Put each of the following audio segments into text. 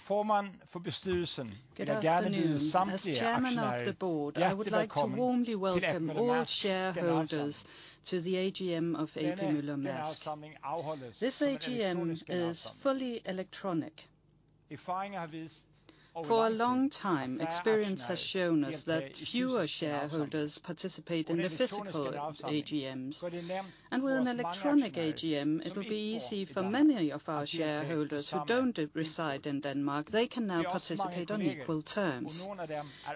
As chairman of the board, I would like to warmly welcome all shareholders to the AGM of A.P. Moller - Mærsk. This AGM is fully electronic. For a long time, experience has shown us that fewer shareholders participate in the physical AGMs. With an electronic AGM, it will be easy for many of our shareholders who don't reside in Denmark, they can now participate on equal terms.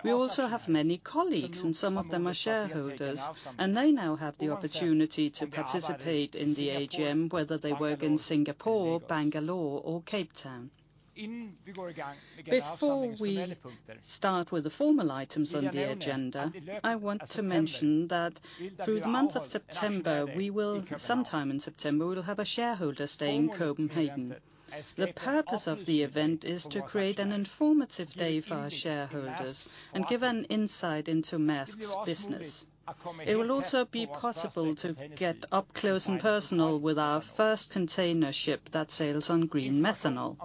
We also have many colleagues, and some of them are shareholders, and they now have the opportunity to participate in the AGM, whether they work in Singapore, Bangalore, or Cape Town. Before we start with the formal items on the agenda, I want to mention that through the month of September, we will, sometime in September, we will have a shareholder day in Copenhagen. The purpose of the event is to create an informative day for our shareholders and give an insight into Mærsk business. It will also be possible to get up close and personal with our first container ship that sails on green methanol.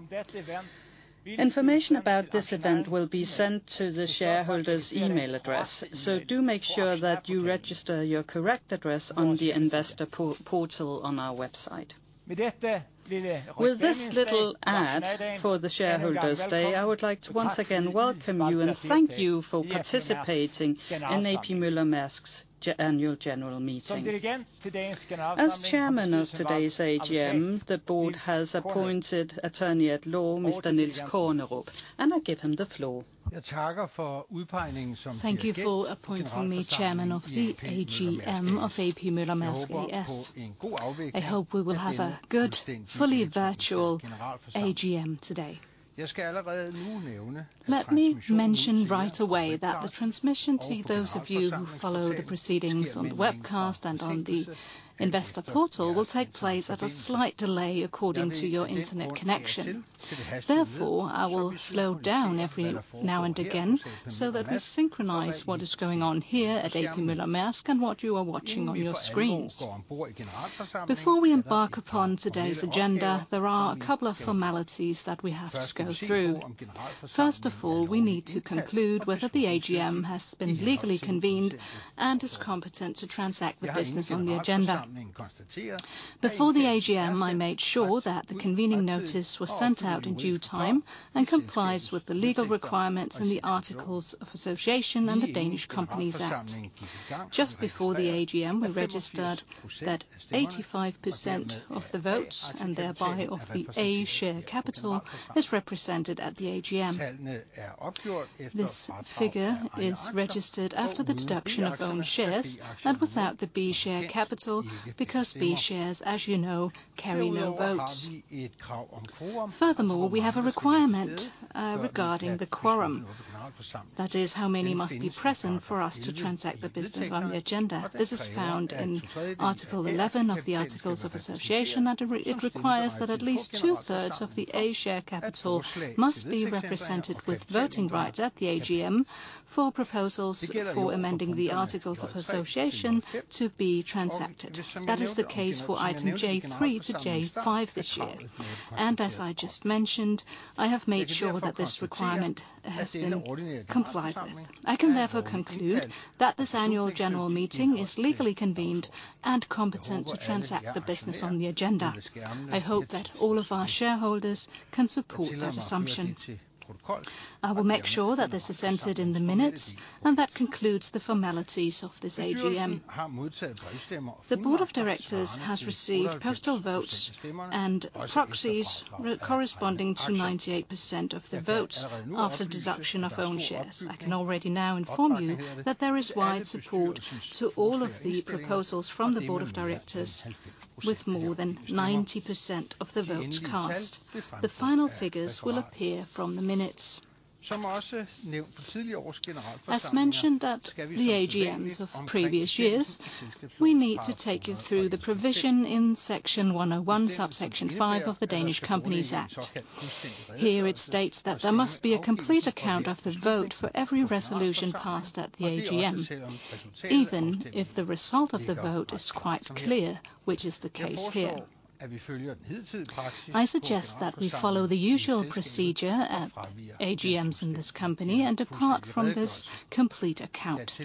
Information about this event will be sent to the shareholder's email address. Do make sure that you register your correct address on the investor portal on our website. With this little ad for the shareholders day, I would like to once again welcome you and thank you for participating in A.P. Moller - Mærsk's annual general meeting. As Chairman of today's AGM, the board has appointed Attorney at Law, Mr. Niels Kornerup. I give him the floor. Thank you for appointing me Chairman of the AGM of A.P. Møller - Mærsk A/S. I hope we will have a good, fully virtual AGM today. Let me mention right away that the transmission to those of you who follow the proceedings on the webcast and on the investor portal will take place at a slight delay according to your internet connection. Therefore, I will slow down every now and again so that we synchronize what is going on here at A.P. Moller - Maersk and what you are watching on your screens. Before we embark upon today's agenda, there are a couple of formalities that we have to go through. First of all, we need to conclude whether the AGM has been legally convened and is competent to transact the business on the agenda. Before the AGM, I made sure that the convening notice was sent out in due time and complies with the legal requirements in the articles of association and the Danish Companies Act. Just before the AGM, we registered that 85% of the votes, and thereby, of the A share capital, is represented at the AGM. This figure is registered after the deduction of own shares and without the B share capital because B shares, as you know, carry no votes. Furthermore, we have a requirement regarding the quorum. That is, how many must be present for us to transact the business on the agenda. This is found in Article 11 of the Articles of Association, it requires that at least 2/3 of the A share capital must be represented with voting right at the AGM for proposals for amending the articles of association to be transacted. That is the case for item J3 to J5 this year. As I just mentioned, I have made sure that this requirement has been complied with. I can therefore conclude that this annual general meeting is legally convened and competent to transact the business on the agenda. I hope that all of our shareholders can support that assumption. I will make sure that this is entered in the minutes, that concludes the formalities of this AGM. The board of directors has received postal votes and proxies corresponding to 98% of the votes after deduction of own shares. I can already now inform you that there is wide support to all of the proposals from the board of directors with more than 90% of the votes cast. The final figures will appear from the minutes. As mentioned at the AGMs of previous years, we need to take you through the provision in Section 101, Subsection five of the Danish Companies Act. Here it states that there must be a complete account of the vote for every resolution passed at the AGM, even if the result of the vote is quite clear, which is the case here. I suggest that we follow the usual procedure at AGMs in this company and depart from this complete account.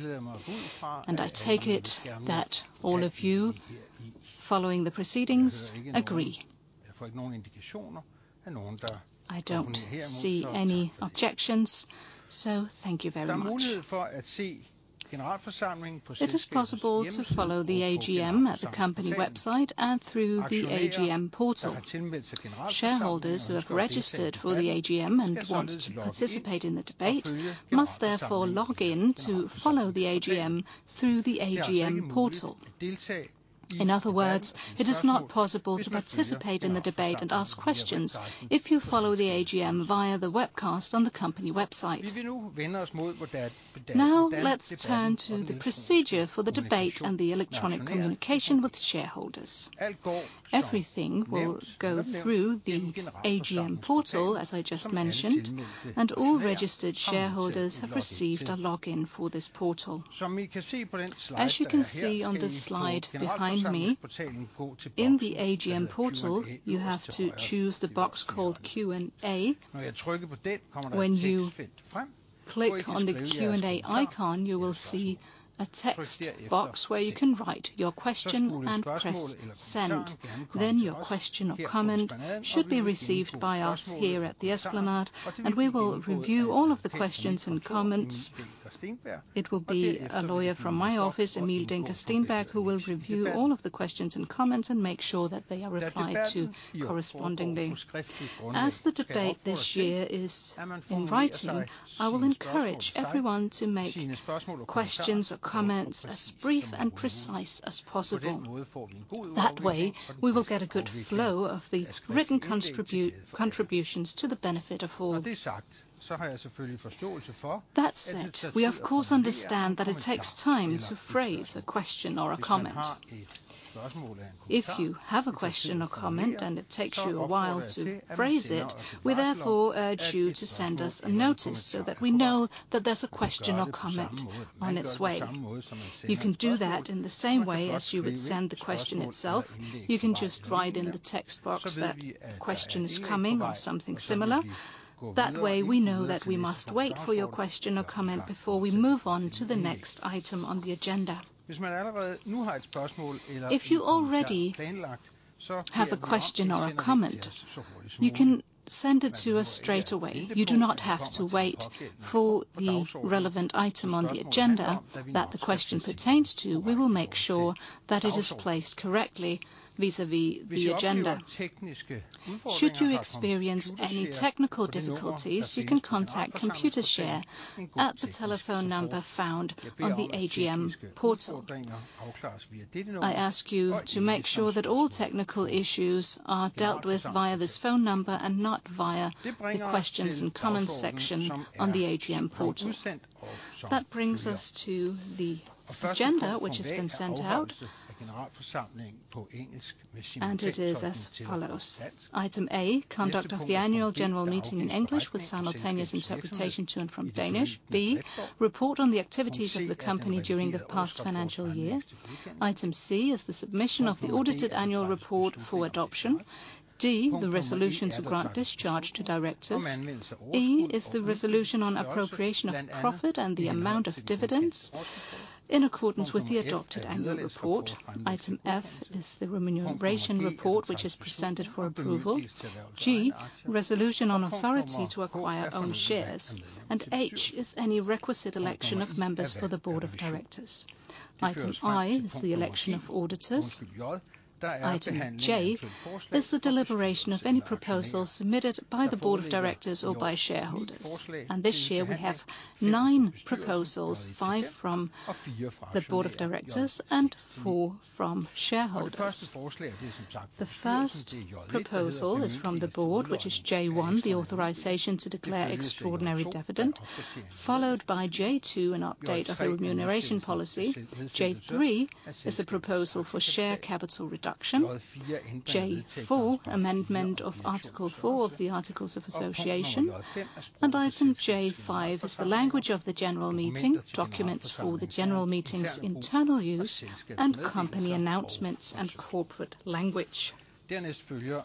I take it that all of you following the proceedings agree. I don't see any objections, so thank you very much. It is possible to follow the AGM at the company website and through the AGM portal. Shareholders who have registered for the AGM and want to participate in the debate must therefore log in to follow the AGM through the AGM portal. In other words, it is not possible to participate in the debate and ask questions if you follow the AGM via the webcast on the company website. Now, let's turn to the procedure for the debate and the electronic communication with shareholders. Everything will go through the AGM portal, as I just mentioned, and all registered shareholders have received a login for this portal. As you can see on this slide behind me, in the AGM portal, you have to choose the box called Q&AWhen you click on the Q&A icon, you will see a text box where you can write your question and press Send. Your question or comment should be received by us here at the Esplanade, and we will review all of the questions and comments. It will be a lawyer from my office, Emil Dencker Steenberg, who will review all of the questions and comments and make sure that they are replied to correspondingly. As the debate this year is in writing, I will encourage everyone to make questions or comments as brief and precise as possible. That way, we will get a good flow of the written contributions to the benefit of all. That said, we of course understand that it takes time to phrase a question or a comment. If you have a question or comment, and it takes you a while to phrase it, we therefore urge you to send us a notice so that we know that there's a question or comment on its way. You can do that in the same way as you would send the question itself. You can just write in the text box that a question is coming or something similar. That way, we know that we must wait for your question or comment before we move on to the next item on the agenda. If you already have a question or a comment, you can send it to us straight away. You do not have to wait for the relevant item on the agenda that the question pertains to. We will make sure that it is placed correctly vis-à-vis the agenda. Should you experience any technical difficulties, you can contact Computershare at the telephone number found on the AGM portal. I ask you to make sure that all technical issues are dealt with via this phone number and not via the Questions and Comments section on the AGM portal. That brings us to the agenda, which has been sent out. It is as follows. Item A, conduct of the annual general meeting in English with simultaneous interpretation to and from Danish. B, report on the activities of the company during the past financial year. Item C is the submission of the audited annual report for adoption. D, the resolution to grant discharge to directors. E is the resolution on appropriation of profit and the amount of dividends in accordance with the adopted annual report. Item F is the remuneration report, which is presented for approval. G, resolution on authority to acquire own shares. H is any requisite election of members for the board of directors. Item I is the election of auditors. Item J is the deliberation of any proposals submitted by the board of directors or by shareholders. This year we have nine proposals, five from the board of directors and four from shareholders. The first proposal is from the board, which is J 1, the authorization to declare extraordinary dividend, followed by J 2, an update of the remuneration policy. J 3 is a proposal for share capital reduction. J 4, amendment of Article four of the Articles of Association. Item J 5 is the language of the general meeting, documents for the general meeting's internal use and company announcements and corporate language. That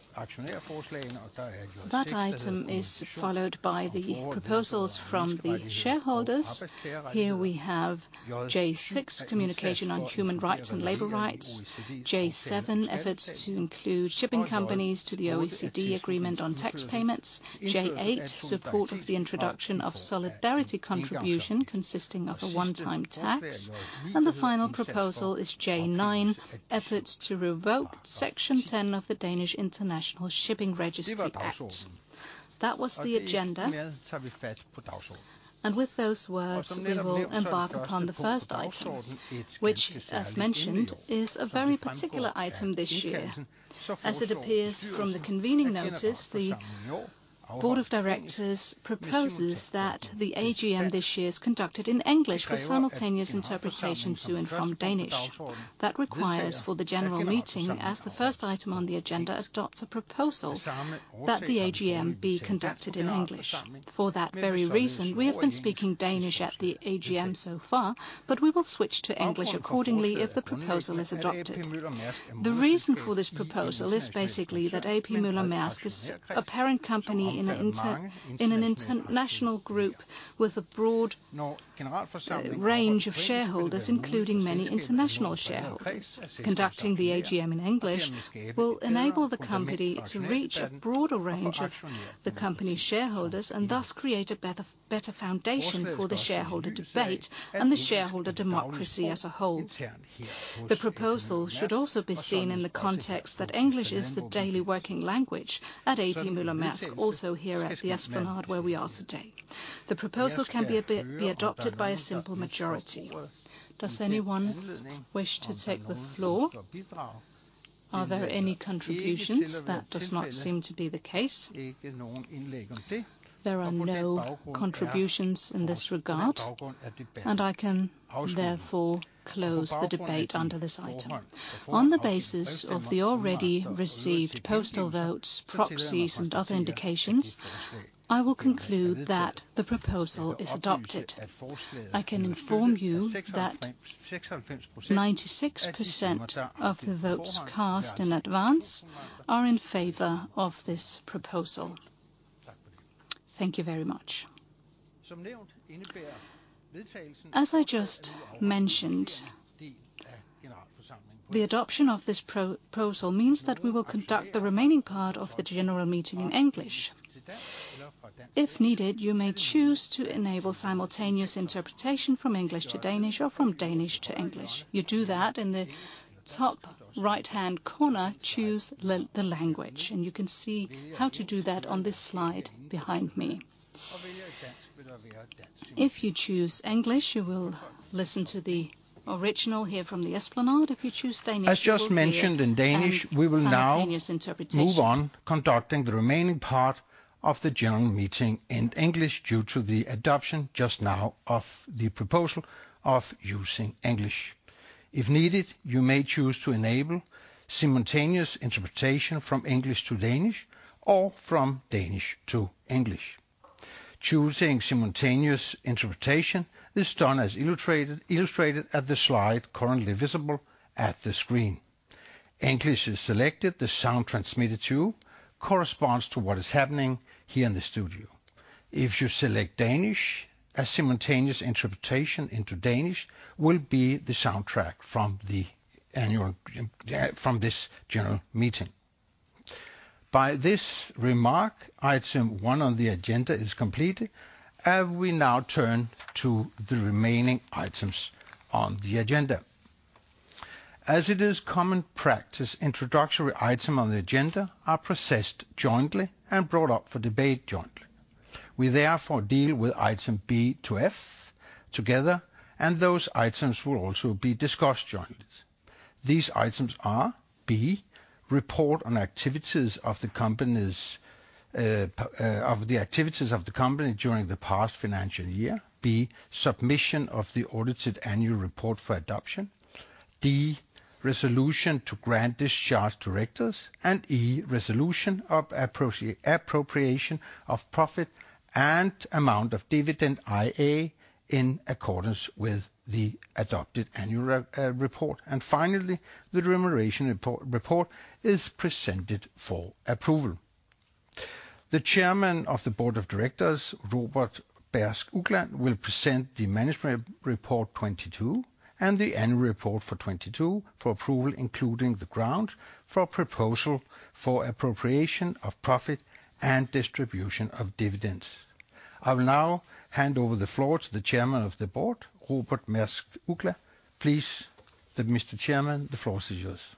item is followed by the proposals from the shareholders. Here we have J 6, communication on human rights and labor rights. J 7, efforts to include shipping companies to the OECD agreement on tax payments. J 8, support of the introduction of solidarity contribution consisting of a one-time tax. The final proposal is J 9, efforts to revoke Section 10 of the Act on the Danish International Shipping Register. That was the agenda. With those words, we will embark upon the first item, which as mentioned, is a very particular item this year. As it appears from the convening notice, the board of directors proposes that the AGM this year is conducted in English with simultaneous interpretation to and from Danish. That requires for the general meeting, as the first item on the agenda adopts a proposal that the AGM be conducted in English. For that very reason, we have been speaking Danish at the AGM so far, but we will switch to English accordingly if the proposal is adopted. The reason for this proposal is basically that A.P. Møller - Mærsk is a parent company in an international group with a broad range of shareholders, including many international shareholders. Conducting the AGM in English will enable the company to reach a broader range of the company shareholders and thus create a better foundation for the shareholder debate and the shareholder democracy as a whole. The proposal should also be seen in the context that English is the daily working language at A.P. Møller - Mærsk, also here at the Esplanade where we are today. The proposal can be adopted by a simple majority. Does anyone wish to take the floor? Are there any contributions? That does not seem to be the case. There are no contributions in this regard, and I can therefore close the debate under this item. On the basis of the already received postal votes, proxies, and other indications, I will conclude that the proposal is adopted. I can inform you that 96% of the votes cast in advance are in favor of this proposal. Thank you very much. As I just mentioned, the adoption of this proposal means that we will conduct the remaining part of the general meeting in English. If needed, you may choose to enable simultaneous interpretation from English to Danish or from Danish to English. You do that in the top right-hand corner, choose the language, and you can see how to do that on this slide behind me. If you choose English, you will listen to the original here from the Esplanade. If you choose Danish, you will hear. As just mentioned in Danish, we will now move on conducting the remaining part of the general meeting in English due to the adoption just now of the proposal of using English. If needed, you may choose to enable simultaneous interpretation from English to Danish or from Danish to English. Choosing simultaneous interpretation is done as illustrated at the slide currently visible at the screen. English is selected. The sound transmitted, too, corresponds to what is happening here in the studio. If you select Danish, a simultaneous interpretation into Danish will be the soundtrack from this general meeting. By this remark, item one on the agenda is completed, and we now turn to the remaining items on the agenda. As it is common practice, introductory item on the agenda are processed jointly and brought up for debate jointly. We therefore deal with item B to F together, and those items will also be discussed jointly. These items are B, report on activities of the company's of the activities of the company during the past financial year. B, submission of the audited annual report for adoption. D, resolution to grant discharge directors. E, resolution of appropriation of profit and amount of dividend, IA, in accordance with the adopted annual report. Finally, the remuneration report is presented for approval. The Chairman of the Board of Directors, Robert Mærsk Uggla, will present the management report 2022 and the annual report for 2022 for approval, including the ground for proposal for appropriation of profit and distribution of dividends. I will now hand over the floor to the Chairman of the Board, Robert Mærsk Uggla. Please, Mr. Chairman, the floor is yours.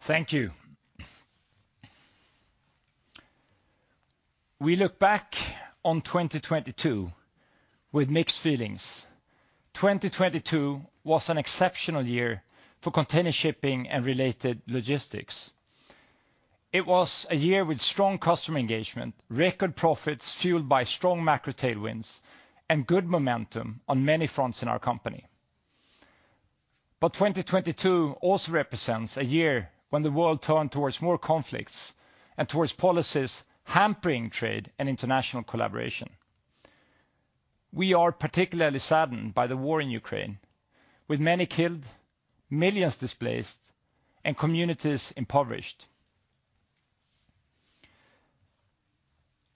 Thank you. We look back on 2022 with mixed feelings. 2022 was an exceptional year for container shipping and related logistics. It was a year with strong customer engagement, record profits fueled by strong macro tailwinds and good momentum on many fronts in our company. 2022 also represents a year when the world turned towards more conflicts and towards policies hampering trade and international collaboration. We are particularly saddened by the war in Ukraine, with many killed, millions displaced, and communities impoverished.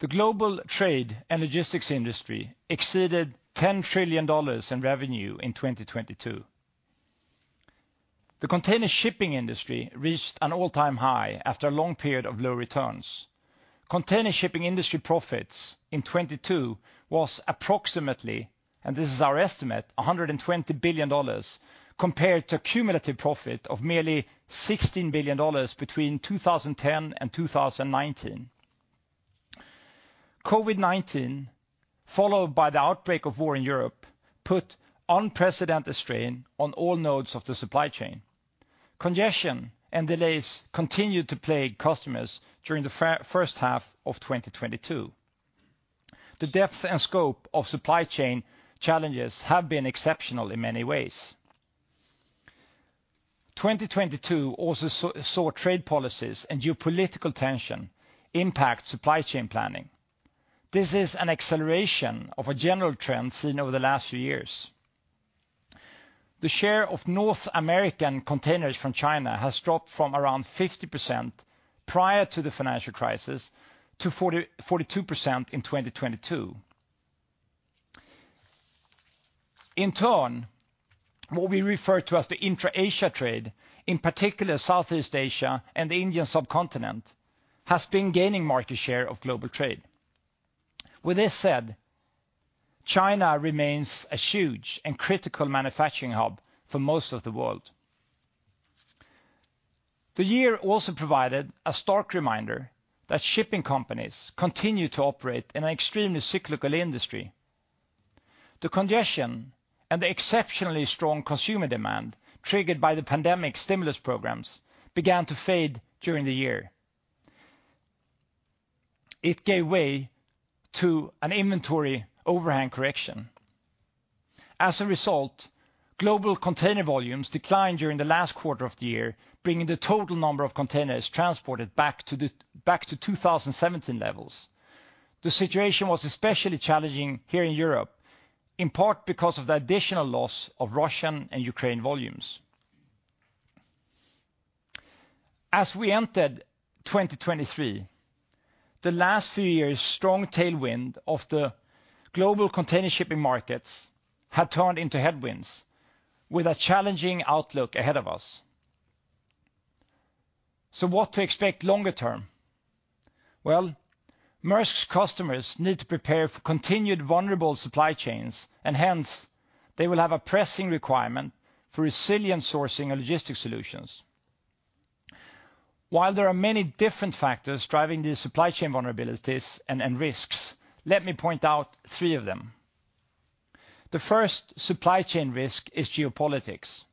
The global trade and logistics industry exceeded $10 trillion in revenue in 2022. The container shipping industry reached an all-time high after a long period of low returns. Container shipping industry profits in 2022 was approximately, and this is our estimate, $120 billion, compared to cumulative profit of merely $16 billion between 2010 and 2019. COVID-19, followed by the outbreak of war in Europe, put unprecedented strain on all nodes of the supply chain. Congestion and delays continued to plague customers during the first half of 2022. The depth and scope of supply chain challenges have been exceptional in many ways. 2022 also saw trade policies and geopolitical tension impact supply chain planning. This is an acceleration of a general trend seen over the last few years. The share of North American containers from China has dropped from around 50% prior to the financial crisis to 40%-42% in 2022. In turn, what we refer to as the intra-Asia trade, in particular Southeast Asia and the Indian subcontinent, has been gaining market share of global trade. With this said, China remains a huge and critical manufacturing hub for most of the world. The year also provided a stark reminder that shipping companies continue to operate in an extremely cyclical industry. The congestion and the exceptionally strong consumer demand triggered by the pandemic stimulus programs began to fade during the year. It gave way to an inventory overhang correction. As a result, global container volumes declined during the last quarter of the year, bringing the total number of containers transported back to 2017 levels. The situation was especially challenging here in Europe, in part because of the additional loss of Russian and Ukraine volumes. As we entered 2023, the last few years' strong tailwind of the global container shipping markets had turned into headwinds with a challenging outlook ahead of us. What to expect longer term? Well, Mærsk's customers need to prepare for continued vulnerable supply chains, and hence they will have a pressing requirement for resilient sourcing and logistics solutions. While there are many different factors driving these supply chain vulnerabilities and risks, let me point out three of them. The first supply chain risk is geopolitics.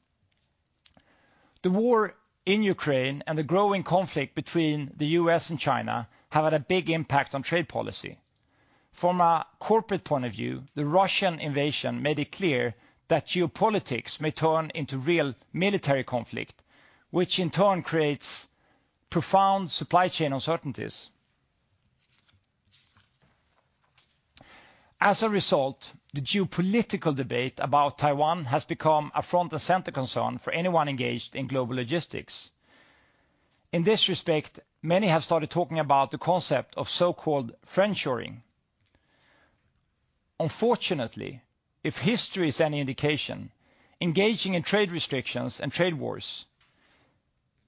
The war in Ukraine and the growing conflict between the U.S. and China have had a big impact on trade policy. From a corporate point of view, the Russian invasion made it clear that geopolitics may turn into real military conflict, which in turn creates profound supply chain uncertainties. As a result, the geopolitical debate about Taiwan has become a front and center concern for anyone engaged in global logistics. In this respect, many have started talking about the concept of so-called friendshoring. Unfortunately, if history is any indication, engaging in trade restrictions and trade wars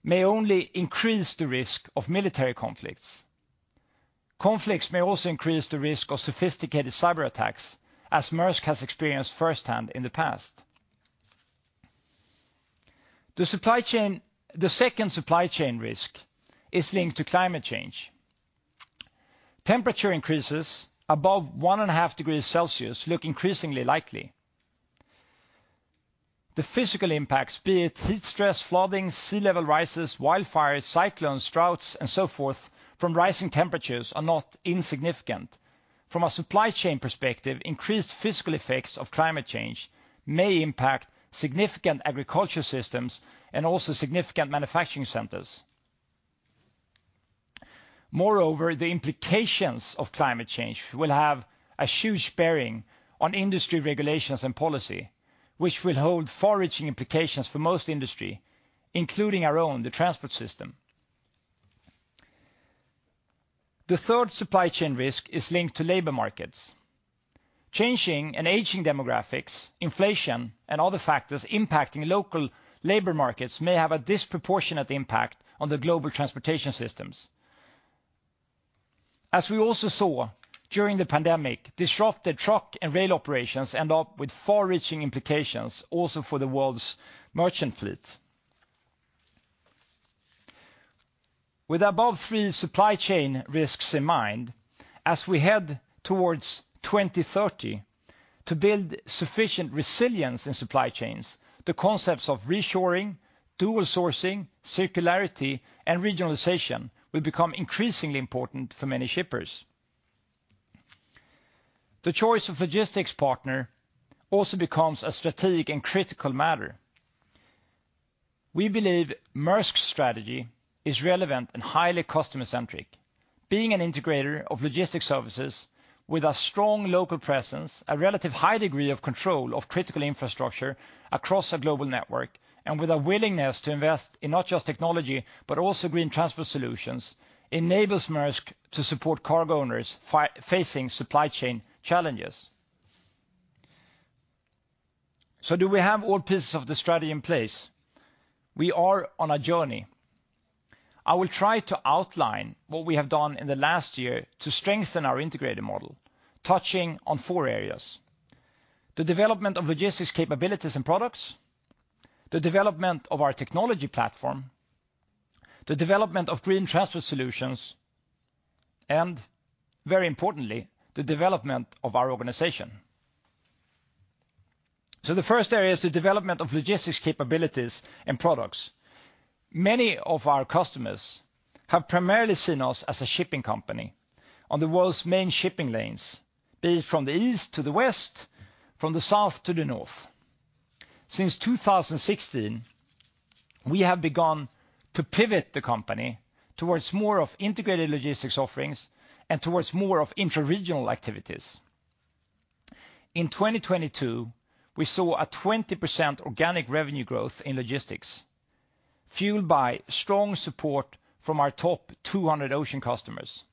may only increase the risk of military conflicts. Conflicts may also increase the risk of sophisticated cyberattacks, as Mærsk has experienced firsthand in the past. The second supply chain risk is linked to climate change. Temperature increases above one and a half degrees Celsius look increasingly likely. The physical impacts, be it heat stress, flooding, sea level rises, wildfires, cyclones, droughts, and so forth from rising temperatures are not insignificant. From a supply chain perspective, increased physical effects of climate change may impact significant agriculture systems and also significant manufacturing centers. Moreover, the implications of climate change will have a huge bearing on industry regulations and policy, which will hold far-reaching implications for most industry, including our own, the transport system. The third supply chain risk is linked to labor markets. Changing and aging demographics, inflation, and other factors impacting local labor markets may have a disproportionate impact on the global transportation systems. As we also saw during the pandemic, disrupted truck and rail operations end up with far-reaching implications also for the world's merchant fleet. With above three supply chain risks in mind, as we head towards 2030, to build sufficient resilience in supply chains, the concepts of reshoring, dual sourcing, circularity, and regionalization will become increasingly important for many shippers. The choice of logistics partner also becomes a strategic and critical matter. We believe Mærsk's strategy is relevant and highly customer-centric. Being an integrator of logistic services with a strong local presence, a relative high degree of control of critical infrastructure across a global network, and with a willingness to invest in not just technology, but also green transport solutions, enables Mærsk to support cargo owners facing supply chain challenges. Do we have all pieces of the strategy in place? We are on a journey. I will try to outline what we have done in the last year to strengthen our integrated model, touching on four areas: the development of logistics capabilities and products, the development of our technology platform, the development of green transport solutions, and very importantly, the development of our organization. The first area is the development of logistics capabilities and products. Many of our customers have primarily seen us as a shipping company on the world's main shipping lanes, be it from the east to the west, from the south to the north. Since 2016, we have begun to pivot the company towards more of integrated logistics offerings and towards more of intra-regional activities. In 2022, we saw a 20% organic revenue growth in logistics, fueled by strong support from our top 200 ocean customers.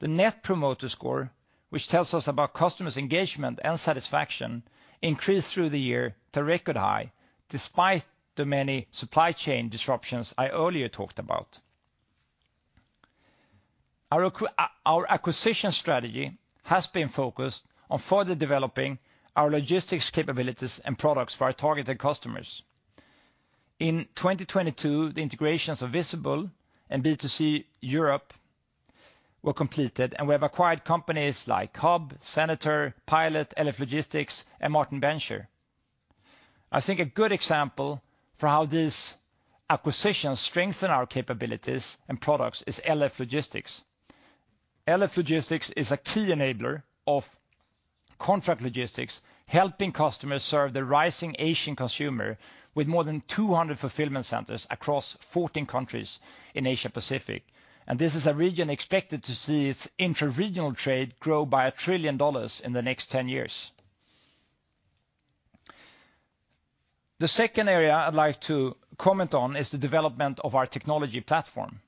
The Net Promoter Score, which tells us about customers' engagement and satisfaction, increased through the year to record high, despite the many supply chain disruptions I earlier talked about. Our acquisition strategy has been focused on further developing our logistics capabilities and products for our targeted customers. In 2022, the integrations of Visible and B2C Europe were completed, and we have acquired companies like HUB, Senator, Pilot, LF Logistics, and Martin Bencher. I think a good example for how this acquisition strengthen our capabilities and products is LF Logistics. LF Logistics is a key enabler of contract logistics, helping customers serve the rising Asian consumer with more than 200 fulfillment centers across 14 countries in Asia Pacific. This is a region expected to see its intra-regional trade grow by $1 trillion in the next 10 years. The second area I'd like to comment on is the development of our technology platform.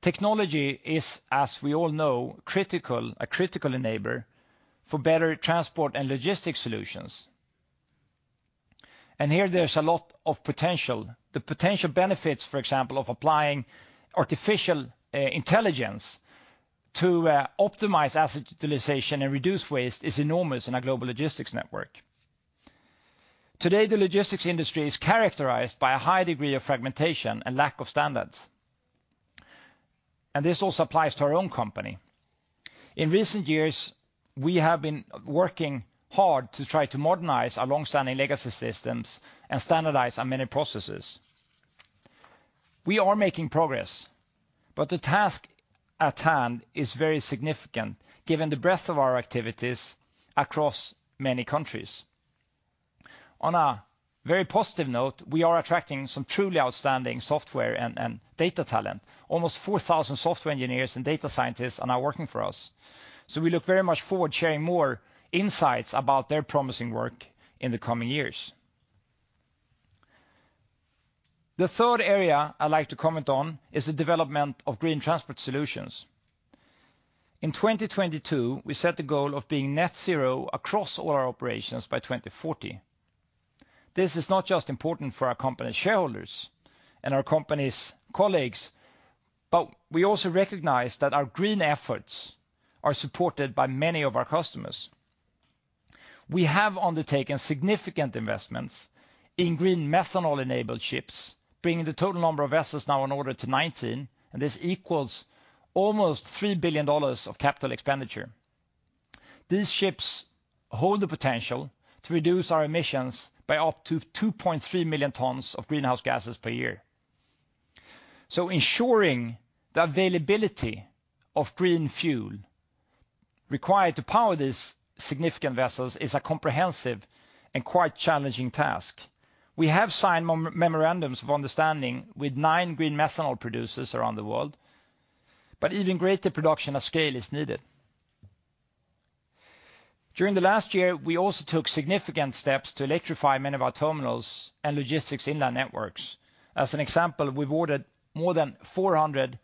Technology is, as we all know, a critical enabler for better transport and logistics solutions. Here there's a lot of potential. The potential benefits, for example, of applying artificial intelligence to optimize asset utilization and reduce waste is enormous in a global logistics network. Today, the logistics industry is characterized by a high degree of fragmentation and lack of standards, and this also applies to our own company. In recent years, we have been working hard to try to modernize our long-standing legacy systems and standardize our many processes. We are making progress, but the task at hand is very significant given the breadth of our activities across many countries. On a very positive note, we are attracting some truly outstanding software and data talent. Almost 4,000 software engineers and data scientists are now working for us. We look very much forward to sharing more insights about their promising work in the coming years. The third area I'd like to comment on is the development of green transport solutions. In 2022, we set the goal of being net zero across all our operations by 2040. This is not just important for our company shareholders and our company's colleagues, but we also recognize that our green efforts are supported by many of our customers. We have undertaken significant investments in green methanol-enabled ships, bringing the total number of vessels now in order to 19, and this equals almost $3 billion of capital expenditure. These ships hold the potential to reduce our emissions by up to 2.3 million tons of greenhouse gases per year. Ensuring the availability of green fuel required to power these significant vessels is a comprehensive and quite challenging task. We have signed memorandums of understanding with nine green methanol producers around the world, even greater production of scale is needed. During the last year, we also took significant steps to electrify many of our terminals and logistics inland networks. As an example, we've ordered more than 400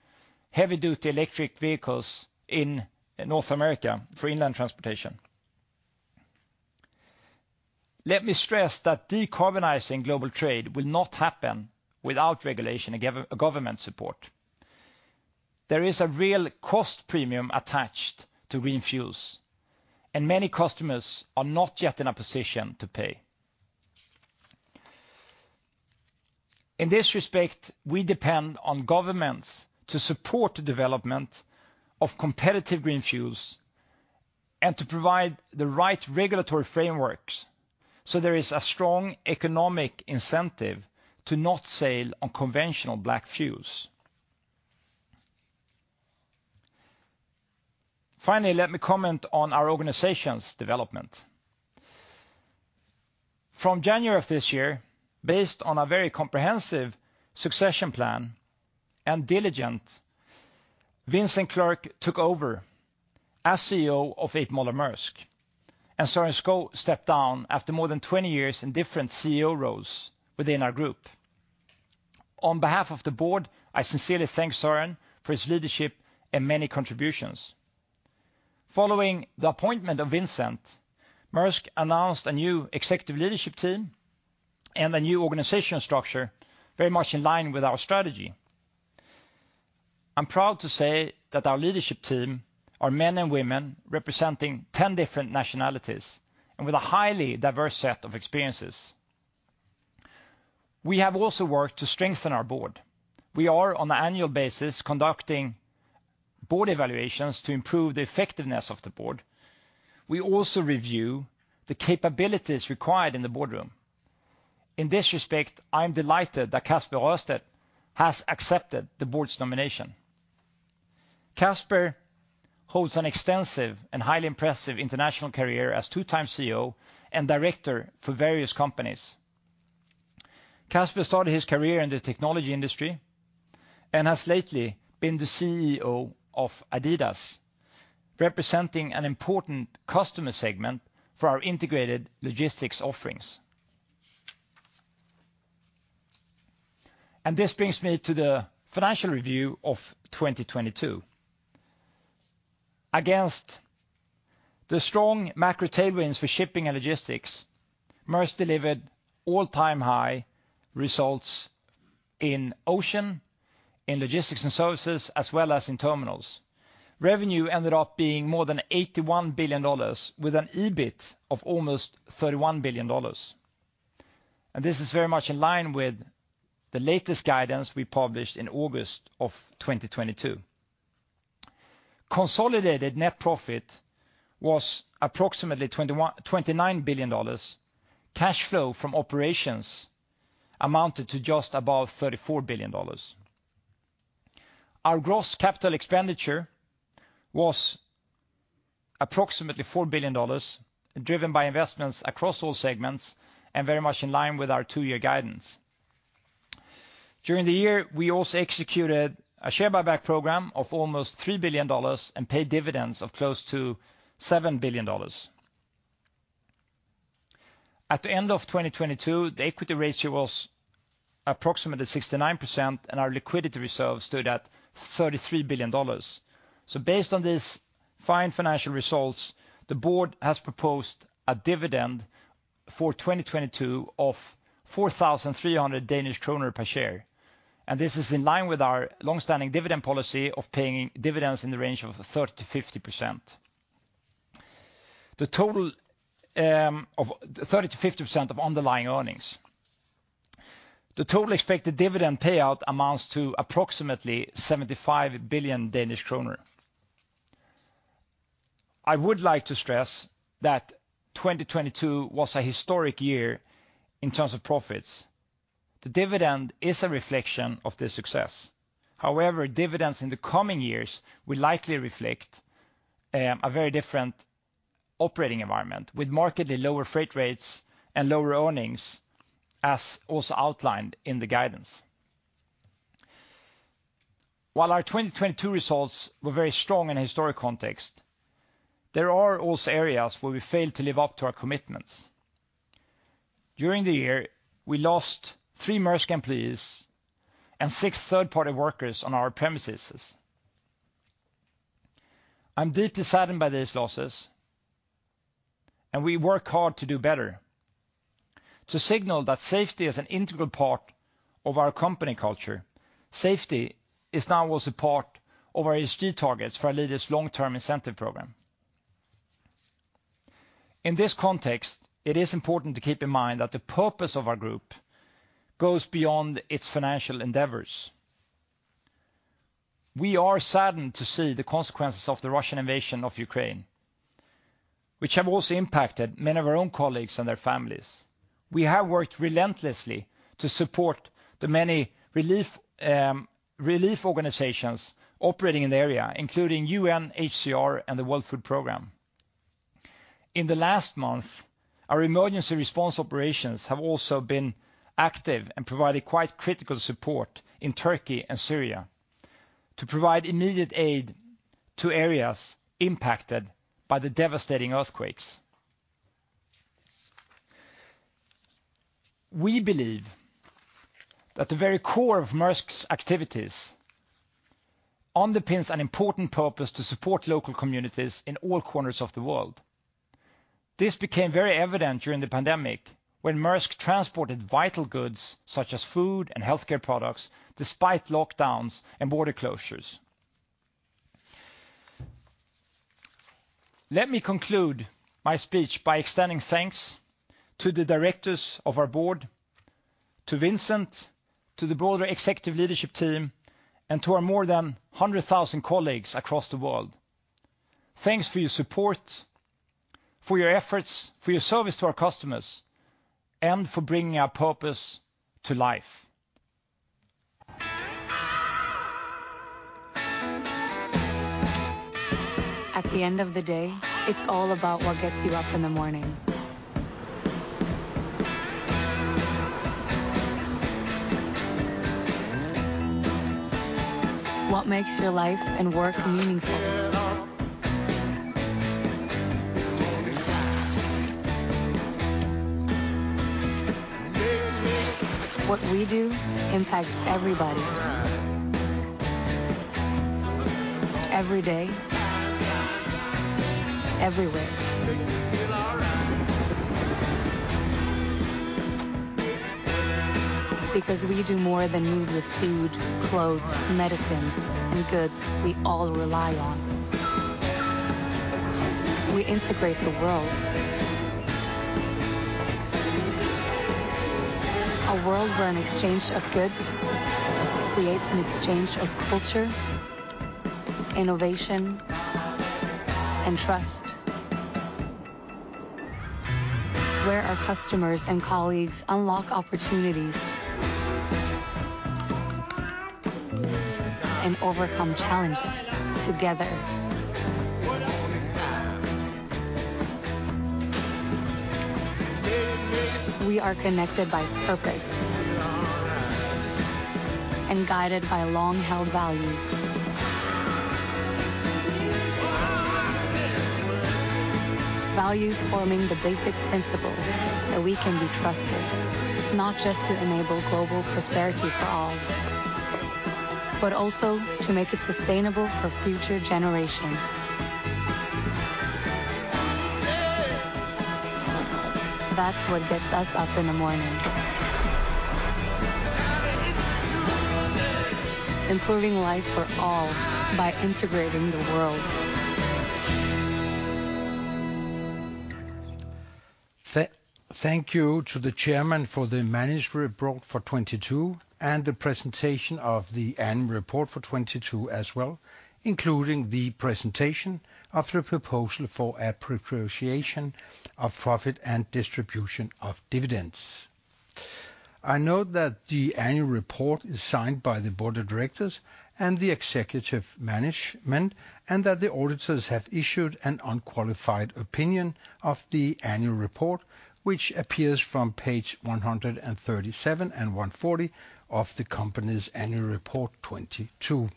heavy-duty electric vehicles in North America for inland transportation. Let me stress that decarbonizing global trade will not happen without regulation and government support. There is a real cost premium attached to green fuels, many customers are not yet in a position to pay. In this respect, we depend on governments to support the development of competitive green fuels and to provide the right regulatory frameworks, there is a strong economic incentive to not sail on conventional black fuels. Finally, let me comment on our organization's development. From January of this year, based on a very comprehensive succession plan and diligent, Vincent Clerc took over as CEO of A.P. Moller - Maersk, and Søren Skou stepped down after more than 20 years in different CEO roles within our group. On behalf of the board, I sincerely thank Søren for his leadership and many contributions. Following the appointment of Vincent, Mærsk announced a new executive leadership team and a new organizational structure very much in line with our strategy. I'm proud to say that our leadership team are men and women representing 10 different nationalities and with a highly diverse set of experiences. We have also worked to strengthen our board. We are on an annual basis conducting board evaluations to improve the effectiveness of the board. We also review the capabilities required in the boardroom. In this respect, I'm delighted that Kasper Rørsted has accepted the board's nomination. Kasper holds an extensive and highly impressive international career as two-time CEO and director for various companies. Kasper started his career in the technology industry and has lately been the CEO of Adidas, representing an important customer segment for our integrated logistics offerings. This brings me to the financial review of 2022. Against the strong macro tailwinds for shipping and logistics, Mærsk delivered all-time high results in ocean, in logistics and services, as well as in terminals. Revenue ended up being more than $81 billion, with an EBIT of almost $31 billion. This is very much in line with the latest guidance we published in August of 2022. Consolidated net profit was approximately $29 billion. Cash flow from operations amounted to just above $34 billion. Our gross CapEx was approximately $4 billion, driven by investments across all segments and very much in line with our two-year guidance. During the year, we also executed a share buyback program of almost $3 billion and paid dividends of close to $7 billion. At the end of 2022, the equity ratio was approximately 69% and our liquidity reserves stood at $33 billion. Based on these fine financial results, the board has proposed a dividend for 2022 of 4,300 Danish kroner per share, and this is in line with our long-standing dividend policy of paying dividends in the range of 30% to 50%. The total of 30% to 50% of underlying earnings. The total expected dividend payout amounts to approximately 75 billion Danish kroner. I would like to stress that 2022 was a historic year in terms of profits. The dividend is a reflection of this success. However, dividends in the coming years will likely reflect a very different operating environment, with markedly lower freight rates and lower earnings, as also outlined in the guidance. While our 2022 results were very strong in a historic context, there are also areas where we failed to live up to our commitments. During the year, we lost three Mærsk employees and six third-party workers on our premises. I'm deeply saddened by these losses and we work hard to do better. To signal that safety is an integral part of our company culture, safety is now also part of our ESG targets for our leaders' long-term incentive program. In this context, it is important to keep in mind that the purpose of our group goes beyond its financial endeavors. We are saddened to see the consequences of the Russian invasion of Ukraine, which have also impacted many of our own colleagues and their families. We have worked relentlessly to support the many relief organizations operating in the area, including UNHCR and the World Food Programme. In the last month, our emergency response operations have also been active and provided quite critical support in Turkey and Syria to provide immediate aid to areas impacted by the devastating earthquakes. We believe that the very core of Mærsk's activities underpins an important purpose to support local communities in all corners of the world. This became very evident during the pandemic when Mærsk transported vital goods such as food and healthcare products despite lockdowns and border closures. Let me conclude my speech by extending thanks to the directors of our board, to Vincent, to the broader executive leadership team, and to our more than 100,000 colleagues across the world. Thanks for your support, for your efforts, for your service to our customers, and for bringing our purpose to life. At the end of the day, it's all about what gets you up in the morning. What makes your life and work meaningful. What we do impacts everybody. Every day. Everywhere. We do more than move the food, clothes, medicines, and goods we all rely on. We integrate the world. A world where an exchange of goods creates an exchange of culture, innovation, and trust. Where our customers and colleagues unlock opportunities. Overcome challenges together. We are connected by purpose. Guided by long-held values. Values forming the basic principle that we can be trusted, not just to enable global prosperity for all, but also to make it sustainable for future generations. That's what gets us up in the morning. Improving life for all by integrating the world. Thank you to the chairman for the management report for 2022, and the presentation of the annual report for 2022 as well, including the presentation of your proposal for appropriation of profit and distribution of dividends. I note that the annual report is signed by the board of directors and the executive management, and that the auditors have issued an unqualified opinion of the annual report, which appears from page 137 and 140 of the company's annual report 2022.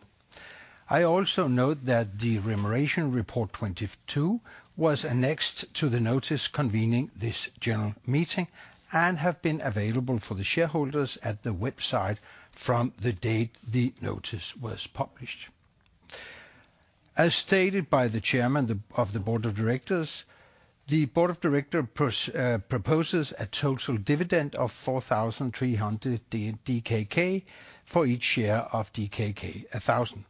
I also note that the remuneration report 2022 was annexed to the notice convening this general meeting, and have been available for the shareholders at the website from the date the notice was published. As stated by the Chairman of the Board of Directors, the Board of Directors proposes a total dividend of 4,300 DKK for each share of DKK 1,000.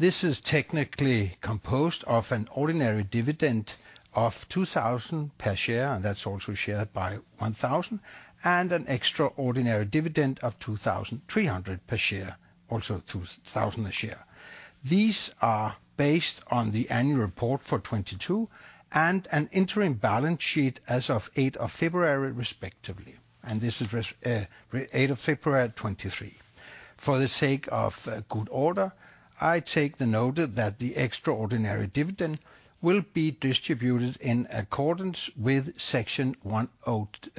This is technically composed of an ordinary dividend of 2,000 per share, and that's also shared by 1,000, and an extraordinary dividend of 2,300 per share, also 2,000 a share. These are based on the annual report for 2022 and an interim balance sheet as of 8th of February respectively. This is 8th of February 2023. For the sake of good order, I take the note that the extraordinary dividend will be distributed in accordance with Section 101a(2)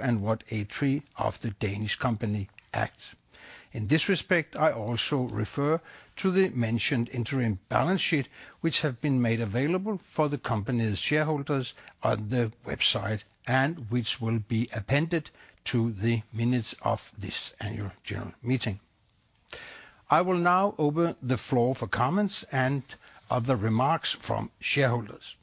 and 101a(3) of the Danish Companies Act. In this respect, I also refer to the mentioned interim balance sheet which have been made available for the company's shareholders on the website, and which will be appended to the minutes of this annual general meeting. I will now open the floor for comments and other remarks from shareholders.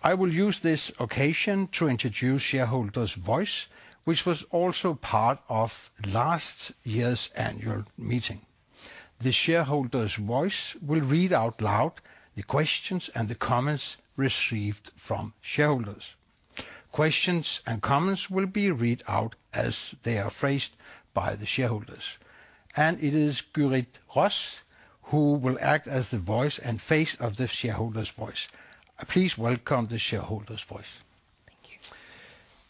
I will use this occasion to introduce Shareholders' Voice, which was also part of last year's annual meeting. The Shareholders' Voice will read out loud the questions and the comments received from shareholders. Questions and comments will be read out as they are phrased by the shareholders. It is Gita [Faust] who will act as the voice and face of the Shareholders' Voice. Please welcome the Shareholders' Voice. Thank you.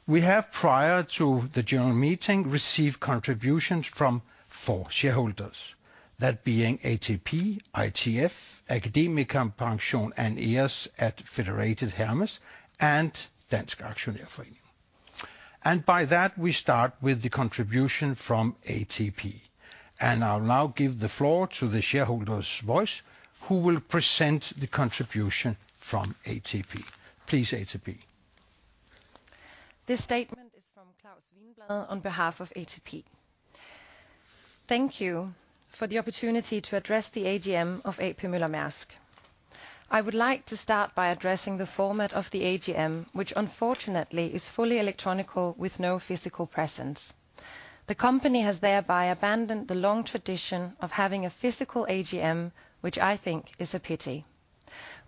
We have, prior to the general meeting, received contributions from four shareholders, that being ATP, ITF, AkademikerPension and EOS at Federated Hermes, and Dansk Aktionærforening. By that, we start with the contribution from ATP. I'll now give the floor to the Shareholders' Voice, who will present the contribution from ATP. Please, ATP. This statement is from Claus Wiinblad on behalf of ATP. Thank you for the opportunity to address the AGM of A.P. Møller - Mærsk. I would like to start by addressing the format of the AGM, which unfortunately is fully electronic with no physical presence. The company has thereby abandoned the long tradition of having a physical AGM, which I think is a pity.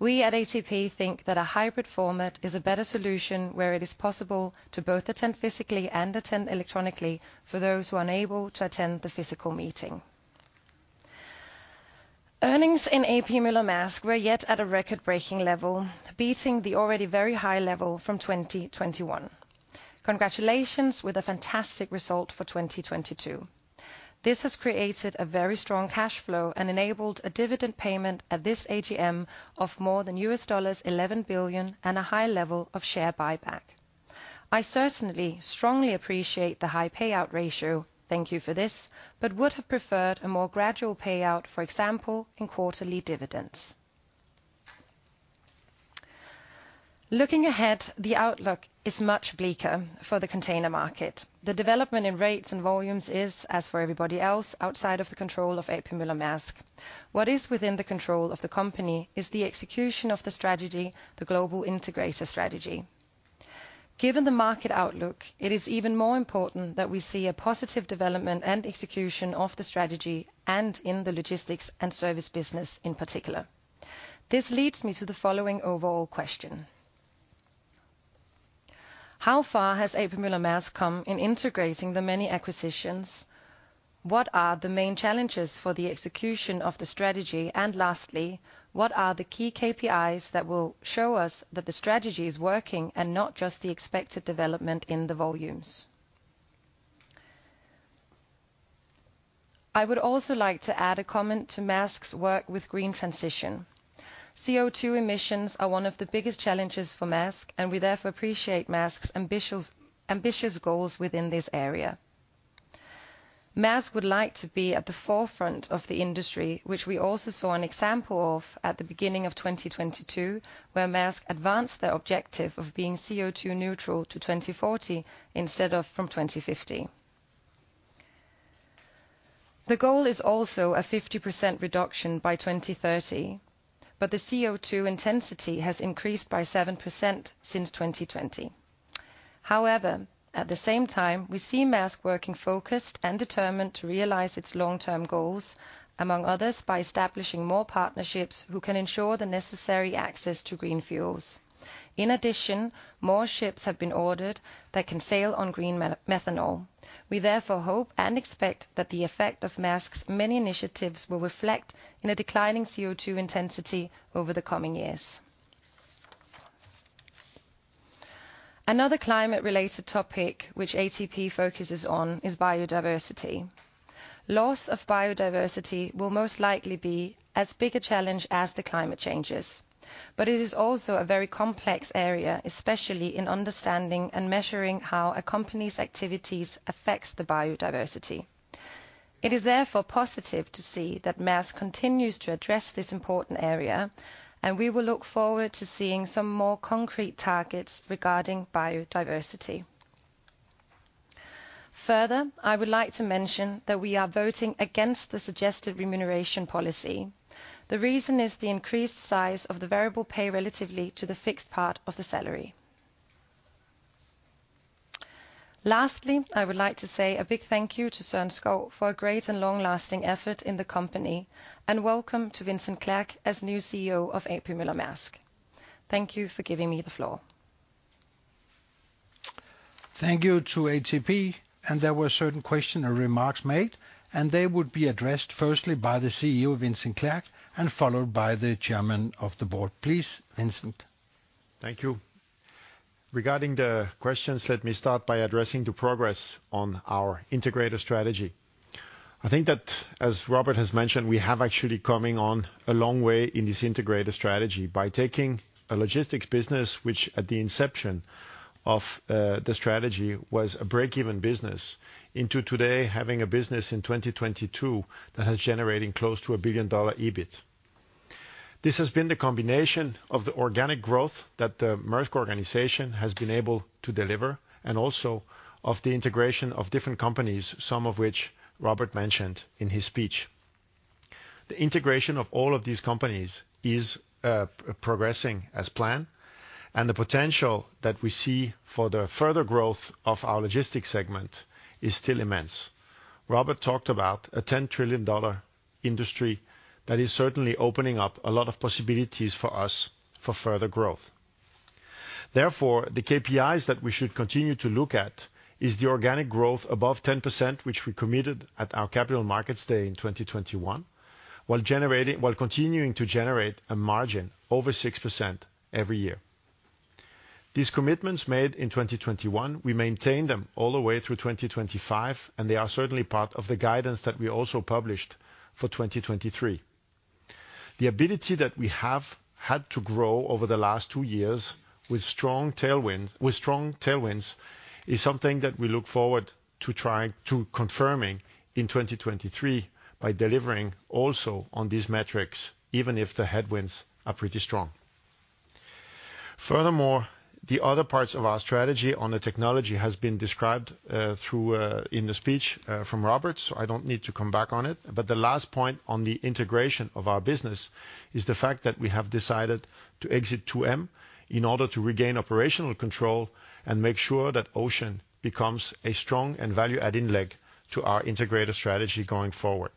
We at ATP think that a hybrid format is a better solution where it is possible to both attend physically and attend electronically for those who are unable to attend the physical meeting. Earnings in A.P. Møller - Mærsk were yet at a record-breaking level, beating the already very high level from 2021. Congratulations with a fantastic result for 2022. This has created a very strong cash flow and enabled a dividend payment at this AGM of more than $11 billion and a high level of share buyback. I certainly strongly appreciate the high payout ratio, thank you for this, would have preferred a more gradual payout, for example, in quarterly dividends. Looking ahead, the outlook is much bleaker for the container market. The development in rates and volumes is, as for everybody else, outside of the control of A.P. Møller - Mærsk. What is within the control of the company is the execution of the strategy, the Global Integrator strategy. Given the market outlook, it is even more important that we see a positive development and execution of the strategy, and in the logistics and service business in particular. This leads me to the following overall question. How far has A.P. Møller - Mærsk come in integrating the many acquisitions? What are the main challenges for the execution of the strategy? Lastly, what are the key KPIs that will show us that the strategy is working and not just the expected development in the volumes? I would also like to add a comment to Mærsk's work with green transition. CO2 emissions are one of the biggest challenges for Mærsk, we therefore appreciate Mærsk's ambitious goals within this area. Mærsk would like to be at the forefront of the industry, which we also saw an example of at the beginning of 2022, where Mærsk advanced their objective of being CO2 neutral to 2040 instead of from 2050. The goal is also a 50% reduction by 2030, but the CO₂ intensity has increased by 7% since 2020. At the same time, we see Mærsk working focused and determined to realize its long-term goals, among others, by establishing more partnerships who can ensure the necessary access to green fuels. In addition, more ships have been ordered that can sail on green methanol. We therefore hope and expect that the effect of Mærsk's many initiatives will reflect in a declining CO₂ intensity over the coming years. Another climate-related topic which ATP focuses on is biodiversity. Loss of biodiversity will most likely be as big a challenge as the climate changes, but it is also a very complex area, especially in understanding and measuring how a company's activities affects the biodiversity. It is therefore positive to see that Mærsk continues to address this important area, and we will look forward to seeing some more concrete targets regarding biodiversity. Further, I would like to mention that we are voting against the suggested remuneration policy. The reason is the increased size of the variable pay relatively to the fixed part of the salary. Lastly, I would like to say a big thank you to Søren Skou for a great and long-lasting effort in the company, and welcome to Vincent Clerc as new CEO of A.P. Moller-Mærsk. Thank you for giving me the floor. Thank you to ATP. There were certain question or remarks made, and they would be addressed firstly by the CEO, Vincent Clerc, and followed by the chairman of the board. Please, Vincent. Thank you. Regarding the questions, let me start by addressing the progress on our integrated strategy. I think that, as Robert has mentioned, we have actually coming on a long way in this integrated strategy by taking a logistics business, which at the inception of the strategy was a break-even business, into today having a business in 2022 that has generating close to a billion-dollar EBIT. This has been the combination of the organic growth that the Mærsk organization has been able to deliver and also of the integration of different companies, some of which Robert mentioned in his speech. The integration of all of these companies is progressing as planned. The potential that we see for the further growth of our logistics segment is still immense. Robert talked about a $10 trillion industry that is certainly opening up a lot of possibilities for us for further growth. Therefore, the KPIs that we should continue to look at is the organic growth above 10%, which we committed at our Capital Markets Day in 2021, while continuing to generate a margin over 6% every year. These commitments made in 2021, we maintain them all the way through 2025, and they are certainly part of the guidance that we also published for 2023. The ability that we have had to grow over the last two years with strong tailwinds is something that we look forward to trying to confirming in 2023 by delivering also on these metrics, even if the headwinds are pretty strong. The other parts of our strategy on the technology has been described through in the speech from Robert, so I don't need to come back on it. The last point on the integration of our business is the fact that we have decided to exit 2M in order to regain operational control and make sure that ocean becomes a strong and value-adding leg to our integrated strategy going forward.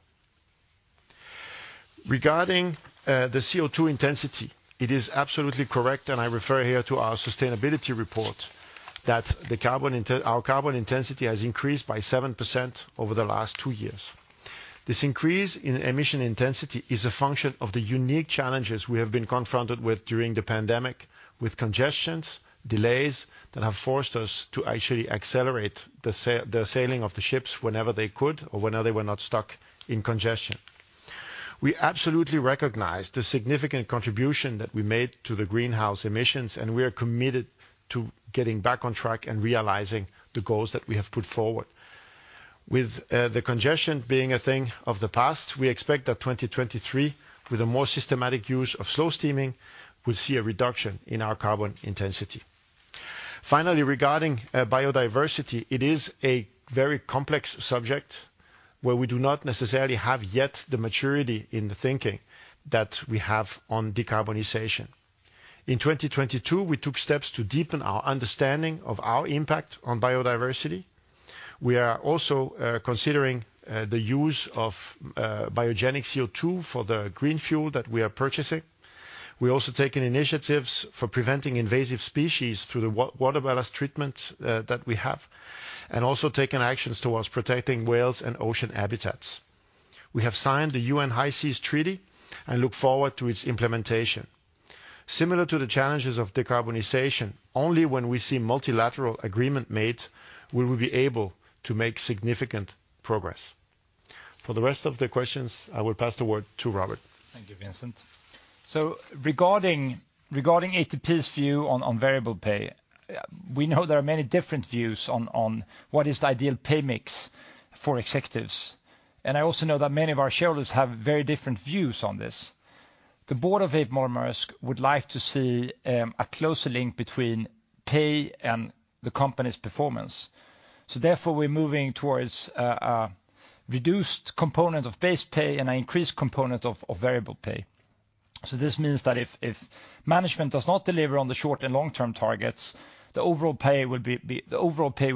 Regarding the CO₂ intensity, it is absolutely correct, and I refer here to our sustainability report, that our carbon intensity has increased by 7% over the last 2 years. This increase in emission intensity is a function of the unique challenges we have been confronted with during the pandemic, with congestions, delays that have forced us to actually accelerate the sailing of the ships whenever they could or whenever they were not stuck in congestion. We absolutely recognize the significant contribution that we made to the greenhouse emissions. We are committed to getting back on track and realizing the goals that we have put forward. With the congestion being a thing of the past, we expect that 2023, with a more systematic use of slow steaming, will see a reduction in our carbon intensity. Finally, regarding biodiversity, it is a very complex subject where we do not necessarily have yet the maturity in the thinking that we have on decarbonization. In 2022, we took steps to deepen our understanding of our impact on biodiversity. We are also considering the use of biogenic CO₂ for the green fuel that we are purchasing. We're also taking initiatives for preventing invasive species through the water ballast treatment that we have, and also taking actions towards protecting whales and ocean habitats. We have signed the UN High Seas Treaty and look forward to its implementation. Similar to the challenges of decarbonization, only when we see multilateral agreement made will we be able to make significant progress. For the rest of the questions, I will pass the word to Robert. Thank you, Vincent. Regarding ATP's view on variable pay, we know there are many different views on what is the ideal pay mix for executives, and I also know that many of our shareholders have very different views on this. The board of A.P. Moller - Mærsk would like to see a closer link between pay and the company's performance. Therefore, we're moving towards a reduced component of base pay and an increased component of variable pay. This means that if management does not deliver on the short and long-term targets, the overall pay will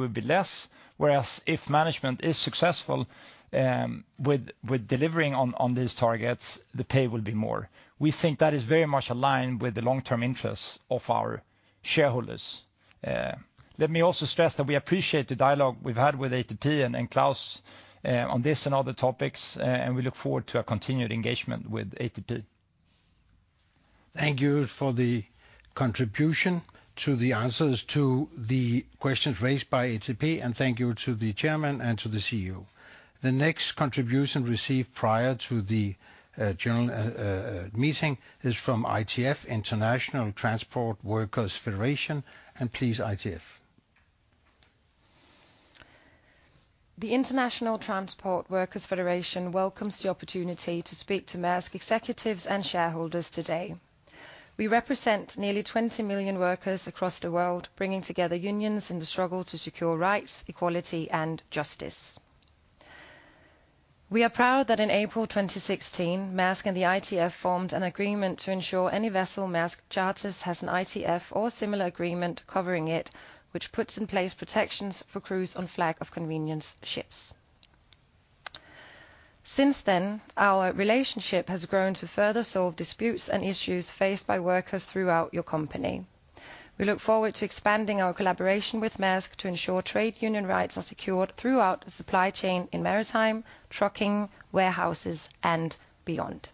be less. Whereas if management is successful, with delivering on these targets, the pay will be more. We think that is very much aligned with the long-term interests of our shareholders. Let me also stress that we appreciate the dialogue we've had with ATP and Claus on this and other topics, and we look forward to a continued engagement with ATP. Thank you for the contribution to the answers to the questions raised by ATP, and thank you to the chairman and to the CEO. The next contribution received prior to the general meeting is from ITF, International Transport Workers' Federation. Please, ITF. The International Transport Workers' Federation welcomes the opportunity to speak to Mærsk executives and shareholders today. We represent nearly 20 million workers across the world, bringing together unions in the struggle to secure rights, equality, and justice. We are proud that in April 2016, Mærsk and the ITF formed an agreement to ensure any vessel Mærsk charters has an ITF or similar agreement covering it, which puts in place protections for crews on flag of convenience ships. Since then, our relationship has grown to further solve disputes and issues faced by workers throughout your company. We look forward to expanding our collaboration with Mærsk to ensure trade union rights are secured throughout the supply chain in maritime, trucking, warehouses, and beyond.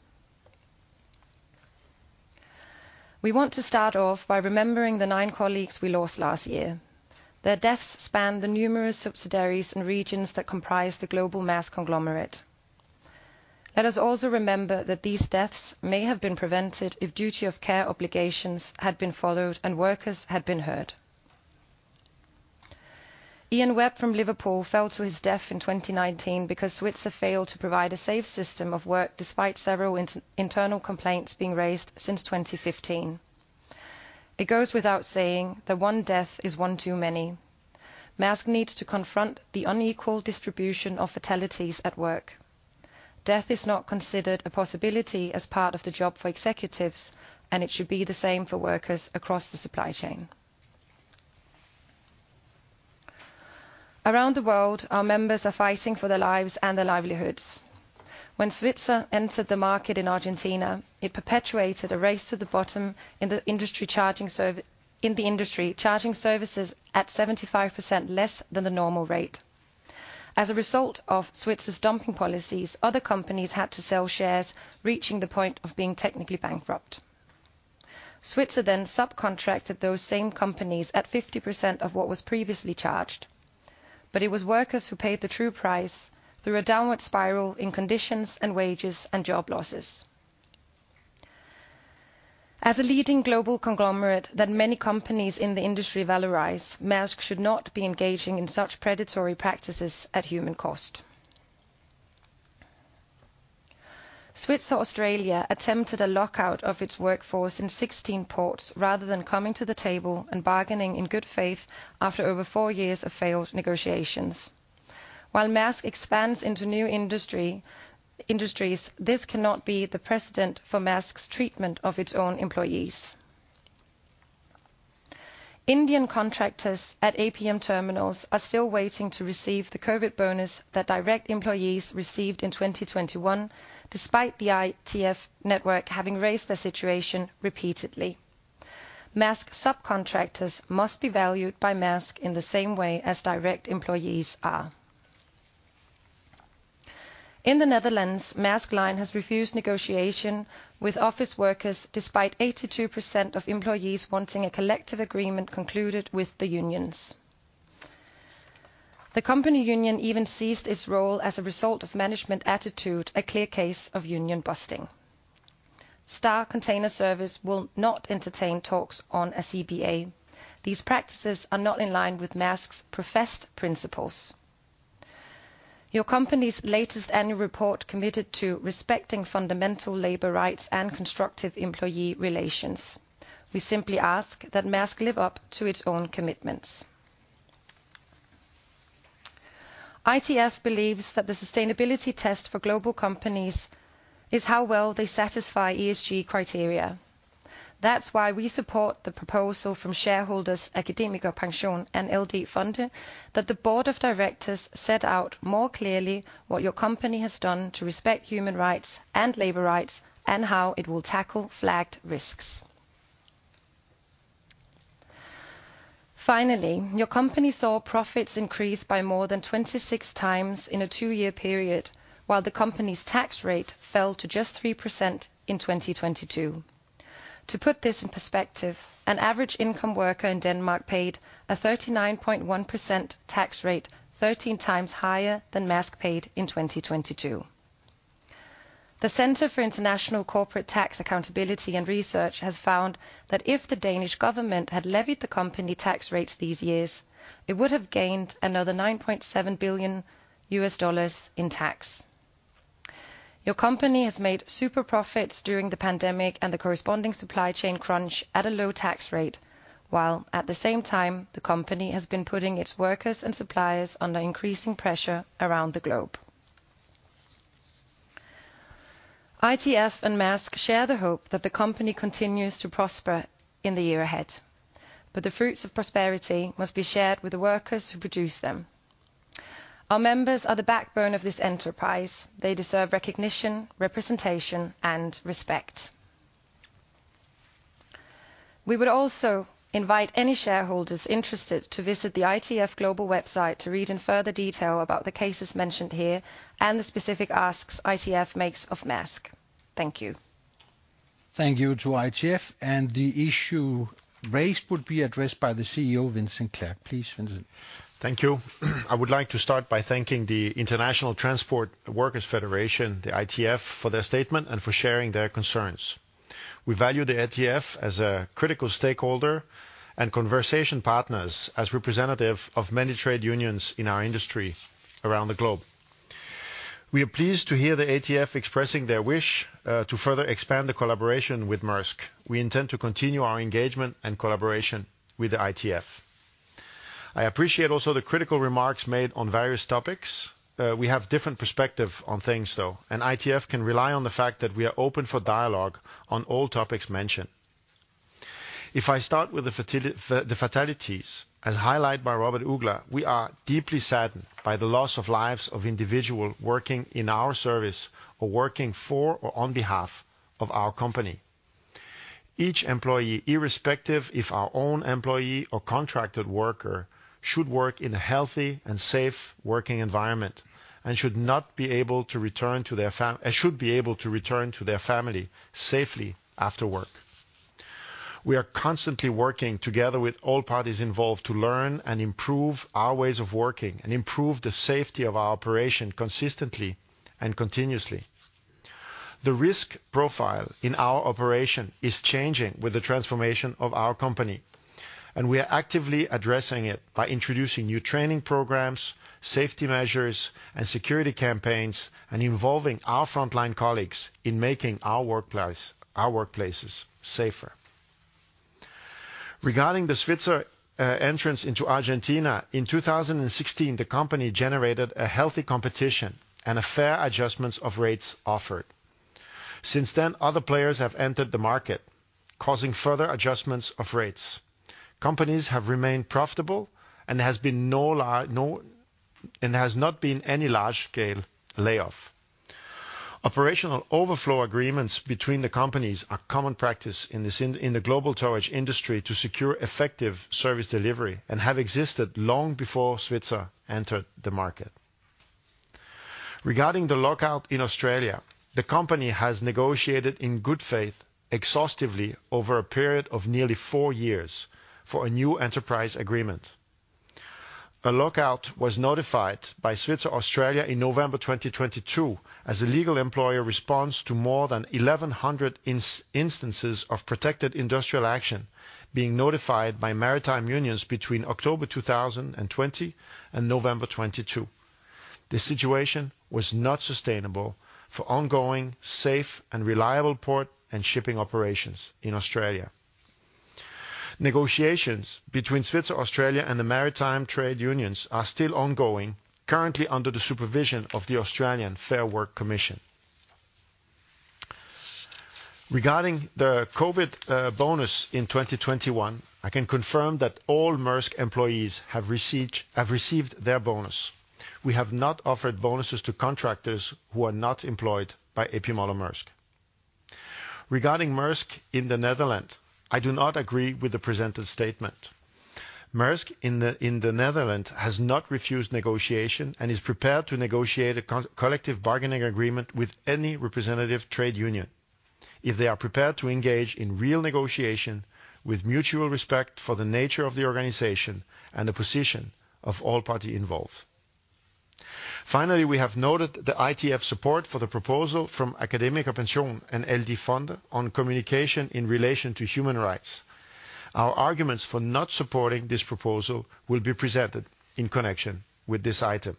We want to start off by remembering the nine colleagues we lost last year. Their deaths span the numerous subsidiaries and regions that comprise the global Mærsk conglomerate. Let us also remember that these deaths may have been prevented if duty of care obligations had been followed and workers had been heard. Ian Webb from Liverpool fell to his death in 2019 because Svitzer failed to provide a safe system of work despite several internal complaints being raised since 2015. It goes without saying that one death is one too many. Mærsk needs to confront the unequal distribution of fatalities at work. Death is not considered a possibility as part of the job for executives, and it should be the same for workers across the supply chain. Around the world, our members are fighting for their lives and their livelihoods. When Svitzer entered the market in Argentina, it perpetuated a race to the bottom in the industry, charging services at 75% less than the normal rate. As a result of Svitzer's dumping policies, other companies had to sell shares, reaching the point of being technically bankrupt. Svitzer subcontracted those same companies at 50% of what was previously charged. It was workers who paid the true price through a downward spiral in conditions and wages and job losses. As a leading global conglomerate that many companies in the industry valorize, Mærsk should not be engaging in such predatory practices at human cost. Svitzer Australia attempted a lockout of its workforce in 16 ports rather than coming to the table and bargaining in good faith after over 4 years of failed negotiations. While Mærsk expands into new industries, this cannot be the precedent for Mærsk's treatment of its own employees. Indian contractors at APM Terminals are still waiting to receive the COVID bonus that direct employees received in 2021, despite the ITF network having raised the situation repeatedly. Mærsk subcontractors must be valued by Mærsk in the same way as direct employees are. In the Netherlands, Mærsk Line has refused negotiation with office workers despite 82% of employees wanting a collective agreement concluded with the unions. The company union even ceased its role as a result of management attitude, a clear case of union busting. Star Container Service will not entertain talks on a CBA. These practices are not in line with Mærsk's professed principles. Your company's latest annual report committed to respecting fundamental labor rights and constructive employee relations. We simply ask that Mærsk live up to its own commitments. ITF believes that the sustainability test for global companies is how well they satisfy ESG criteria. That's why we support the proposal from shareholders, AkademikerPension, and LD Fonde, that the board of directors set out more clearly what your company has done to respect human rights and labor rights and how it will tackle flagged risks. Your company saw profits increase by more than 26 times in a two-year period, while the company's tax rate fell to just 3% in 2022. To put this in perspective, an average income worker in Denmark paid a 39.1% tax rate, 13 times higher than Mærsk paid in 2022. The Centre for International Corporate Tax Accountability and Research has found that if the Danish government had levied the company tax rates these years, it would have gained another $9.7 billion in tax. Your company has made super profits during the pandemic and the corresponding supply chain crunch at a low tax rate, while at the same time, the company has been putting its workers and suppliers under increasing pressure around the globe. ITF and Mærsk share the hope that the company continues to prosper in the year ahead, but the fruits of prosperity must be shared with the workers who produce them. Our members are the backbone of this enterprise. They deserve recognition, representation, and respect. We would also invite any shareholders interested to visit the ITF global website to read in further detail about the cases mentioned here and the specific asks ITF makes of Mærsk. Thank you. Thank you to ITF. The issue raised would be addressed by the CEO, Vincent Clerc. Please, Vincent. Thank you. I would like to start by thanking the International Transport Workers' Federation, the ITF, for their statement and for sharing their concerns. We value the ITF as a critical stakeholder and conversation partners as representative of many trade unions in our industry around the globe. We are pleased to hear the ITF expressing their wish to further expand the collaboration with Mærsk. We intend to continue our engagement and collaboration with the ITF. I appreciate also the critical remarks made on various topics. We have different perspective on things, though, and ITF can rely on the fact that we are open for dialogue on all topics mentioned. If I start with the fatalities, as highlighted by Robert Mærsk Uggla, we are deeply saddened by the loss of lives of individual working in our service or working for or on behalf of our company. Each employee, irrespective if our own employee or contracted worker, should work in a healthy and safe working environment and should be able to return to their family safely after work. We are constantly working together with all parties involved to learn and improve our ways of working and improve the safety of our operation consistently and continuously. The risk profile in our operation is changing with the transformation of our company, and we are actively addressing it by introducing new training programs, safety measures, and security campaigns, and involving our frontline colleagues in making our workplaces safer. Regarding the Svitzer entrance into Argentina, in 2016, the company generated a healthy competition and a fair adjustments of rates offered. Since then, other players have entered the market, causing further adjustments of rates. Companies have remained profitable, there has not been any large scale layoff. Operational overflow agreements between the companies are common practice in the global towage industry to secure effective service delivery and have existed long before Svitzer entered the market. Regarding the lockout in Australia, the company has negotiated in good faith exhaustively over a period of nearly four years for a new enterprise agreement. A lockout was notified by Svitzer Australia in November 2022 as a legal employer response to more than 1,100 instances of protected industrial action being notified by maritime unions between October 2020 and November 2022. The situation was not sustainable for ongoing, safe, and reliable port and shipping operations in Australia. Negotiations between Svitzer Australia and the maritime trade unions are still ongoing, currently under the supervision of the Australian Fair Work Commission. Regarding the COVID bonus in 2021, I can confirm that all Mærsk employees have received their bonus. We have not offered bonuses to contractors who are not employed by A.P. Møller - Mærsk. Regarding Mærsk in the Netherlands, I do not agree with the presented statement. Mærsk in the Netherlands has not refused negotiation and is prepared to negotiate a collective bargaining agreement with any representative trade union if they are prepared to engage in real negotiation with mutual respect for the nature of the organization and the position of all party involved. Finally, we have noted the ITF support for the proposal from AkademikerPension and LD Fonde on communication in relation to human rights. Our arguments for not supporting this proposal will be presented in connection with this item.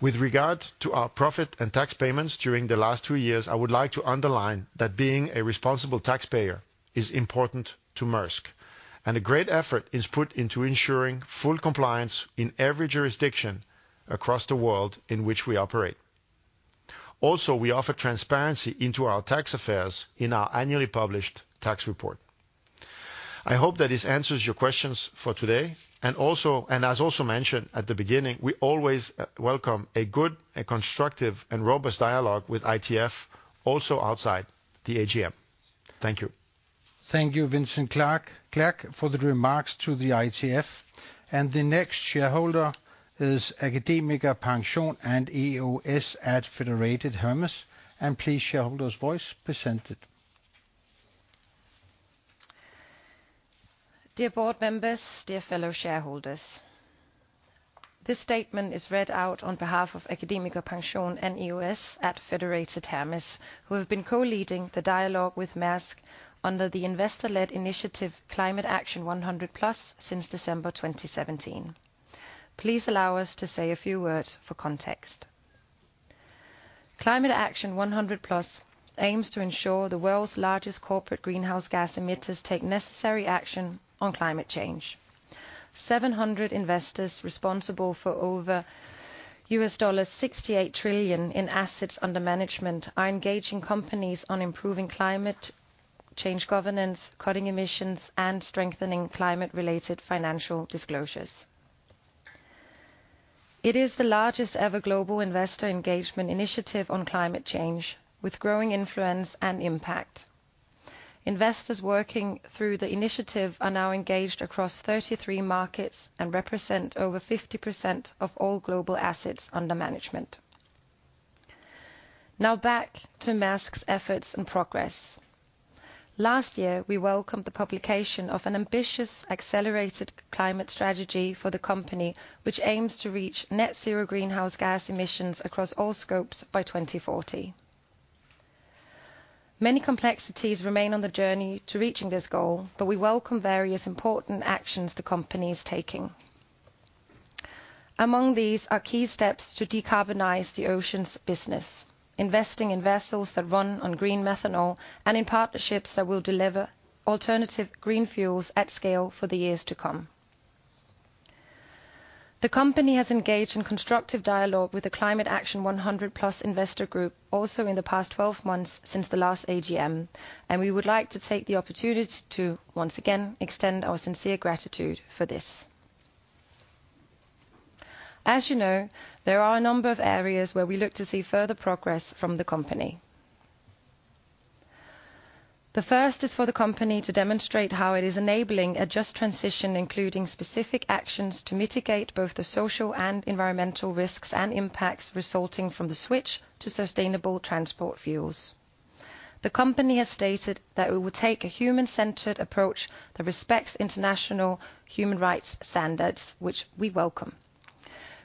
With regard to our profit and tax payments during the last two years, I would like to underline that being a responsible taxpayer is important to Mærsk, and a great effort is put into ensuring full compliance in every jurisdiction across the world in which we operate. We offer transparency into our tax affairs in our annually published tax report. I hope that this answers your questions for today, and as also mentioned at the beginning, we always welcome a good and constructive and robust dialogue with ITF, also outside the AGM. Thank you. Thank you, Vincent Clerc, for the remarks to the ITF. The next shareholder is AkademikerPension and EOS at Federated Hermes. Please, shareholder's voice, present it. Dear board members, dear fellow shareholders. This statement is read out on behalf of AkademikerPension and EOS at Federated Hermes, who have been co-leading the dialogue with Mærsk under the investor-led initiative Climate Action 100+ since December 2017. Please allow us to say a few words for context. Climate Action 100+ aims to ensure the world's largest corporate greenhouse gas emitters take necessary action on climate change. 700 investors responsible for over $68 trillion in assets under management are engaging companies on improving climate change governance, cutting emissions, and strengthening climate related financial disclosures. It is the largest ever global investor engagement initiative on climate change, with growing influence and impact. Investors working through the initiative are now engaged across 33 markets and represent over 50% of all global assets under management. Back to Mærsk's efforts and progress. Last year, we welcomed the publication of an ambitious accelerated climate strategy for the company, which aims to reach net zero greenhouse gas emissions across all scopes by 2040. Many complexities remain on the journey to reaching this goal, but we welcome various important actions the company is taking. Among these are key steps to decarbonize the oceans business, investing in vessels that run on green methanol and in partnerships that will deliver alternative green fuels at scale for the years to come. The company has engaged in constructive dialogue with the Climate Action 100+ investor group also in the past 12 months since the last AGM. We would like to take the opportunity to once again extend our sincere gratitude for this. As you know, there are a number of areas where we look to see further progress from the company. The first is for the company to demonstrate how it is enabling a just transition, including specific actions to mitigate both the social and environmental risks and impacts resulting from the switch to sustainable transport fuels. The company has stated that it will take a human-centered approach that respects international human rights standards, which we welcome.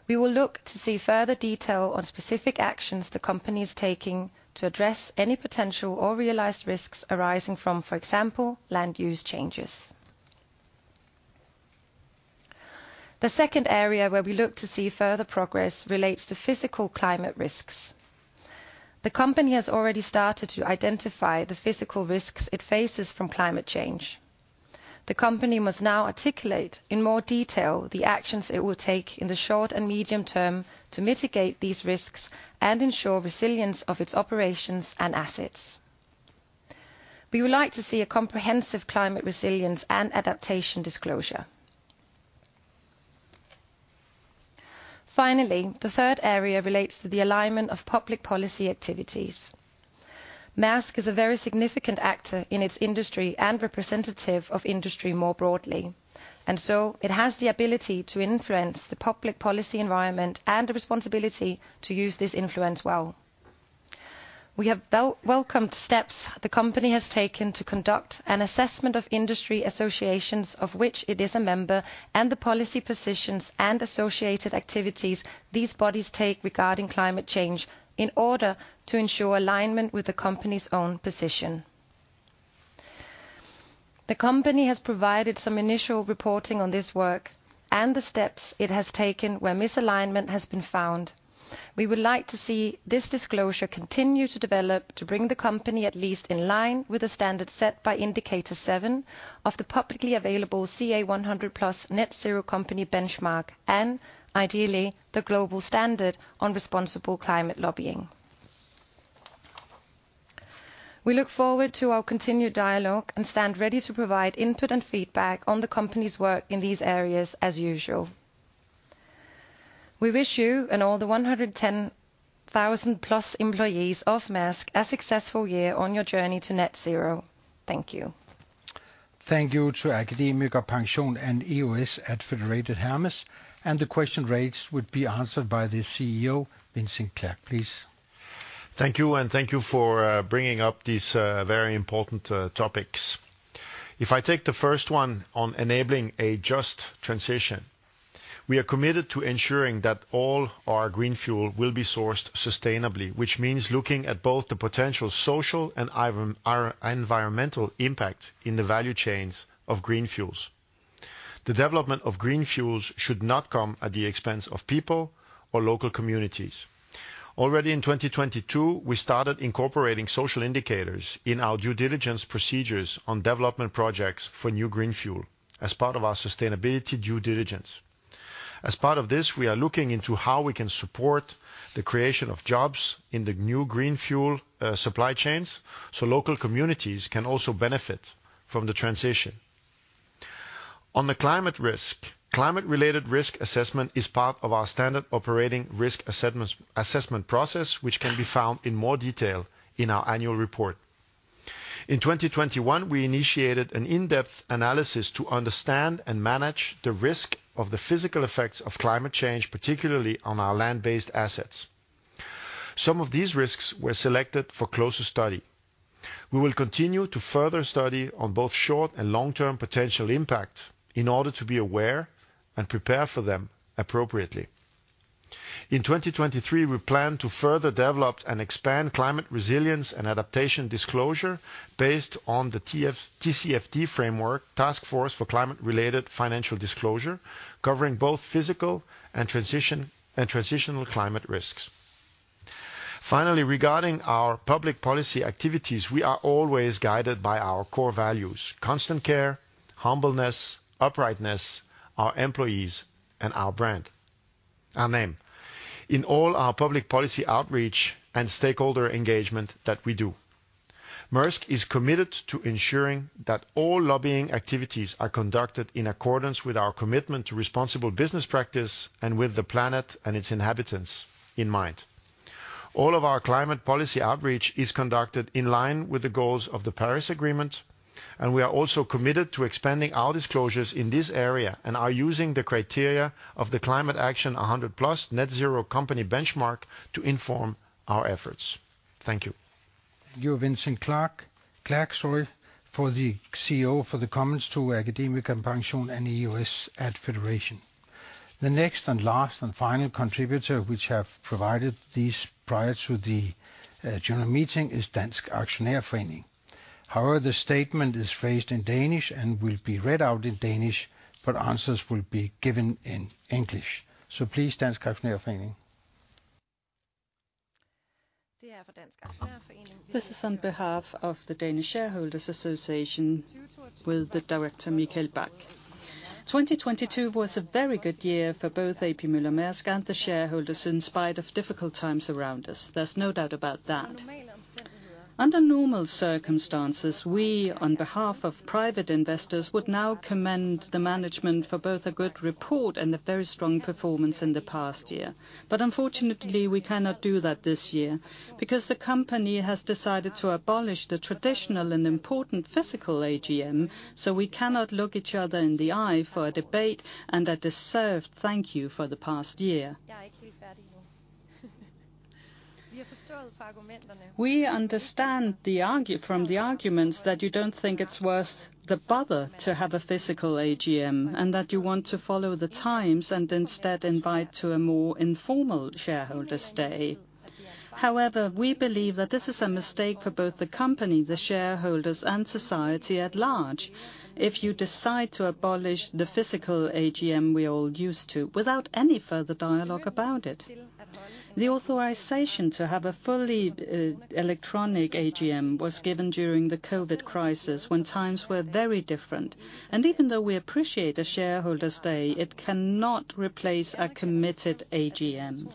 We will look to see further detail on specific actions the company is taking to address any potential or realized risks arising from, for example, land use changes. The second area where we look to see further progress relates to physical climate risks. The company has already started to identify the physical risks it faces from climate change. The company must now articulate in more detail the actions it will take in the short and medium term to mitigate these risks and ensure resilience of its operations and assets. We would like to see a comprehensive climate resilience and adaptation disclosure. The third area relates to the alignment of public policy activities. Mærsk is a very significant actor in its industry and representative of industry more broadly. It has the ability to influence the public policy environment and a responsibility to use this influence well. We have welcomed steps the company has taken to conduct an assessment of industry associations of which it is a member. The policy positions and associated activities these bodies take regarding climate change in order to ensure alignment with the company's own position. The company has provided some initial reporting on this work and the steps it has taken where misalignment has been found. We would like to see this disclosure continue to develop to bring the company at least in line with the standard set by Indicator seven of the publicly available CA 100+ Net Zero Company Benchmark and ideally the Global Standard on Responsible Climate Lobbying. We look forward to our continued dialogue and stand ready to provide input and feedback on the company's work in these areas as usual. We wish you and all the 110,000+ employees of Mærsk a successful year on your journey to net zero. Thank you. Thank you to AkademikerPension and EOS at Federated Hermes. The question rates would be answered by the CEO, Vincent Clerc, please. Thank you, and thank you for bringing up these very important topics. If I take the first one on enabling a just transition, we are committed to ensuring that all our green fuel will be sourced sustainably, which means looking at both the potential social and environmental impact in the value chains of green fuels. The development of green fuels should not come at the expense of people or local communities. Already in 2022, we started incorporating social indicators in our due diligence procedures on development projects for new green fuel as part of our sustainability due diligence. As part of this, we are looking into how we can support the creation of jobs in the new green fuel supply chains, so local communities can also benefit from the transition. On the climate risk, climate-related risk assessment is part of our standard operating risk assessment process, which can be found in more detail in our annual report. In 2021, we initiated an in-depth analysis to understand and manage the risk of the physical effects of climate change, particularly on our land-based assets. Some of these risks were selected for closer study. We will continue to further study on both short- and long-term potential impact in order to be aware and prepare for them appropriately. In 2023, we plan to further develop and expand climate resilience and adaptation disclosure based on the TCFD framework Task Force for Climate-related Financial Disclosure, covering both physical and transition, and transitional climate risks. Finally, regarding our public policy activities, we are always guided by our core values, constant care, humbleness, uprightness, our employees, and our brand, our name. In all our public policy outreach and stakeholder engagement that we do, Mærsk is committed to ensuring that all lobbying activities are conducted in accordance with our commitment to responsible business practice and with the planet and its inhabitants in mind. All of our climate policy outreach is conducted in line with the goals of the Paris Agreement, and we are also committed to expanding our disclosures in this area and are using the criteria of the Climate Action 100+ Net Zero Company Benchmark to inform our efforts. Thank you. Thank you, Vincent Clerc. Clerc, sorry, for the CEO for the comments to AkademikerPension and EOS at Federated Hermes. The next and last and final contributor, which have provided these prior to the general meeting, is Dansk Aktionærforening. The statement is phrased in Danish and will be read out in Danish, but answers will be given in English. Please, Dansk Aktionærforening. This is on behalf of the Danish Shareholders' Association with the director Mikael Bak. 2022 was a very good year for both A.P. Møller - Mærsk and the shareholders in spite of difficult times around us. There's no doubt about that. Under normal circumstances, we, on behalf of private investors, would now commend the management for both a good report and a very strong performance in the past year. Unfortunately, we cannot do that this year because the company has decided to abolish the traditional and important physical AGM, so we cannot look each other in the eye for a debate and a deserved thank you for the past year. We understand from the arguments that you don't think it's worth the bother to have a physical AGM and that you want to follow the times and instead invite to a more informal shareholder stay. However, we believe that this is a mistake for both the company, the shareholders, and society at large if you decide to abolish the physical AGM we're all used to without any further dialogue about it. The authorization to have a fully electronic AGM was given during the COVID crisis when times were very different. Even though we appreciate a shareholder's day, it cannot replace a committed AGM.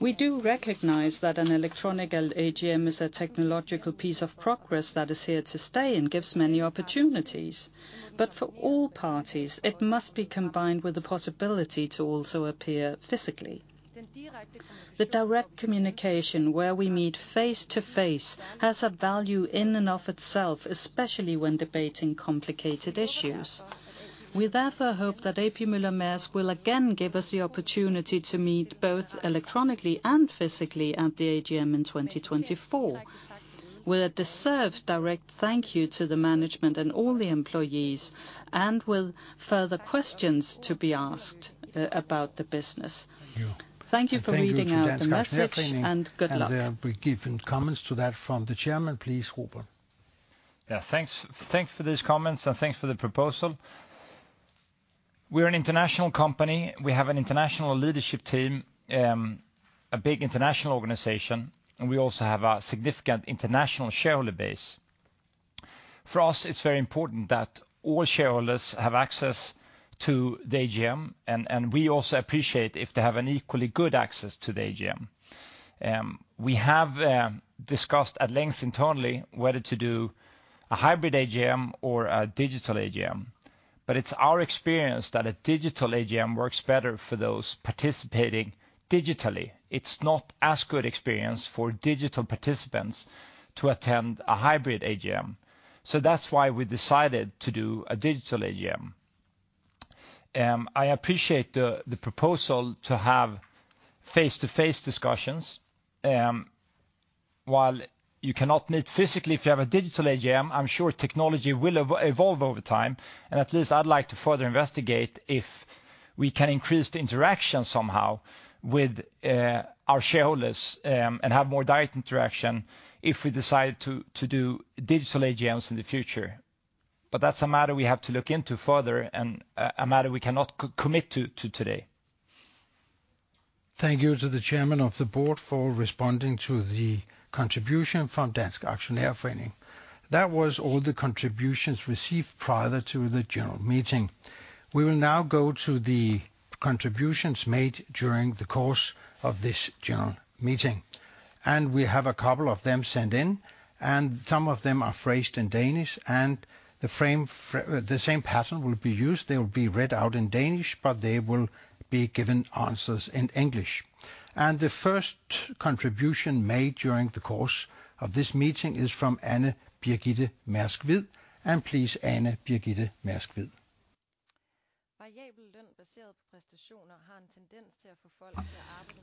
We do recognize that an electronic AGM is a technological piece of progress that is here to stay and gives many opportunities. For all parties, it must be combined with the possibility to also appear physically. The direct communication where we meet face-to-face has a value in and of itself, especially when debating complicated issues. We therefore hope that A.P. Moller - Mærsk will again give us the opportunity to meet both electronically and physically at the AGM in 2024. With a deserved direct thank you to the management and all the employees and with further questions to be asked about the business. Thank you. Thank you for reading out the message. Thank you to Dansk Aktionærforening. Good luck. We give comments to that from the chairman, please, Robert. Thanks, thanks for these comments, and thanks for the proposal. We're an international company. We have an international leadership team, a big international organization, and we also have a significant international shareholder base. For us, it's very important that all shareholders have access to the AGM, and we also appreciate if they have an equally good access to the AGM. We have discussed at length internally whether to do a hybrid AGM or a digital AGM. It's our experience that a digital AGM works better for those participating digitally. It's not as good experience for digital participants to attend a hybrid AGM. That's why we decided to do a digital AGM. I appreciate the proposal to have face-to-face discussions. While you cannot meet physically if you have a digital AGM, I'm sure technology will evolve over time. At least I'd like to further investigate if we can increase the interaction somehow with our shareholders and have more direct interaction if we decide to do digital AGMs in the future. That's a matter we have to look into further and a matter we cannot commit to today. Thank you to the chairman of the board for responding to the contribution from Dansk Aktionærforening. That was all the contributions received prior to the general meeting. We will now go to the contributions made during the course of this general meeting. We have a couple of them sent in, and some of them are phrased in Danish and the frame, the same pattern will be used. They will be read out in Danish, but they will be given answers in English. The first contribution made during the course of this meeting is from Ane Mærsk Mc-Kinney Uggla. Please, Ane Mærsk Mc-Kinney Uggla.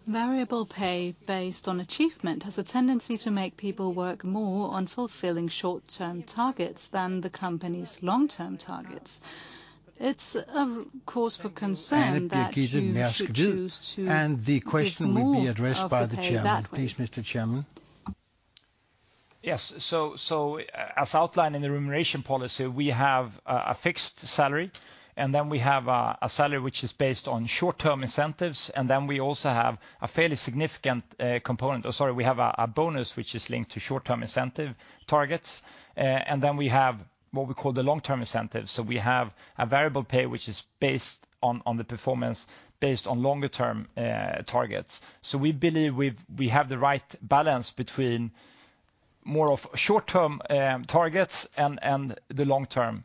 Variable pay based on achievement has a tendency to make people work more on fulfilling short-term targets than the company's long-term targets. It's of course for concern that you should choose. Ane Mærsk Mc-Kinney Uggla. The question will be addressed by the Chairman. Please, Mr. Chairman. As outlined in the remuneration policy, we have a fixed salary, and then we have a salary which is based on short-term incentives, and then we also have a fairly significant component. We have a bonus which is linked to short-term incentive targets. And then we have what we call the long-term incentives. We have a variable pay which is based on the performance based on longer term targets. We believe we have the right balance between more of short-term targets and the long-term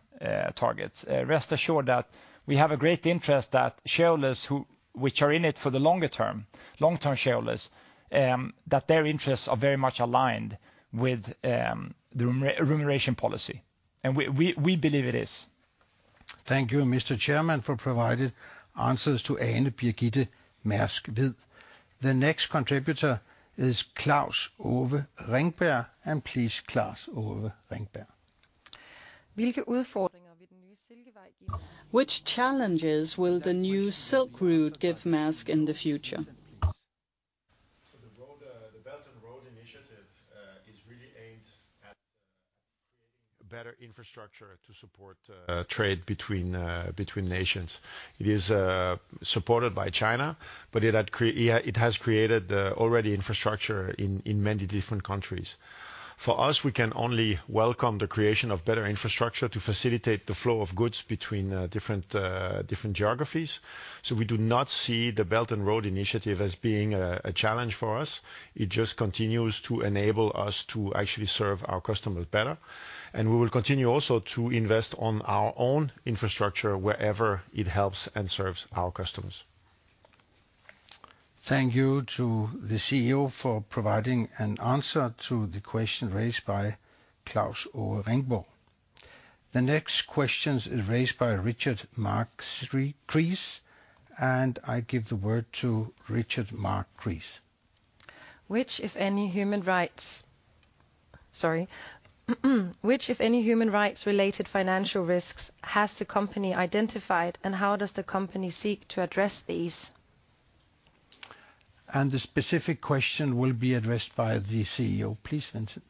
targets. Rest assured that we have a great interest that shareholders who, which are in it for the longer term, long-term shareholders, that their interests are very much aligned with the remuneration policy, and we believe it is. Thank you, Mr. Chairman, for providing answers to Ane Mærsk Mc-Kinney Uggla. The next contributor is Klaus Ove Ringberg. Please, Klaus Ove Ringberg. Which challenges will the new silk route give Mærsk in the future? The road, the Belt and Road Initiative, is really aimed at creating a better infrastructure to support trade between nations. It is supported by China, but it has created already infrastructure in many different countries. For us, we can only welcome the creation of better infrastructure to facilitate the flow of goods between different geographies. We do not see the Belt and Road Initiative as being a challenge for us. It just continues to enable us to actually serve our customers better, and we will continue also to invest on our own infrastructure wherever it helps and serves our customers. Thank you to the CEO for providing an answer to the question raised by Klaus Ove Ringberg. The next questions is raised by Richard Mark Crease. I give the word to Richard Mark Crease. Which, if any, human rights-related financial risks has the company identified, and how does the company seek to address these? The specific question will be addressed by the CEO. Please, Vincent.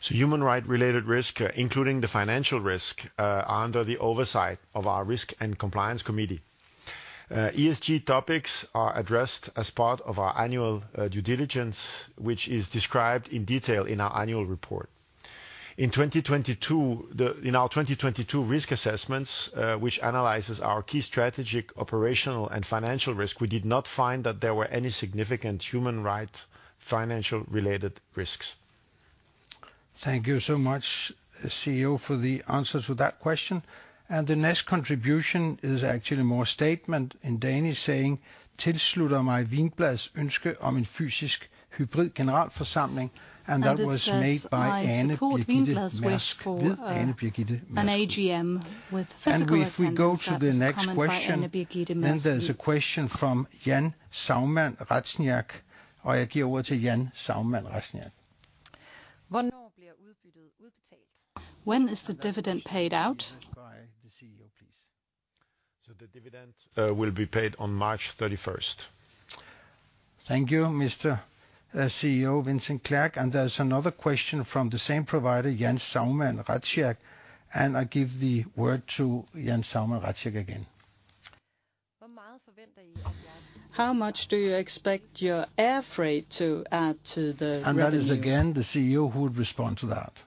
Human rights-related risk, including the financial risk, are under the oversight of our risk and compliance committee. ESG topics are addressed as part of our annual due diligence, which is described in detail in our annual report. In our 2022 risk assessments, which analyzes our key strategic, operational, and financial risk, we did not find that there were any significant human rights financial related risks. Thank you so much, CEO, for the answer to that question. The next contribution is actually more statement in Danish saying, It says, "I support Wiinblad's wish for an AGM with physical attendance." That was commented by Ane Birgitte Mærsk Mc-Kinney. If we go to the next question, there's a question from Jan Saugmann Razniak. When is the dividend paid out? That question will be answered by the CEO, please. The dividend will be paid on March 31st. Thank you, Mr. CEO Vincent Clerc. There's another question from the same provider, Jan Saugmann Razniak. I give the word to Jan Saugmann Razniak again. How much do you expect your air freight to add to the revenue? That is again the CEO who would respond to that.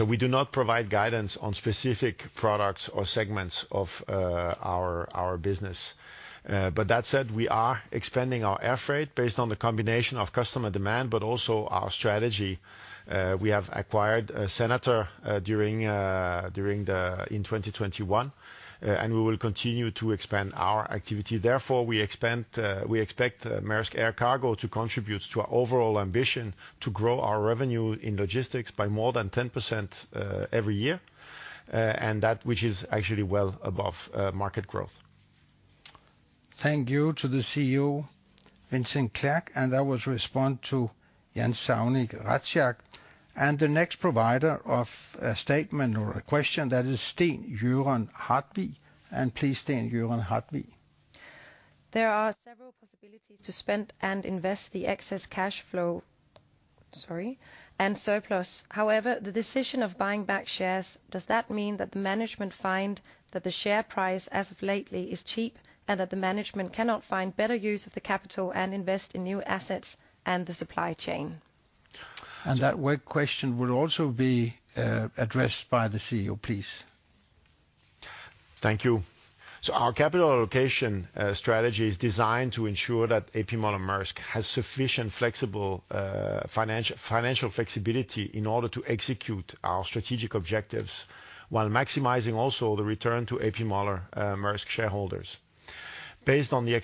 We do not provide guidance on specific products or segments of our business. That said, we are expanding our air freight based on the combination of customer demand, but also our strategy. We have acquired Senator in 2021, and we will continue to expand our activity. Therefore, we expect Mærsk Air Cargo to contribute to our overall ambition to grow our revenue in logistics by more than 10% every year. That which is actually well above market growth. Thank you to the CEO, Vincent Clerc, and that was respond to Jan Saugmann Razniak. The next provider of a statement or a question, that is Steen Gøran Hartvig. Please, Steen Gøran Hartvig. There are several possibilities to spend and invest the excess cash flow, sorry, and surplus. However, the decision of buying back shares, does that mean that the management find that the share price as of lately is cheap, and that the management cannot find better use of the capital and invest in new assets and the supply chain? That question will also be addressed by the CEO, please. Thank you. Our capital allocation strategy is designed to ensure that A.P. Moller - Mærsk has sufficient flexible financial flexibility in order to execute our strategic objectives while maximizing also the return to A.P. Moller - Mærsk shareholders. Based on the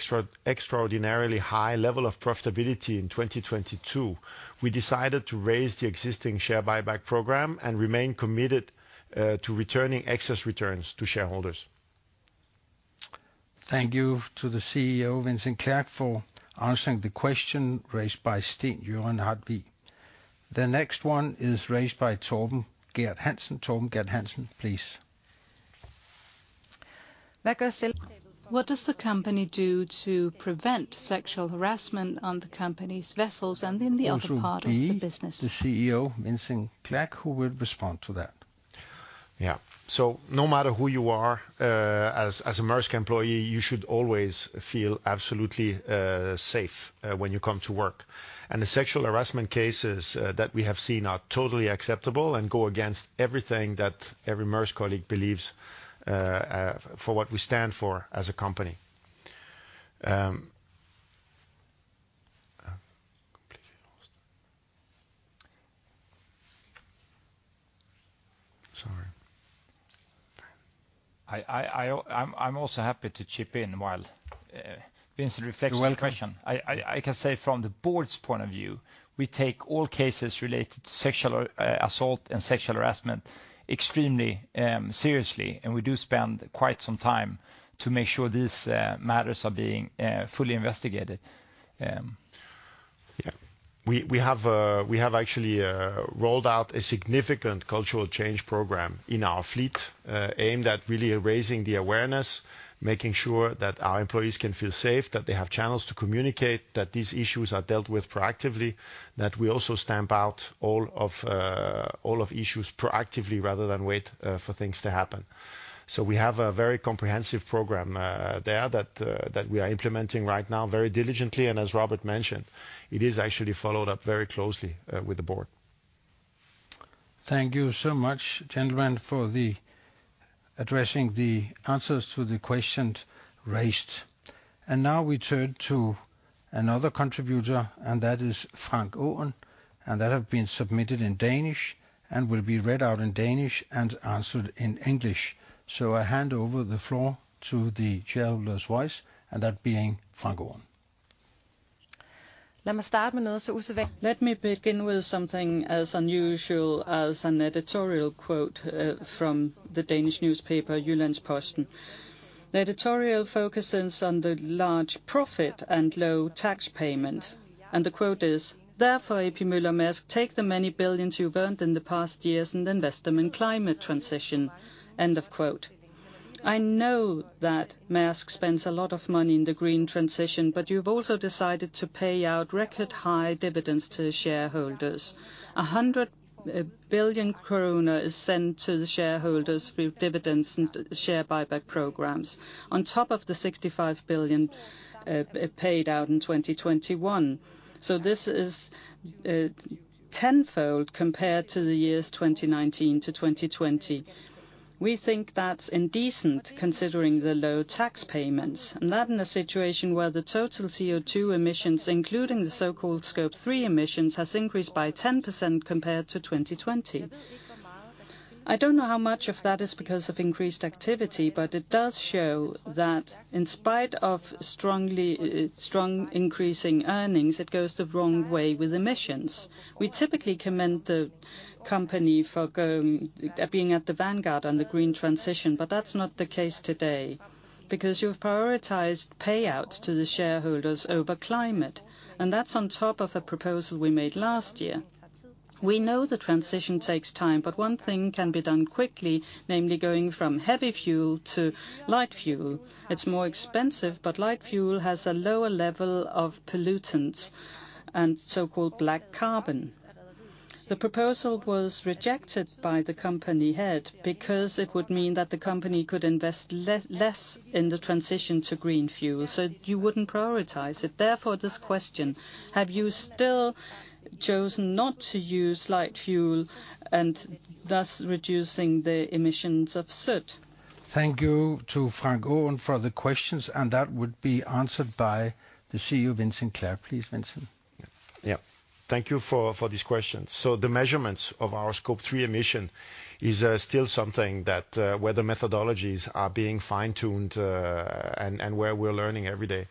extraordinarily high level of profitability in 2022, we decided to raise the existing share buyback program and remain committed to returning excess returns to shareholders. Thank you to the CEO, Vincent Clerc, for answering the question raised by Steen Gøran Hartvig. The next one is raised by Torben Hansen. Torben Hansen, please. What does the company do to prevent sexual harassment on the company's vessels and in the other part of the business? It will be the CEO, Vincent Clerc, who will respond to that. Yeah. No matter who you are, as a Mærsk employee, you should always feel absolutely safe when you come to work. The sexual harassment cases that we have seen are totally unacceptable and go against everything that every Mærsk colleague believes for what we stand for as a company. Completely lost. Sorry. I'm also happy to chip in while Vincent reflects on the question. You're welcome. I can say from the board's point of view, we take all cases related to sexual assault and sexual harassment extremely seriously. We do spend quite some time to make sure these matters are being fully investigated. Yeah. We have actually rolled out a significant cultural change program in our fleet, aimed at really raising the awareness, making sure that our employees can feel safe, that they have channels to communicate, that these issues are dealt with proactively, that we also stamp out all of issues proactively rather than wait for things to happen. We have a very comprehensive program there that we are implementing right now very diligently, and as Robert mentioned, it is actually followed up very closely with the board. Thank you so much, gentlemen, for the addressing the answers to the questions raised. Now we turn to another contributor, and that is Frank Aaen, and that have been submitted in Danish and will be read out in Danish and answered in English. I hand over the floor to the shareholder's voice, and that being Frank Aaen. Let me begin with something as unusual as an editorial quote from the Danish newspaper Jyllands-Posten. The editorial focuses on the large profit and low tax payment, the quote is: "Therefore, A.P. Møller-Mærsk, take the many billions you've earned in the past years and invest them in climate transition." End of quote. I know that Mærsk spends a lot of money in the green transition, you've also decided to pay out record high dividends to shareholders. 100 billion krone is sent to the shareholders through dividends and share buyback programs on top of 65 billion paid out in 2021. This is tenfold compared to the years 2019 to 2020. We think that's indecent considering the low tax payments, that in a situation where the total CO₂ emissions, including the so-called Scope three emissions, has increased by 10% compared to 2020. I don't know how much of that is because of increased activity, it does show that in spite of strong increasing earnings, it goes the wrong way with emissions. We typically commend the company for being at the vanguard on the green transition, that's not the case today, because you've prioritized payouts to the shareholders over climate, that's on top of a proposal we made last year. We know the transition takes time, one thing can be done quickly, namely going from heavy fuel to light fuel. It's more expensive, light fuel has a lower level of pollutants and so-called black carbon. The proposal was rejected by the company head because it would mean that the company could invest less in the transition to green fuel, so you wouldn't prioritize it. This question: Have you still chosen not to use light fuel and thus reducing the emissions of soot? Thank you to Frank Aaen for the questions, and that would be answered by the CEO, Vincent Clerc. Please, Vincent. Thank you for this question. The measurements of our Scope three emission is still something that where the methodologies are being fine-tuned and where we're learning every day.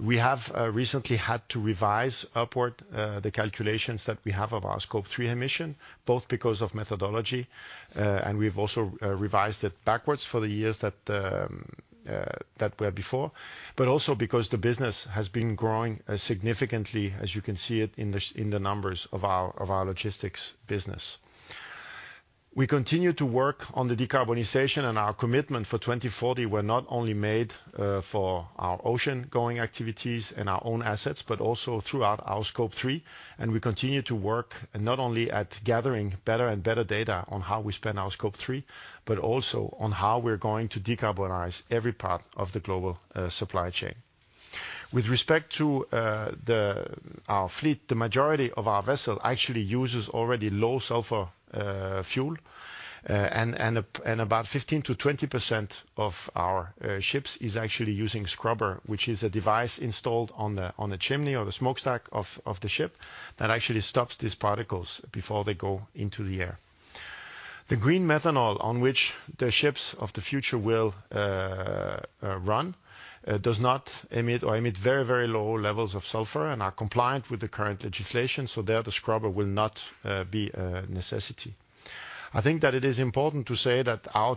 We have recently had to revise upward the calculations that we have of our Scope three emission, both because of methodology, and we've also revised it backwards for the years that were before, but also because the business has been growing significantly, as you can see it in the numbers of our logistics business. We continue to work on the decarbonization and our commitment for 2040 were not only made for our oceangoing activities and our own assets, but also throughout our Scope three. We continue to work not only at gathering better and better data on how we spend our Scope three, but also on how we're going to decarbonize every part of the global supply chain. With respect to our fleet, the majority of our vessel actually uses already low sulfur fuel, and about 15%-20% of our ships is actually using scrubber, which is a device installed on the chimney or the smokestack of the ship that actually stops these particles before they go into the air. The green methanol on which the ships of the future will run, does not emit or emit very low levels of sulfur and are compliant with the current legislation, so there the scrubber will not be a necessity. I think that it is important to say that our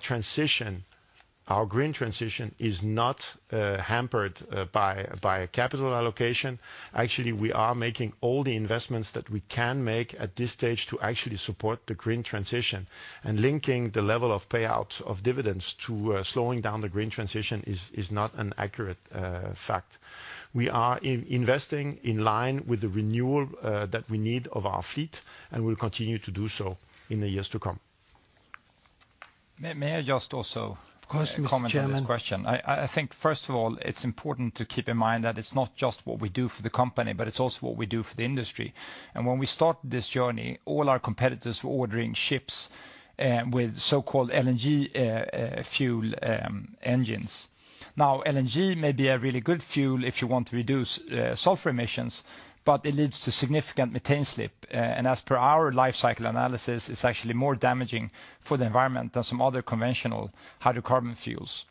transitionOur green transition is not hampered by capital allocation. Actually, we are making all the investments that we can make at this stage to actually support the green transition. Linking the level of payouts of dividends to slowing down the green transition is not an accurate fact. We are investing in line with the renewal that we need of our fleet, and will continue to do so in the years to come. May I just also- Of course, Mr. Chairman. I think, first of all, it's important to keep in mind that it's not just what we do for the company, but it's also what we do for the industry. When we start this journey, all our competitors were ordering ships with so-called LNG fuel engines. LNG may be a really good fuel if you want to reduce sulfur emissions, but it leads to significant methane slip. As per our lifecycle analysis, it's actually more damaging for the environment than some other conventional hydrocarbon fuels.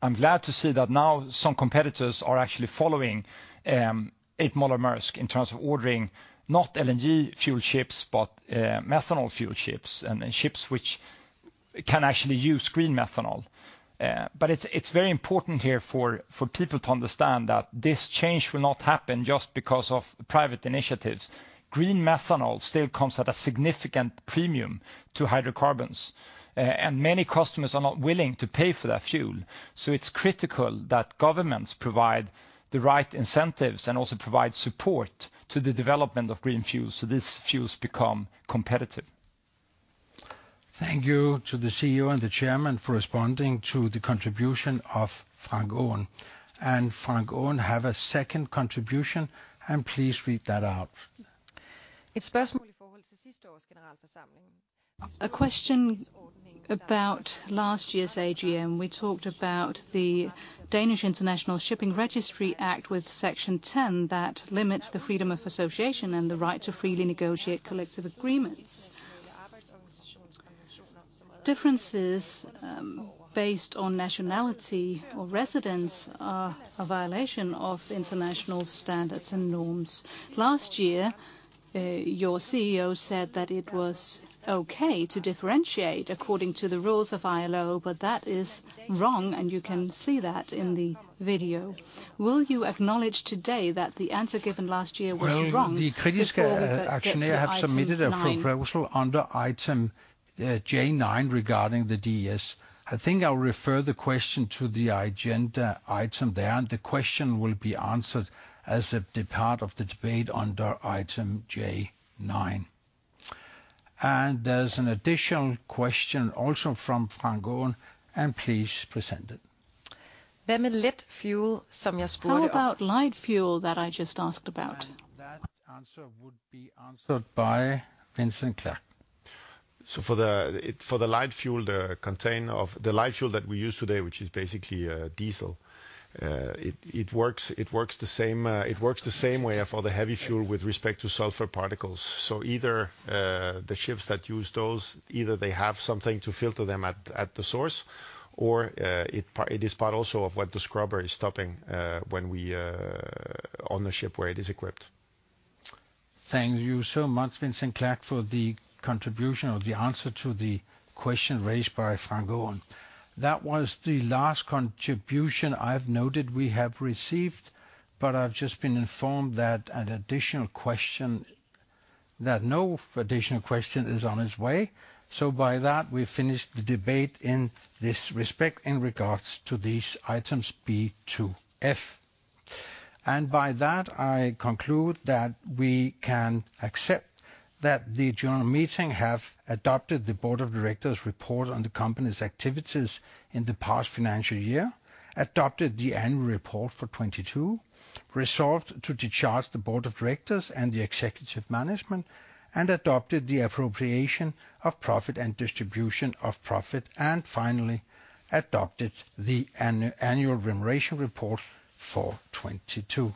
I'm glad to see that now some competitors are actually following A.P. Moller - Mærsk in terms of ordering not LNG fuel ships, but methanol fuel ships and ships which can actually use green methanol. It's very important here for people to understand that this change will not happen just because of private initiatives. Green methanol still comes at a significant premium to hydrocarbons, and many customers are not willing to pay for that fuel. It's critical that governments provide the right incentives and also provide support to the development of green fuels, so these fuels become competitive. Thank you to the CEO and the chairman for responding to the contribution of Frank Aaen. Frank Aaen, have a second contribution, and please read that out. A question about last year's AGM. We talked about the Danish International Shipping Register Act with Section 10, that limits the freedom of association and the right to freely negotiate collective agreements. Differences based on nationality or residence are a violation of international standards and norms. Last year, your CEO said that it was okay to differentiate according to the rules of ILO, but that is wrong, and you can see that in the video. Will you acknowledge today that the answer given last year was wrong before we get to item 9? The critics, actually, have submitted a proposal under item J-nine regarding the DIS. I think I'll refer the question to the agenda item there, and the question will be answered as a part of the debate under item J-nine. There's an additional question also from Frank Aaen, and please present it. How about light fuel that I just asked about? That answer would be answered by Vincent Clerc. For the light fuel, the light fuel that we use today, which is basically diesel, it works the same, it works the same way for the heavy fuel with respect to sulfur particles. Either, the ships that use those, either they have something to filter them at the source, or, it is part also of what the scrubber is stopping, when we on the ship where it is equipped. Thank you so much, Vincent Clerc, for the contribution or the answer to the question raised by Frank Aaen. That was the last contribution I've noted we have received, but I've just been informed that no additional question is on its way. By that, we've finished the debate in this respect in regards to these items B to F. By that, I conclude that we can accept that the general meeting have adopted the board of directors report on the company's activities in the past financial year, adopted the annual report for 2022, resolved to discharge the board of directors and the executive management, and adopted the appropriation of profit and distribution of profit, and finally, adopted the annual remuneration report for 2022.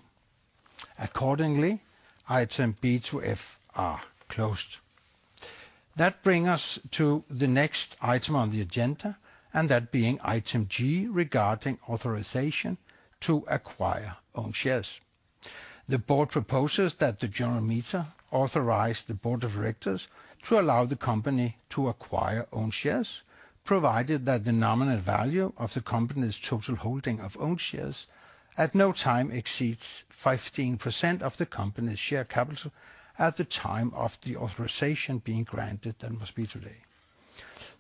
Accordingly, item B to F are closed. That bring us to the next item on the agenda, that being item G regarding authorization to acquire own shares. The board proposes that the general meeting authorize the board of directors to allow the company to acquire own shares, provided that the nominal value of the company's total holding of own shares at no time exceeds 15% of the company's share capital at the time of the authorization being granted. That must be today.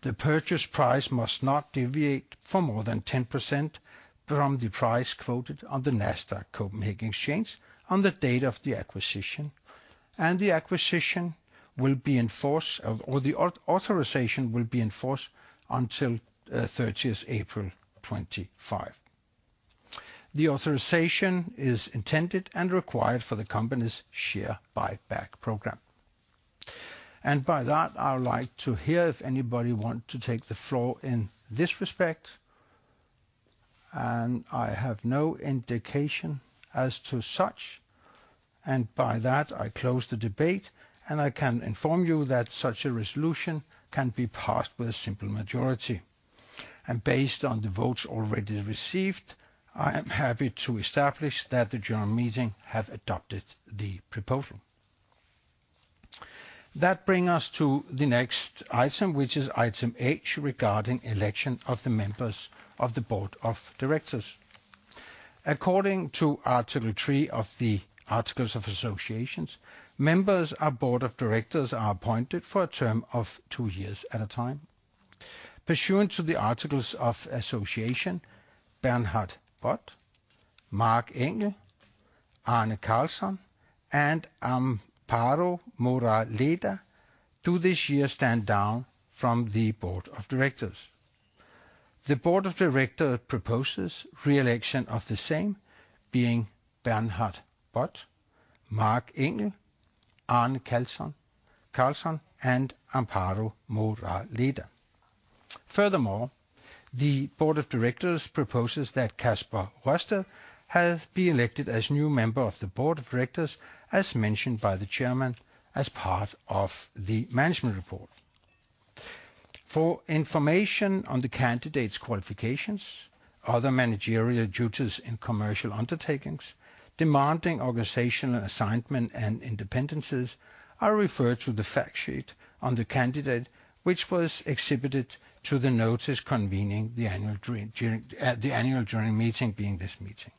The purchase price must not deviate for more than 10% from the price quoted on the Nasdaq Copenhagen exchange on the date of the acquisition, the acquisition will be in force, or the authorization will be in force until 30th April, 2025. The authorization is intended and required for the company's share buyback program. I would like to hear if anybody want to take the floor in this respect. I have no indication as to such. I close the debate, and I can inform you that such a resolution can be passed with a simple majority. Based on the votes already received, I am happy to establish that the general meeting have adopted the proposal. That bring us to the next Item, which is Item H regarding election of the members of the Board of Directors. According to Article three of the Articles of Association, members of the Board of Directors are appointed for a term of two years at a time. Pursuant to the Articles of Association, Bernard L. Bot, Marc Engel, Arne Karlsson, and Amparo Moraleda do this year stand down from the Board of Directors. The board of directors proposes re-election of the same, being Bernard L. Bot, Marc Engel, Arne Karlsson, and Amparo Moraleda. The board of directors proposes that Kasper Rørsted be elected as new member of the board of directors as mentioned by the chairman as part of the management report. For information on the candidate's qualifications, other managerial duties in commercial undertakings, demanding organizational assignment and independencies, are referred to the fact sheet on the candidate which was exhibited to the notice convening the annual meeting, being this meeting.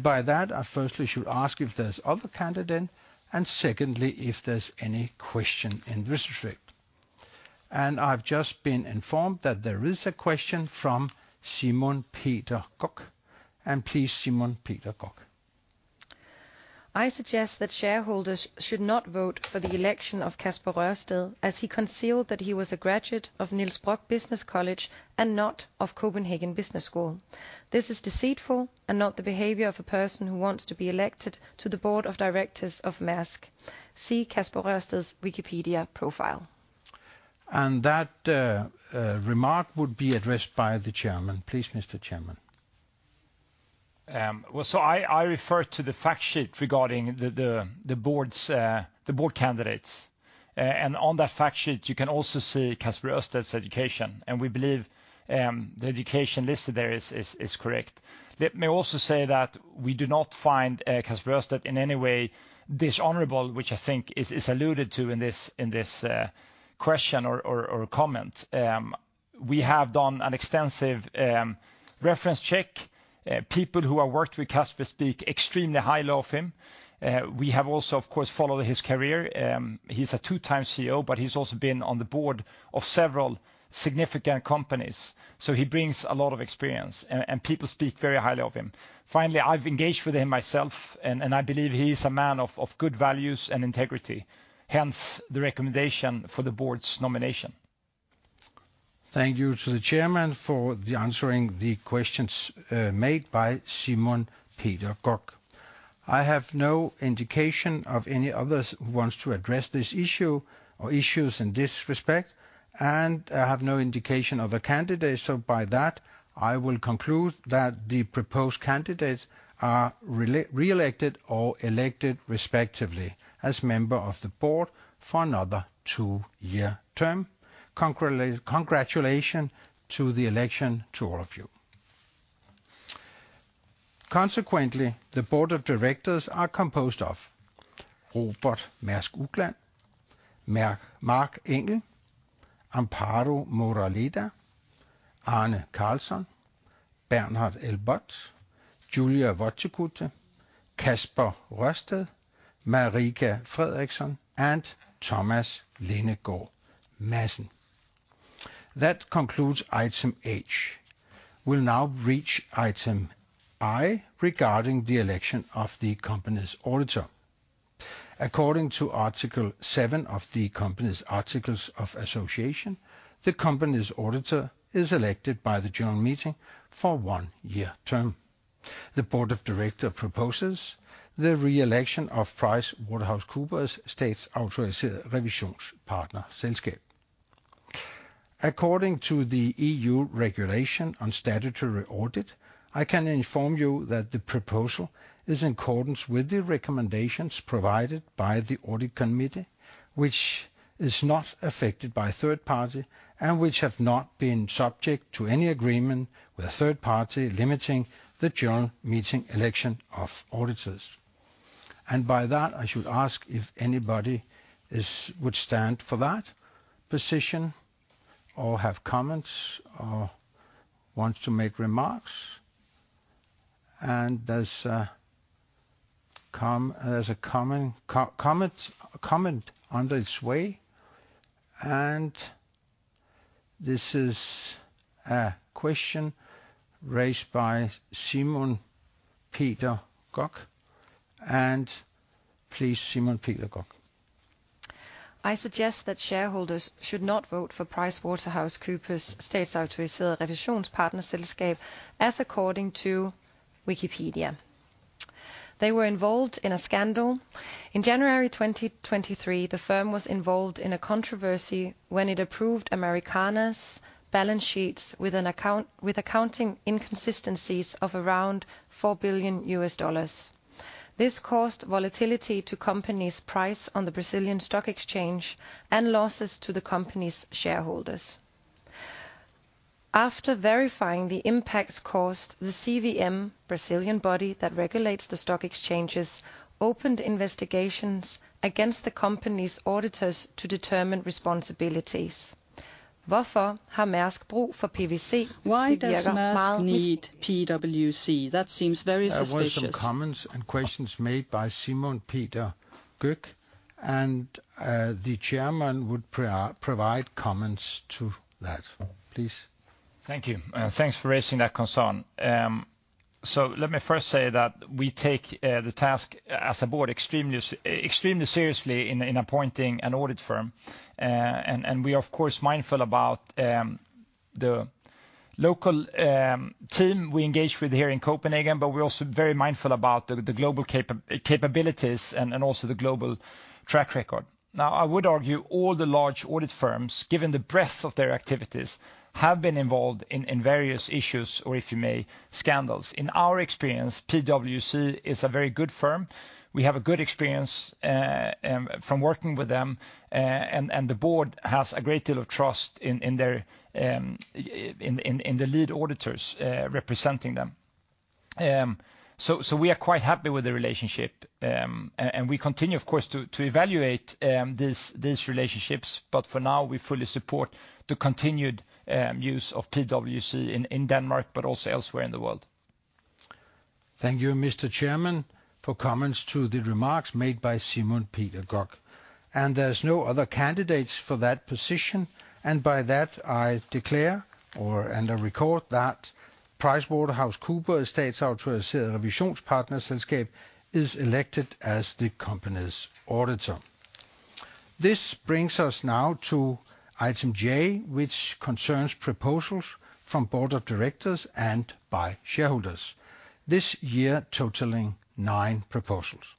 By that, I firstly should ask if there's other candidate, and secondly, if there's any question in this respect. I've just been informed that there is a question from Simon Peter Gøgh. Please, Simon Peter Gøgh. I suggest that shareholders should not vote for the election of Kasper Rørsted, as he concealed that he was a graduate of Niels Brock Copenhagen Business College and not of Copenhagen Business School. This is deceitful and not the behavior of a person who wants to be elected to the board of directors of Mærsk. See Kasper Rørsted's Wikipedia profile. That remark would be addressed by the Chairman. Please, Mr. Chairman. Well, I refer to the fact sheet regarding the board's board candidates. On that fact sheet, you can also see Kasper Rørsted's education. We believe the education listed there is correct. Let me also say that we do not find Kasper Rørsted in any way dishonorable, which I think is alluded to in this question or comment. We have done an extensive reference check. People who have worked with Kasper speak extremely highly of him. We have also, of course, followed his career. He's a two-time CEO, but he's also been on the board of several significant companies, so he brings a lot of experience and people speak very highly of him. Finally, I've engaged with him myself and I believe he's a man of good values and integrity, hence the recommendation for the board's nomination. Thank you to the chairman for the answering the questions, made by Simon Peter Gøgh. I have no indication of any others who wants to address this issue or issues in this respect, and I have no indication of the candidates. By that, I will conclude that the proposed candidates are reelected or elected respectively as member of the board for another two-year term. Congratulation to the election to all of you. Consequently, the board of directors are composed of Robert Mærsk Uggla, Marc Engel, Amparo Moraleda, Arne Karlsson, Bernard L. Bot, Julija Voitiekute, Kasper Rørsted, Marika Fredriksson, and Thomas Lindegaard Madsen. That concludes item H. We'll now reach item I regarding the election of the company's auditor. According to Article seven of the company's Articles of Association, the company's auditor is elected by the general meeting for one-year term. The board of directors proposes the reelection of PricewaterhouseCoopers Statsautoriseret Revisionspartnerselskab. According to the EU Regulation on Statutory Audit, I can inform you that the proposal is in accordance with the recommendations provided by the audit committee, which is not affected by third party and which have not been subject to any agreement with a third party limiting the general meeting election of auditors. By that, I should ask if anybody would stand for that position or have comments or wants to make remarks. There's a comment under its way. This is a question raised by Simon Peter Gøgh. Please, Simon Peter Gøgh. I suggest that shareholders should not vote for PricewaterhouseCoopers Statsautoriseret Revisionspartnerselskab, as according to Wikipedia, they were involved in a scandal. In January 2023, the firm was involved in a controversy when it approved Americanas balance sheets with accounting inconsistencies of around $4 billion. This caused volatility to company's price on the Brazilian stock exchange and losses to the company's shareholders. After verifying the impacts caused, the CVM, Brazilian body that regulates the stock exchanges, opened investigations against the company's auditors to determine responsibilities. Why does Mærsk need PwC? That seems very suspicious. There were some comments and questions made by Simon Peter Gøg, and, the chairman would provide comments to that. Please. Thank you. Thanks for raising that concern. Let me first say that we take the task as a board extremely seriously in appointing an audit firm. We are of course mindful about the local team we engage with here in Copenhagen, but we're also very mindful about the global capabilities and also the global track record. Now, I would argue all the large audit firms, given the breadth of their activities, have been involved in various issues or, if you may, scandals. In our experience, PwC is a very good firm. We have a good experience from working with them. The board has a great deal of trust in their, in the lead auditors, representing them. We are quite happy with the relationship. We continue of course to evaluate this, these relationships, but for now, we fully support the continued use of PwC in Denmark, but also elsewhere in the world. Thank you, Mr. Chairman, for comments to the remarks made by Simon Peter Gøgh. There's no other candidates for that position. By that, I declare and I record that PricewaterhouseCoopers is elected as the company's auditor. This brings us now to item J, which concerns proposals from Board of Directors and by shareholders. This year totaling nine proposals.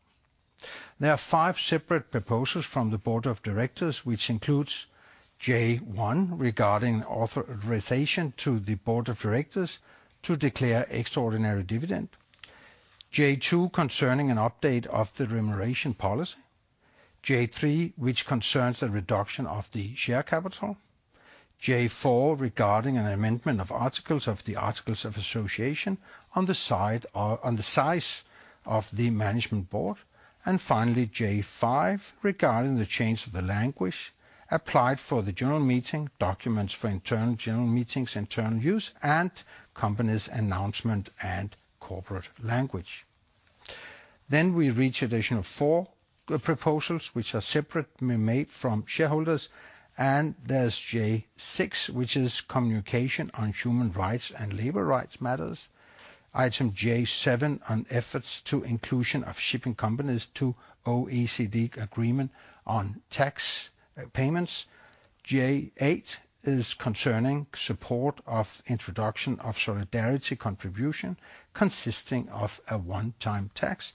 There are five separate proposals from the Board of Directors, which includes J1, regarding authorization to the Board of Directors to declare extraordinary dividend. J2, concerning an update of the remuneration policy. J3, which concerns a reduction of the share capital. J4, regarding an amendment of the articles of association on the size of the management board. Finally, J5, regarding the change of the language applied for the general meeting, documents for internal general meetings, internal use, and company's announcement and corporate language. We reach additional four proposals, which are separately made from shareholders. There's J6, which is communication on human rights and labor rights matters. Item J7 on efforts to inclusion of shipping companies to OECD agreement on tax payments. J8 is concerning support of introduction of solidarity contribution consisting of a one-time tax.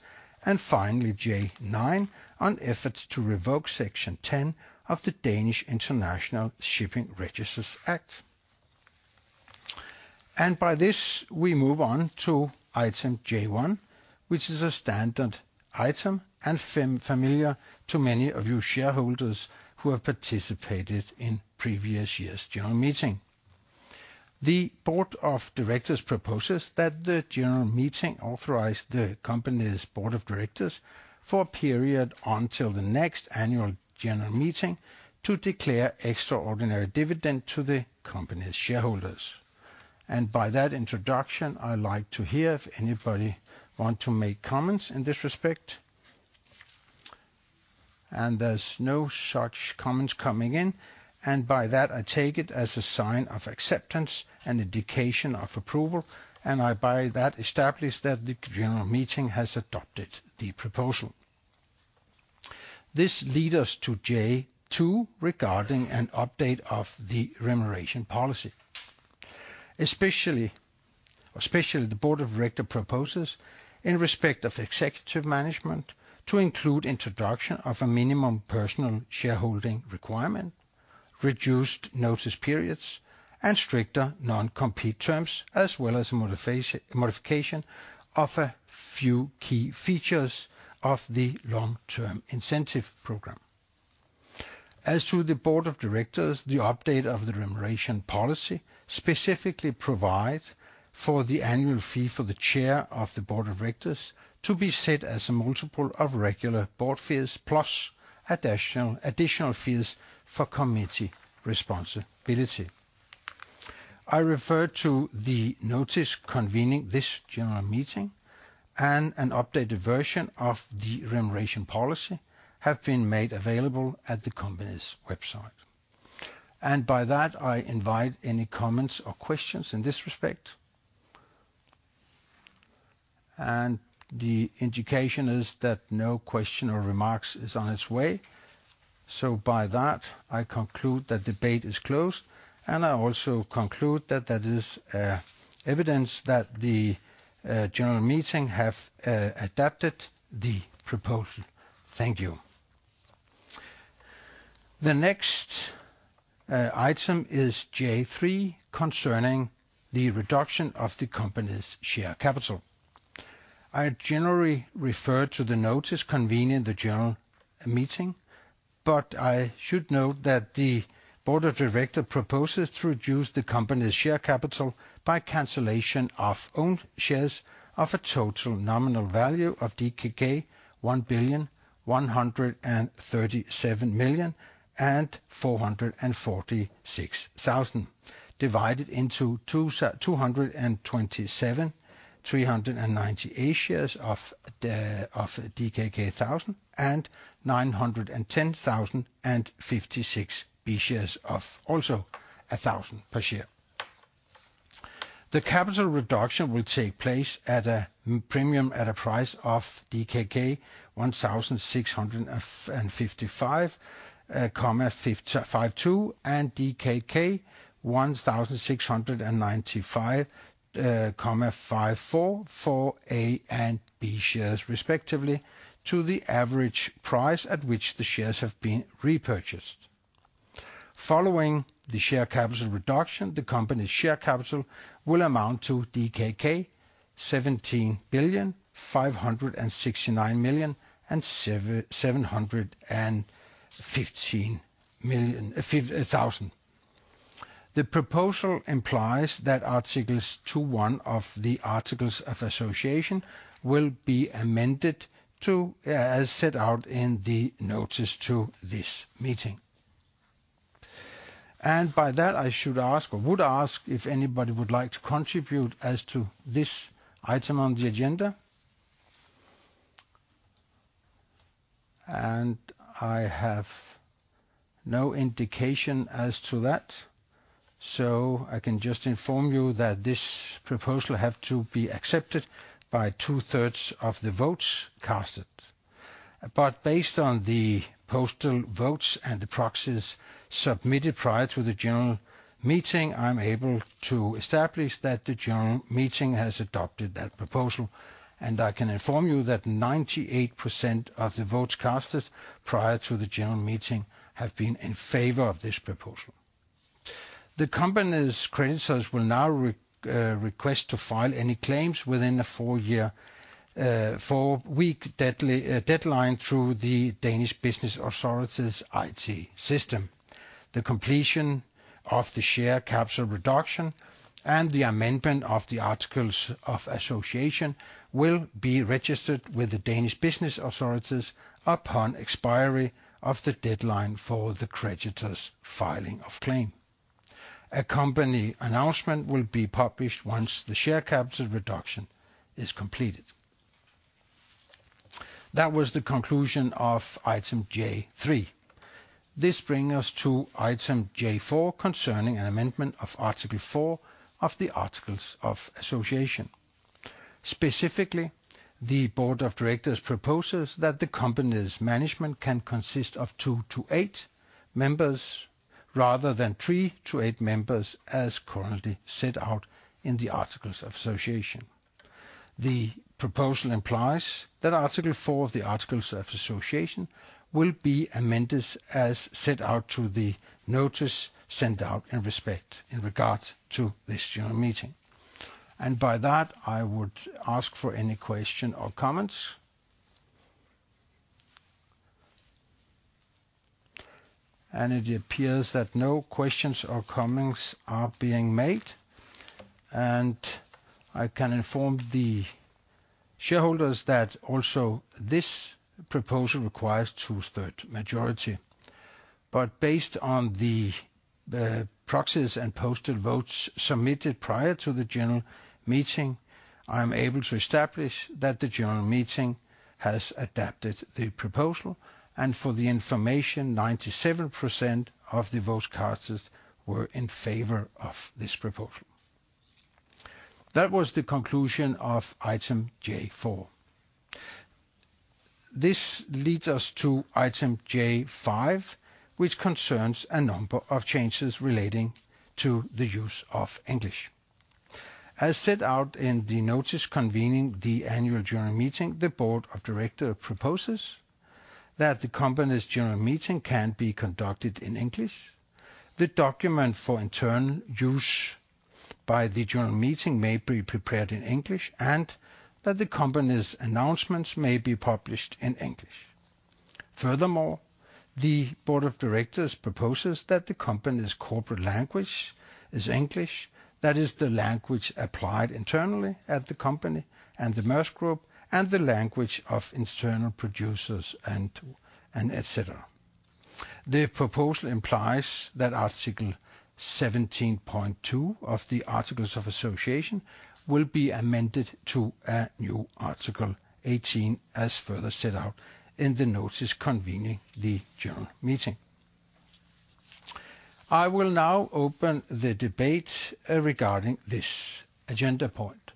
Finally, J9 on efforts to revoke Section 10 of the Danish International Shipping Register Act. By this, we move on to item J1, which is a standard item and familiar to many of you shareholders who have participated in previous years' general meeting. The board of directors proposes that the general meeting authorize the company's board of directors for a period until the next annual general meeting to declare extraordinary dividend to the company's shareholders. By that introduction, I'd like to hear if anybody want to make comments in this respect. There's no such comments coming in. By that, I take it as a sign of acceptance and indication of approval. I, by that, establish that the general meeting has adopted the proposal. This lead us to J2, regarding an update of the remuneration policy. Especially the board of director proposes in respect of executive management to include introduction of a minimum personal shareholding requirement, reduced notice periods, and stricter non-compete terms, as well as a modification of a few key features of the long-term incentive program. As to the board of directors, the update of the remuneration policy specifically provide for the annual fee for the chair of the board of directors to be set as a multiple of regular board fees plus additional fees for committee responsibility. I refer to the notice convening this general meeting and an updated version of the remuneration policy have been made available at the company's website. By that, I invite any comments or questions in this respect. The indication is that no question or remarks is on its way. By that, I conclude that debate is closed, and I also conclude that that is evidence that the general meeting have adapted the proposal. Thank you. The next item is J3, concerning the reduction of the company's share capital. I generally refer to the notice convening the general meeting, but I should note that the Board of Directors proposes to reduce the company's share capital by cancellation of own shares of a total nominal value of DKK 1,137,446,000, divided into 227,398 shares of DKK 1,000, and 910,056 B-shares of also 1,000 per share. The capital reduction will take place at a premium at a price of DKK 1,655.552 and DKK 1,695.54 for A and B shares respectively to the average price at which the shares have been repurchased. Following the share capital reduction, the company's share capital will amount to DKK 17 billion 569 million and 715 million thousand. The proposal implies that Articles 21 of the Articles of Association will be amended to as set out in the notice to this meeting. By that, I should ask or would ask if anybody would like to contribute as to this item on the agenda. I have no indication as to that, so I can just inform you that this proposal have to be accepted by two-thirds of the votes casted. Based on the postal votes and the proxies submitted prior to the general meeting, I'm able to establish that the general meeting has adopted that proposal, and I can inform you that 98% of the votes casted prior to the general meeting have been in favor of this proposal. The company's creditors will now request to file any claims within the 4-week deadline through the Danish Business Authorities IT system. The completion of the share capital reduction and the amendment of the Articles of Association will be registered with the Danish Business Authorities upon expiry of the deadline for the creditors' filing of claim. A company announcement will be published once the share capital reduction is completed. That was the conclusion of item J3. This bring us to item J4 concerning an amendment of Article four of the Articles of Association. Specifically, the board of directors proposes that the company's management can consist of two to eight members, rather than three to eight members, as currently set out in the Articles of Association. The proposal implies that Article four of the Articles of Association will be amended as set out to the notice sent out in respect in regard to this general meeting. By that, I would ask for any question or comments. It appears that no questions or comments are being made, and I can inform the shareholders that also this proposal requires two-third majority. Based on the proxies and postal votes submitted prior to the general meeting, I'm able to establish that the general meeting has adopted the proposal, and for the information, 97% of the votes casted were in favor of this proposal. That was the conclusion of item J4. This leads us to item J5, which concerns a number of changes relating to the use of English. As set out in the notice convening the Annual General Meeting, the board of director proposes that the company's general meeting can be conducted in English. The document for internal use by the general meeting may be prepared in English and that the company's announcements may be published in English. Furthermore, the board of directors proposes that the company's corporate language is English. That is the language applied internally at the company and the Mærsk group and the language of internal producers and et cetera. The proposal implies that Article 17.2 of the Articles of Association will be amended to a new Article 18 as further set out in the notice convening the general meeting. I will now open the debate regarding this agenda point.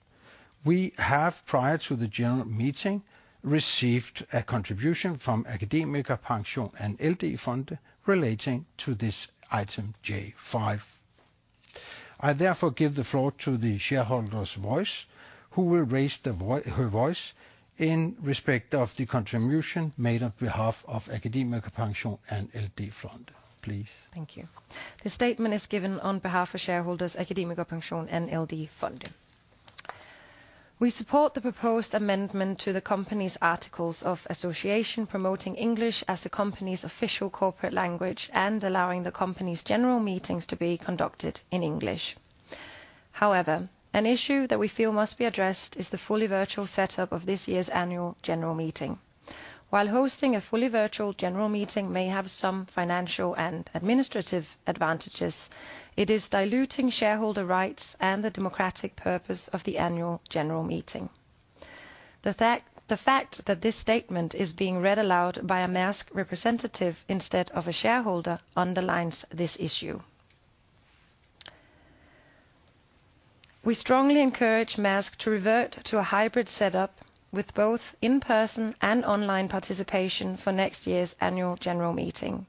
We have, prior to the general meeting, received a contribution from AkademikerPension and LD Fonde relating to this item J5. I therefore give the floor to the shareholders' voice, who will raise her voice in respect of the contribution made on behalf of AkademikerPension and LD Fonde. Please. Thank you. The statement is given on behalf of shareholders AkademikerPension and LD Fonde. We support the proposed amendment to the company's articles of association promoting English as the company's official corporate language and allowing the company's general meetings to be conducted in English. However, an issue that we feel must be addressed is the fully virtual setup of this year's annual general meeting. While hosting a fully virtual general meeting may have some financial and administrative advantages, it is diluting shareholder rights and the democratic purpose of the annual general meeting. The fact that this statement is being read aloud by a Mærsk representative instead of a shareholder underlines this issue. We strongly encourage Mærsk to revert to a hybrid setup with both in-person and online participation for next year's annual general meeting.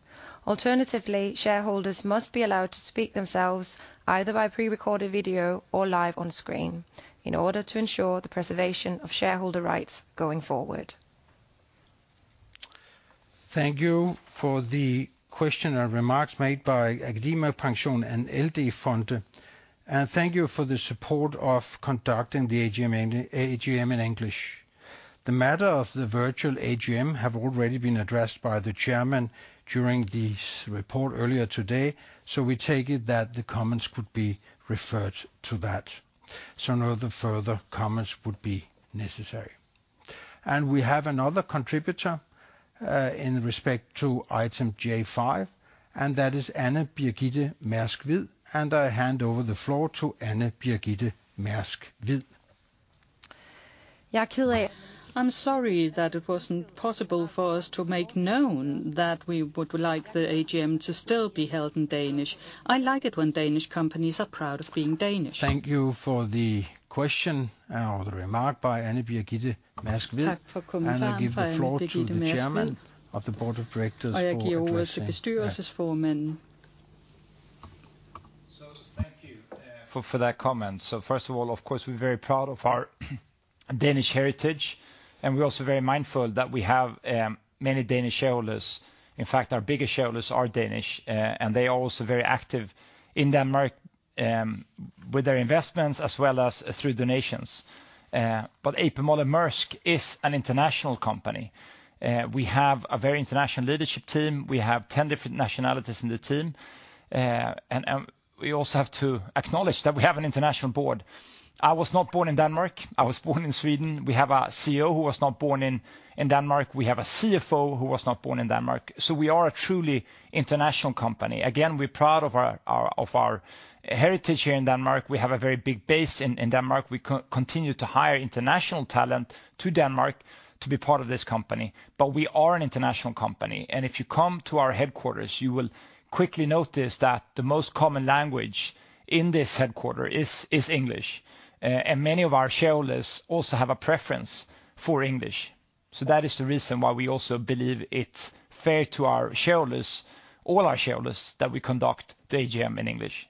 Alternatively, shareholders must be allowed to speak themselves, either by prerecorded video or live on screen, in order to ensure the preservation of shareholder rights going forward. Thank you for the question and remarks made by AkademikerPension and LD Fonde. Thank you for the support of conducting the AGM in English. The matter of the virtual AGM have already been addressed by the chairman during the report earlier today, so we take it that the comments could be referred to that, so no other further comments would be necessary. We have another contributor in respect to item J5, and that is Ane Mærsk Mc-Kinney Uggla. I hand over the floor to Ane Mærsk Mc-Kinney Uggla. I'm sorry that it wasn't possible for us to make known that we would like the AGM to still be held in Danish. I like it when Danish companies are proud of being Danish. Thank you for the question and the remark by Ane Mærsk Mc-Kinney Uggla. I give the floor to the Chairman of the Board of Directors for addressing that. Thank you for that comment. First of all, of course, we're very proud of our Danish heritage, and we're also very mindful that we have many Danish shareholders. In fact, our biggest shareholders are Danish, and they are also very active in Denmark with their investments as well as through donations. A.P. Møller - Mærsk is an international company. We have a very international leadership team. We have 10 different nationalities in the team. And we also have to acknowledge that we have an international board. I was not born in Denmark. I was born in Sweden. We have a CEO who was not born in Denmark. We have a CFO who was not born in Denmark. We are a truly international company. Again, we're proud of our heritage here in Denmark. We have a very big base in Denmark. We continue to hire international talent to Denmark to be part of this company. We are an international company. If you come to our headquarters, you will quickly notice that the most common language in this headquarter is English. Many of our shareholders also have a preference for English. That is the reason why we also believe it's fair to our shareholders, all our shareholders, that we conduct the AGM in English.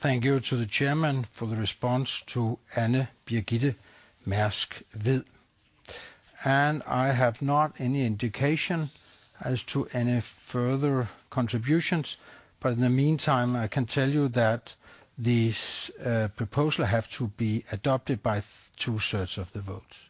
Thank you to the chairman for the response to Ane Mærsk Mc-Kinney Uggla. I have not any indication as to any further contributions. But in the meantime, I can tell you that this proposal have to be adopted by two-thirds of the votes.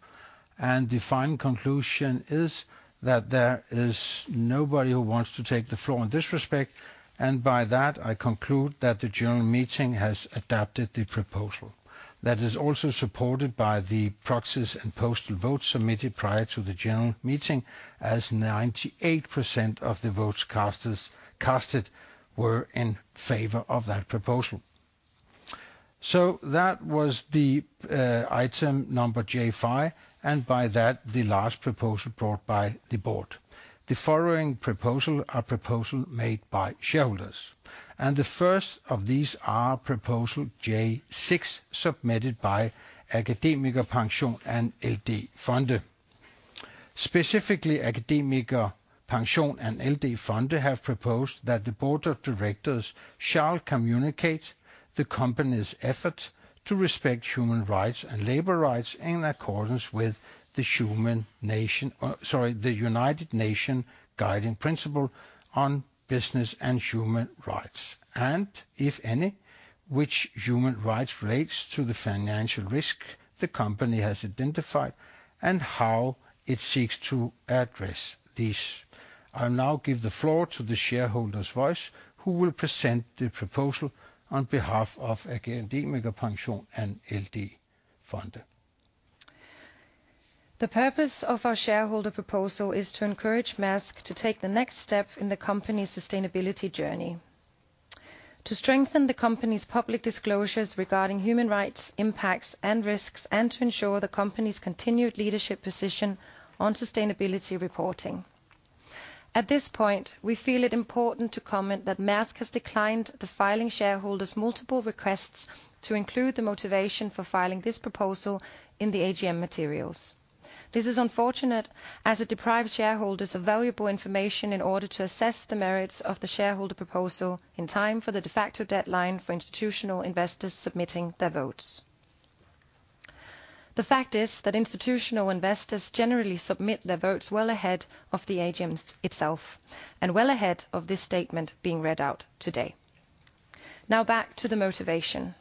The final conclusion is that there is nobody who wants to take the floor in this respect. And by that, I conclude that the general meeting has adopted the proposal. That is also supported by the proxies and postal votes submitted prior to the general meeting, as 98% of the votes casted were in favor of that proposal. So that was the item number J5, and by that, the last proposal brought by the board. The following proposal are proposal made by shareholders. The first of these are proposal J6, submitted by AkademikerPension and LD Fonde. Specifically, AkademikerPension and LD Fonde have proposed that the board of directors shall communicate the company's efforts to respect human rights and labor rights in accordance with the human nation, sorry, the United Nations Guiding Principles on Business and Human Rights. If any, which human rights relates to the financial risk the company has identified and how it seeks to address these. I'll now give the floor to the shareholder's voice, who will present the proposal on behalf of AkademikerPension and LD Fonde. The purpose of our shareholder proposal is to encourage Mærsk to take the next step in the company's sustainability journey, to strengthen the company's public disclosures regarding human rights impacts and risks, and to ensure the company's continued leadership position on sustainability reporting. At this point, we feel it important to comment that Mærsk has declined the filing shareholder's multiple requests to include the motivation for filing this proposal in the AGM materials. This is unfortunate, as it deprives shareholders of valuable information in order to assess the merits of the shareholder proposal in time for the de facto deadline for institutional investors submitting their votes. The fact is that institutional investors generally submit their votes well ahead of the AGM itself, and well ahead of this statement being read out today. Now back to the motivation.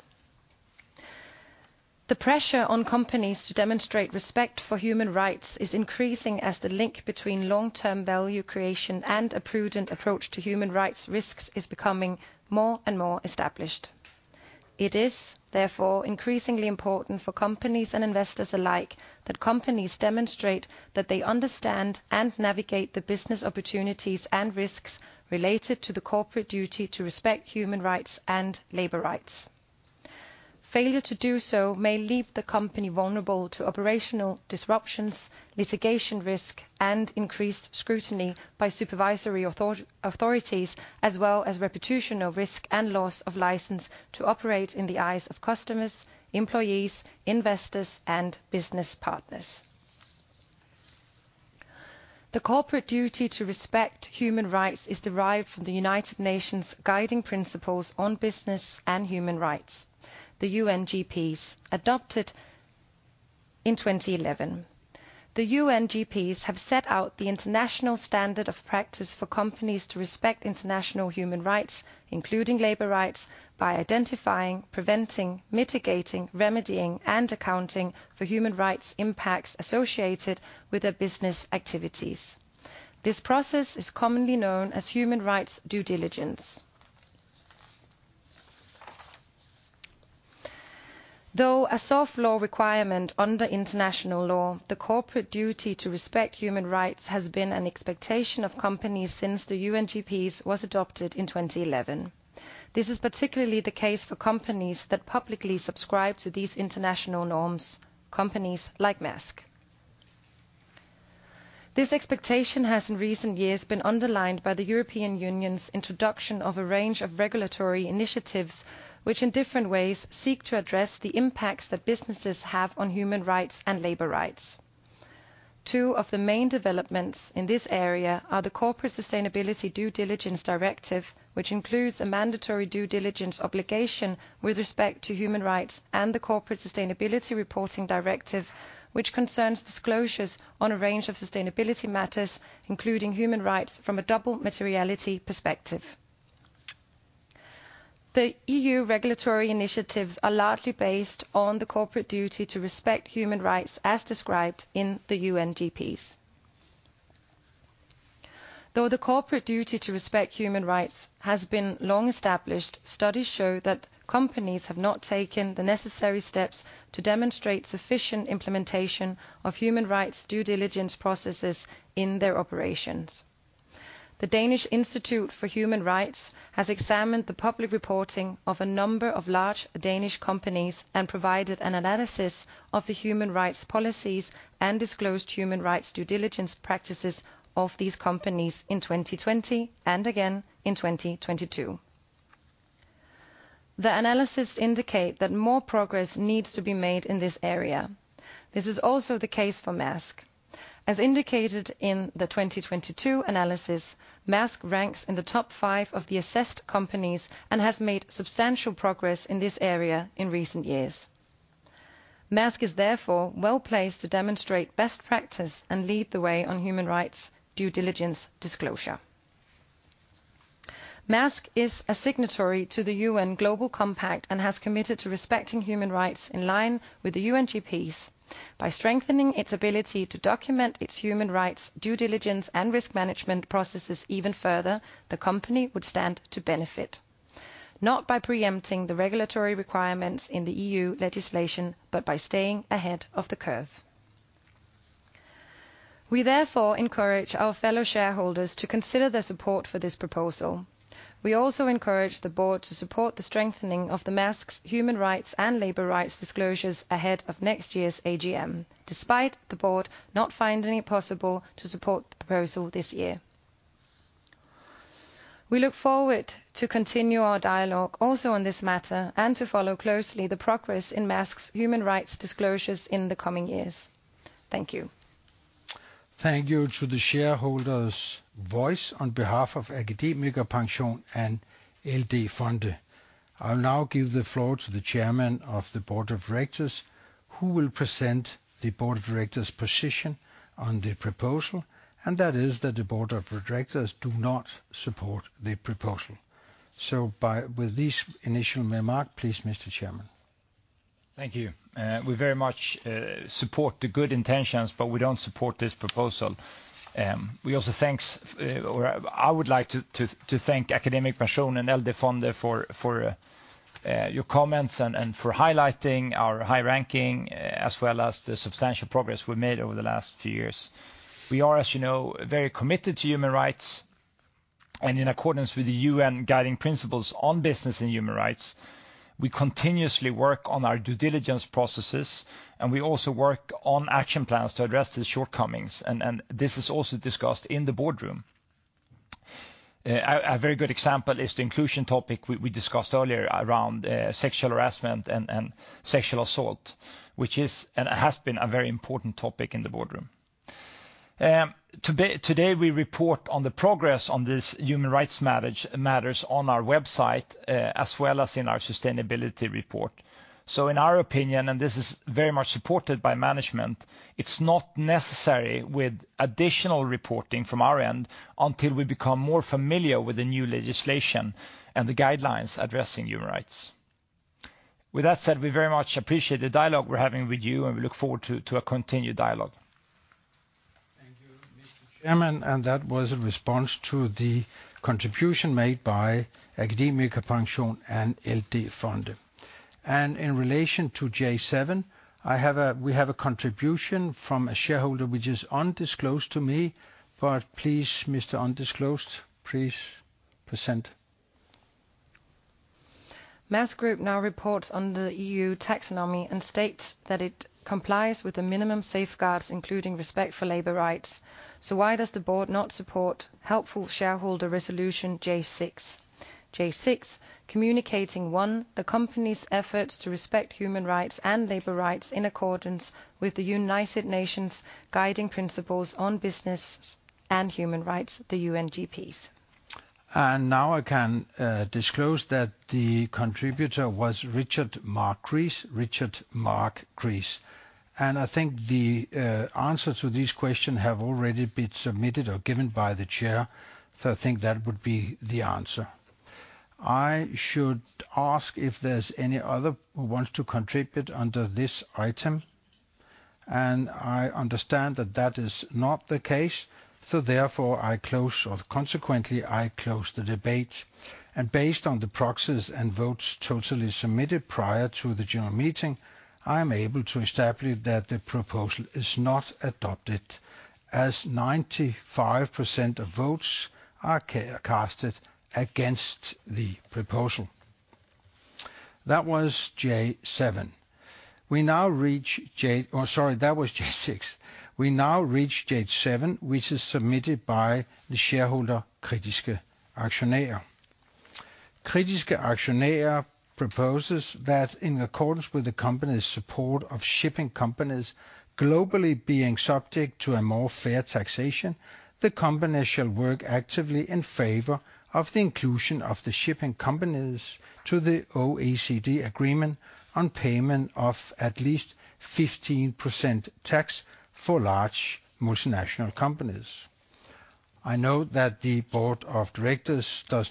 The pressure on companies to demonstrate respect for human rights is increasing as the link between long-term value creation and a prudent approach to human rights risks is becoming more and more established. It is therefore increasingly important for companies and investors alike that companies demonstrate that they understand and navigate the business opportunities and risks related to the corporate duty to respect human rights and labor rights. Failure to do so may leave the company vulnerable to operational disruptions, litigation risk, and increased scrutiny by supervisory authorities, as well as reputational risk and loss of license to operate in the eyes of customers, employees, investors, and business partners. The corporate duty to respect human rights is derived from the United Nations Guiding Principles on Business and Human Rights, the UNGPs, adopted in 2011. The UNGPs have set out the international standard of practice for companies to respect international human rights, including labor rights, by identifying, preventing, mitigating, remedying, and accounting for human rights impacts associated with their business activities. This process is commonly known as human rights due diligence. Though a soft law requirement under international law, the corporate duty to respect human rights has been an expectation of companies since the UNGPs was adopted in 2011. This is particularly the case for companies that publicly subscribe to these international norms, companies like Mærsk. This expectation has in recent years been underlined by the European Union's introduction of a range of regulatory initiatives, which in different ways seek to address the impacts that businesses have on human rights and labor rights. Two of the main developments in this area are the Corporate Sustainability Due Diligence Directive, which includes a mandatory due diligence obligation with respect to human rights, and the Corporate Sustainability Reporting Directive, which concerns disclosures on a range of sustainability matters, including human rights from a double materiality perspective. The EU regulatory initiatives are largely based on the corporate duty to respect human rights as described in the UNGPs. Though the corporate duty to respect human rights has been long established, studies show that companies have not taken the necessary steps to demonstrate sufficient implementation of human rights due diligence processes in their operations. The Danish Institute for Human Rights has examined the public reporting of a number of large Danish companies and provided an analysis of the human rights policies and disclosed human rights due diligence practices of these companies in 2020 and again in 2022. The analysis indicate that more progress needs to be made in this area. This is also the case for Mærsk. As indicated in the 2022 analysis, Mærsk ranks in the top 5 of the assessed companies and has made substantial progress in this area in recent years. Mærsk is therefore well-placed to demonstrate best practice and lead the way on human rights due diligence disclosure. Mærsk is a signatory to the UN Global Compact and has committed to respecting human rights in line with the UNGPs. By strengthening its ability to document its human rights due diligence and risk management processes even further, the company would stand to benefit, not by preempting the regulatory requirements in the EU legislation, but by staying ahead of the curve. We therefore encourage our fellow shareholders to consider their support for this proposal. We also encourage the board to support the strengthening of Mærsk's human rights and labor rights disclosures ahead of next year's AGM, despite the board not finding it possible to support the proposal this year. We look forward to continue our dialogue also on this matter and to follow closely the progress in Mærsk's human rights disclosures in the coming years. Thank you. Thank you to the shareholders' voice on behalf of AkademikerPension and LD Fonde. I'll now give the floor to the chairman of the board of directors, who will present the board of directors' position on the proposal, and that is that the board of directors do not support the proposal. By, with this initial remark, please, Mr. Chairman. Thank you. We very much support the good intentions, but we don't support this proposal. We also thanks, or I would like to thank AkademikerPension and LD Fonde for your comments and for highlighting our high ranking as well as the substantial progress we've made over the last few years. We are, as you know, very committed to human rights, and in accordance with the UN Guiding Principles on Business and Human Rights, we continuously work on our due diligence processes, and we also work on action plans to address the shortcomings. This is also discussed in the boardroom. A very good example is the inclusion topic we discussed earlier around sexual harassment and sexual assault, which is and has been a very important topic in the boardroom. Today we report on the progress on this human rights matters on our website, as well as in our sustainability report. In our opinion, and this is very much supported by management, it's not necessary with additional reporting from our end until we become more familiar with the new legislation and the guidelines addressing human rights. With that said, we very much appreciate the dialogue we're having with you, and we look forward to a continued dialogue. Thank you, Mr. Chairman. That was a response to the contribution made by AkademikerPension and LD Fonde. In relation to J7, we have a contribution from a shareholder which is undisclosed to me. Please, Mr. Undisclosed, please present. Mærsk Group now reports on the EU taxonomy and states that it complies with the minimum safeguards, including respect for labor rights. Why does the board not support helpful shareholder resolution J6? J6, communicating, one, the company's efforts to respect human rights and labor rights in accordance with the United Nations Guiding Principles on Business and Human Rights, the UNGPs. Now I can disclose that the contributor was Richard Makris. Richard Makris. I think the answer to this question have already been submitted or given by the chair, so I think that would be the answer. I should ask if there's any other who wants to contribute under this item, and I understand that that is not the case. Therefore I close, or consequently I close the debate. Based on the proxies and votes totally submitted prior to the general meeting, I am able to establish that the proposal is not adopted, as 95% of votes are casted against the proposal. That was J7. Oh, sorry, that was J6. We now reach J7, which is submitted by the shareholder Kritiske Aktionærer. Kritiske Aktionærer proposes that in accordance with the company's support of shipping companies globally being subject to a more fair taxation, the company shall work actively in favor of the inclusion of the shipping companies to the OECD agreement on payment of at least 15% tax for large multinational companies. I note that the board of directors do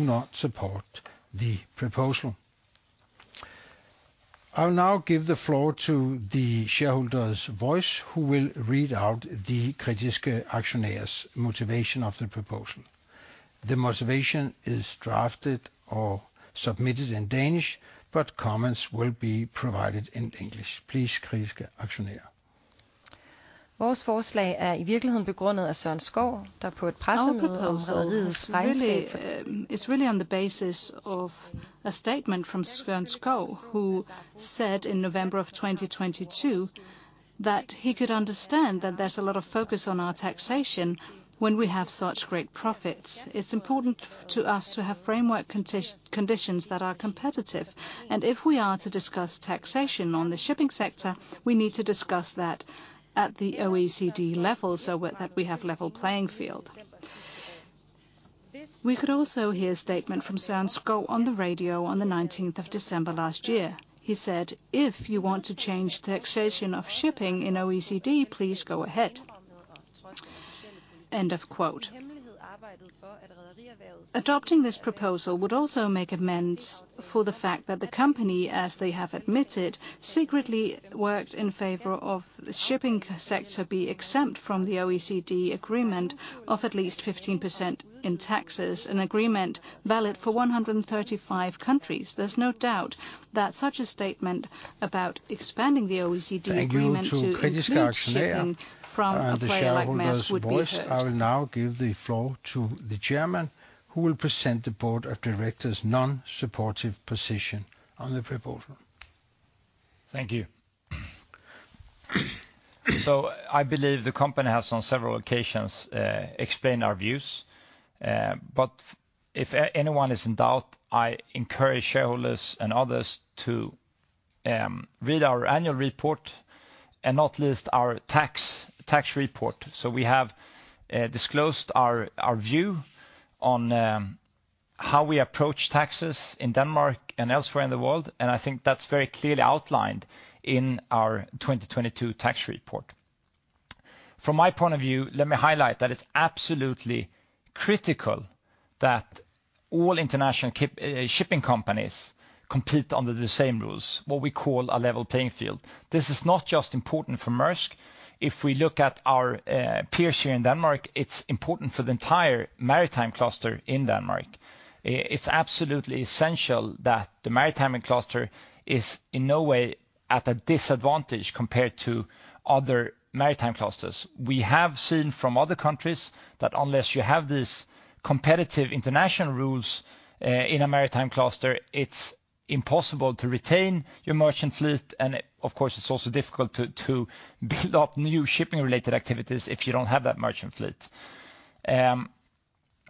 not support the proposal. I will now give the floor to the shareholders' voice, who will read out the Kritiske Aktionær's motivation of the proposal. The motivation is drafted or submitted in Danish, but comments will be provided in English. Please, Kritiske Aktionær. Our proposal is really, is really on the basis of a statement from Søren Skou, who said in November 2022 that he could understand that there's a lot of focus on our taxation when we have such great profits. It's important for, to us to have framework conditions that are competitive. If we are to discuss taxation on the shipping sector, we need to discuss that at the OECD level, so that we have level playing field. We could also hear a statement from Søren Skou on the radio on the 19th of December last year. He said, "If you want to change taxation of shipping in OECD, please go ahead." End of quote. Adopting this proposal would also make amends for the fact that the company, as they have admitted, secretly worked in favor of the shipping sector be exempt from the OECD agreement of at least 15% in taxes, an agreement valid for 135 countries. There's no doubt that such a statement about expanding the OECD agreement to. Thank you to Kritiske Aktionærer. include shipping the shareholders' voice. from a player like Mærsk would be heard. I will now give the floor to the Chairman, who will present the board of directors' non-supportive position on the proposal. Thank you. I believe the company has on several occasions explained our views. If anyone is in doubt, I encourage shareholders and others to read our annual report and not list our tax report. We have disclosed our view on how we approach taxes in Denmark and elsewhere in the world, and I think that's very clearly outlined in our 2022 tax report. From my point of view, let me highlight that it's absolutely critical that all international shipping companies compete under the same rules, what we call a level playing field. This is not just important for Mærsk. If we look at our peers here in Denmark, it's important for the entire maritime cluster in Denmark. It's absolutely essential that the maritime cluster is in no way at a disadvantage compared to other maritime clusters. We have seen from other countries that unless you have these competitive international rules in a maritime cluster, it's impossible to retain your merchant fleet. Of course, it's also difficult to build up new shipping related activities if you don't have that merchant fleet.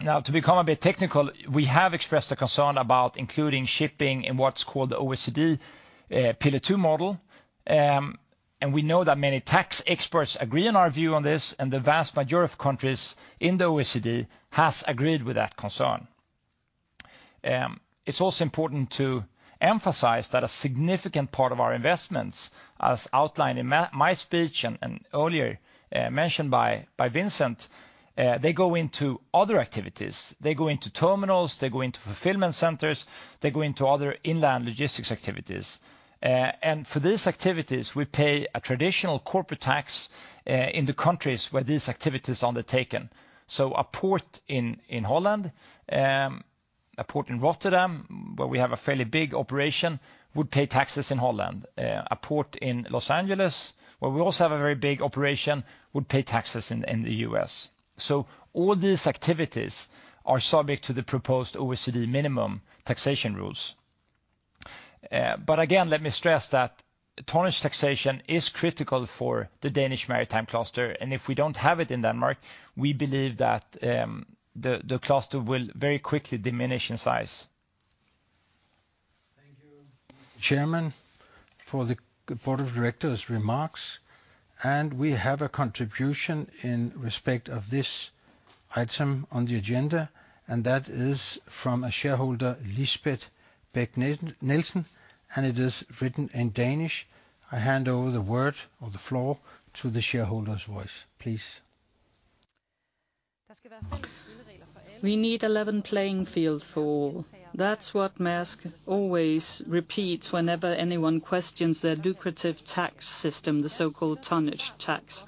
Now to become a bit technical, we have expressed a concern about including shipping in what's called OECD Pillar Two model. We know that many tax experts agree on our view on this, and the vast majority of countries in the OECD has agreed with that concern. It's also important to emphasize that a significant part of our investments, as outlined in my speech and earlier mentioned by Vincent, they go into other activities. They go into terminals, they go into fulfillment centers, they go into other inland logistics activities. For these activities, we pay a traditional corporate tax in the countries where these activities are undertaken. A port in Holland, a port in Rotterdam, where we have a fairly big operation, would pay taxes in Holland. A port in Los Angeles, where we also have a very big operation, would pay taxes in the US. All these activities are subject to the proposed OECD minimum taxation rules. Again, let me stress that tonnage taxation is critical for the Danish maritime cluster, if we don't have it in Denmark, we believe that the cluster will very quickly diminish in size. Thank you, Chairman, for the board of directors' remarks. We have a contribution in respect of this item on the agenda, and that is from a shareholder, Lisbeth Bech-Nielsen, and it is written in Danish. I hand over the word or the floor to the shareholder's voice, please. We need 11 playing fields for all. That's what Mærsk always repeats whenever anyone questions their lucrative tax system, the so-called tonnage tax.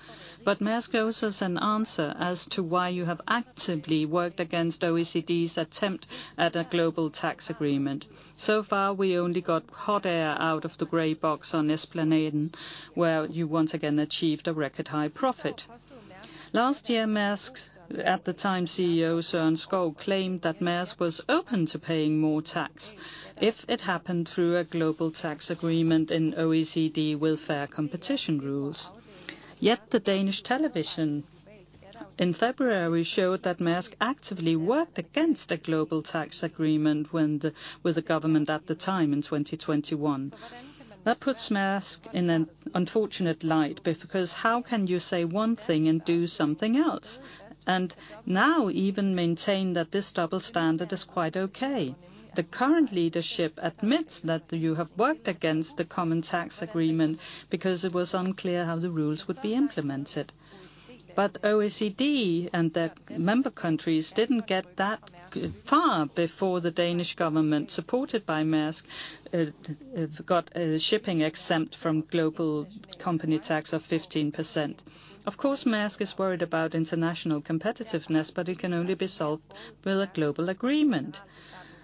Mærsk owes us an answer as to why you have actively worked against OECD's attempt at a global tax agreement. Far, we only got hot air out of the gray box on Esplanade, where you once again achieved a record high profit. Last year, Mærsk's, at the time, CEO Søren Skou claimed that Mærsk was open to paying more tax if it happened through a global tax agreement in OECD with fair competition rules. The Danish television in February showed that Mærsk actively worked against a global tax agreement with the government at the time in 2021. That puts Mærsk in an unfortunate light because how can you say one thing and do something else, and now even maintain that this double standard is quite okay? The current leadership admits that you have worked against the common tax agreement because it was unclear how the rules would be implemented. OECD and the member countries didn't get that far before the Danish government, supported by Mærsk, got shipping exempt from global company tax of 15%. Of course, Mærsk is worried about international competitiveness, but it can only be solved with a global agreement.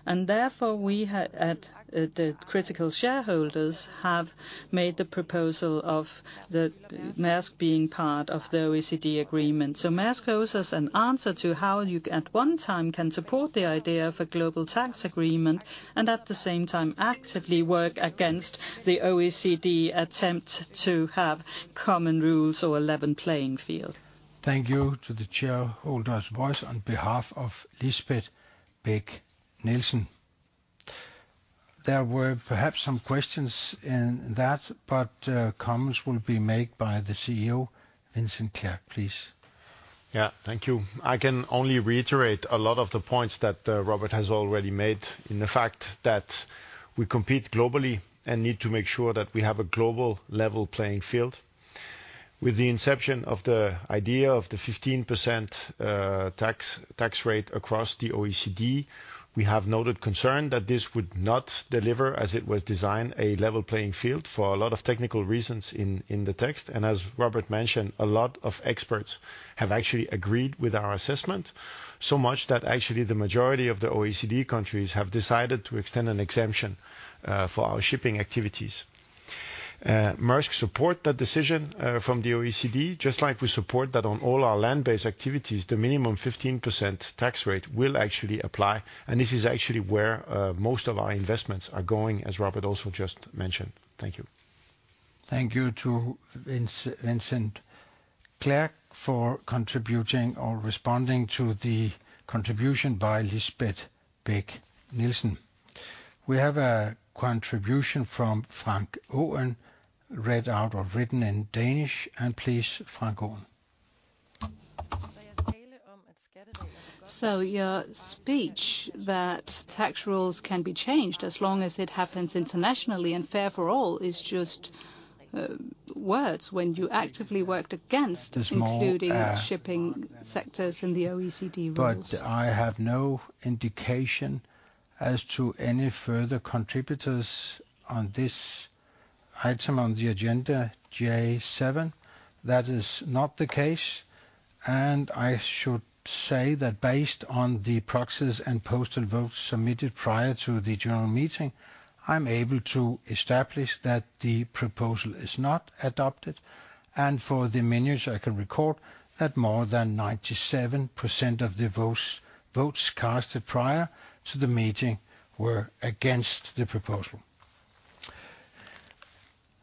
Therefore, we at the critical shareholders have made the proposal of Mærsk being part of the OECD agreement. Mærsk owes us an answer to how you at one time can support the idea of a global tax agreement and at the same time actively work against the OECD attempt to have common rules or level playing field. Thank you to the shareholder's voice on behalf of Lisbeth Bech-Nielsen. There were perhaps some questions in that. Comments will be made by the CEO, Vincent Clerc, please. Thank you. I can only reiterate a lot of the points that Robert has already made in the fact that we compete globally and need to make sure that we have a global level playing field. With the inception of the idea of the 15% tax rate across the OECD, we have noted concern that this would not deliver as it was designed, a level playing field, for a lot of technical reasons in the text. As Robert mentioned, a lot of experts have actually agreed with our assessment. So much that actually the majority of the OECD countries have decided to extend an exemption for our shipping activities. Mærsk support that decision from the OECD, just like we support that on all our land-based activities, the minimum 15% tax rate will actually apply. This is actually where, most of our investments are going, as Robert also just mentioned. Thank you. Thank you to Vincent Clerc for contributing or responding to the contribution by Lisbeth Bech-Nielsen. We have a contribution from Frank Aaen, read out or written in Danish. Please, Frank Aaen. Your speech that tax rules can be changed as long as it happens internationally and fair for all is just words when you actively worked against including shipping sectors in the OECD rules. I have no indication as to any further contributors on this item on the agenda, J 7. That is not the case. I should say that based on the proxies and postal votes submitted prior to the general meeting, I'm able to establish that the proposal is not adopted. For the minutes, I can record that more than 97% of the votes cast prior to the meeting were against the proposal.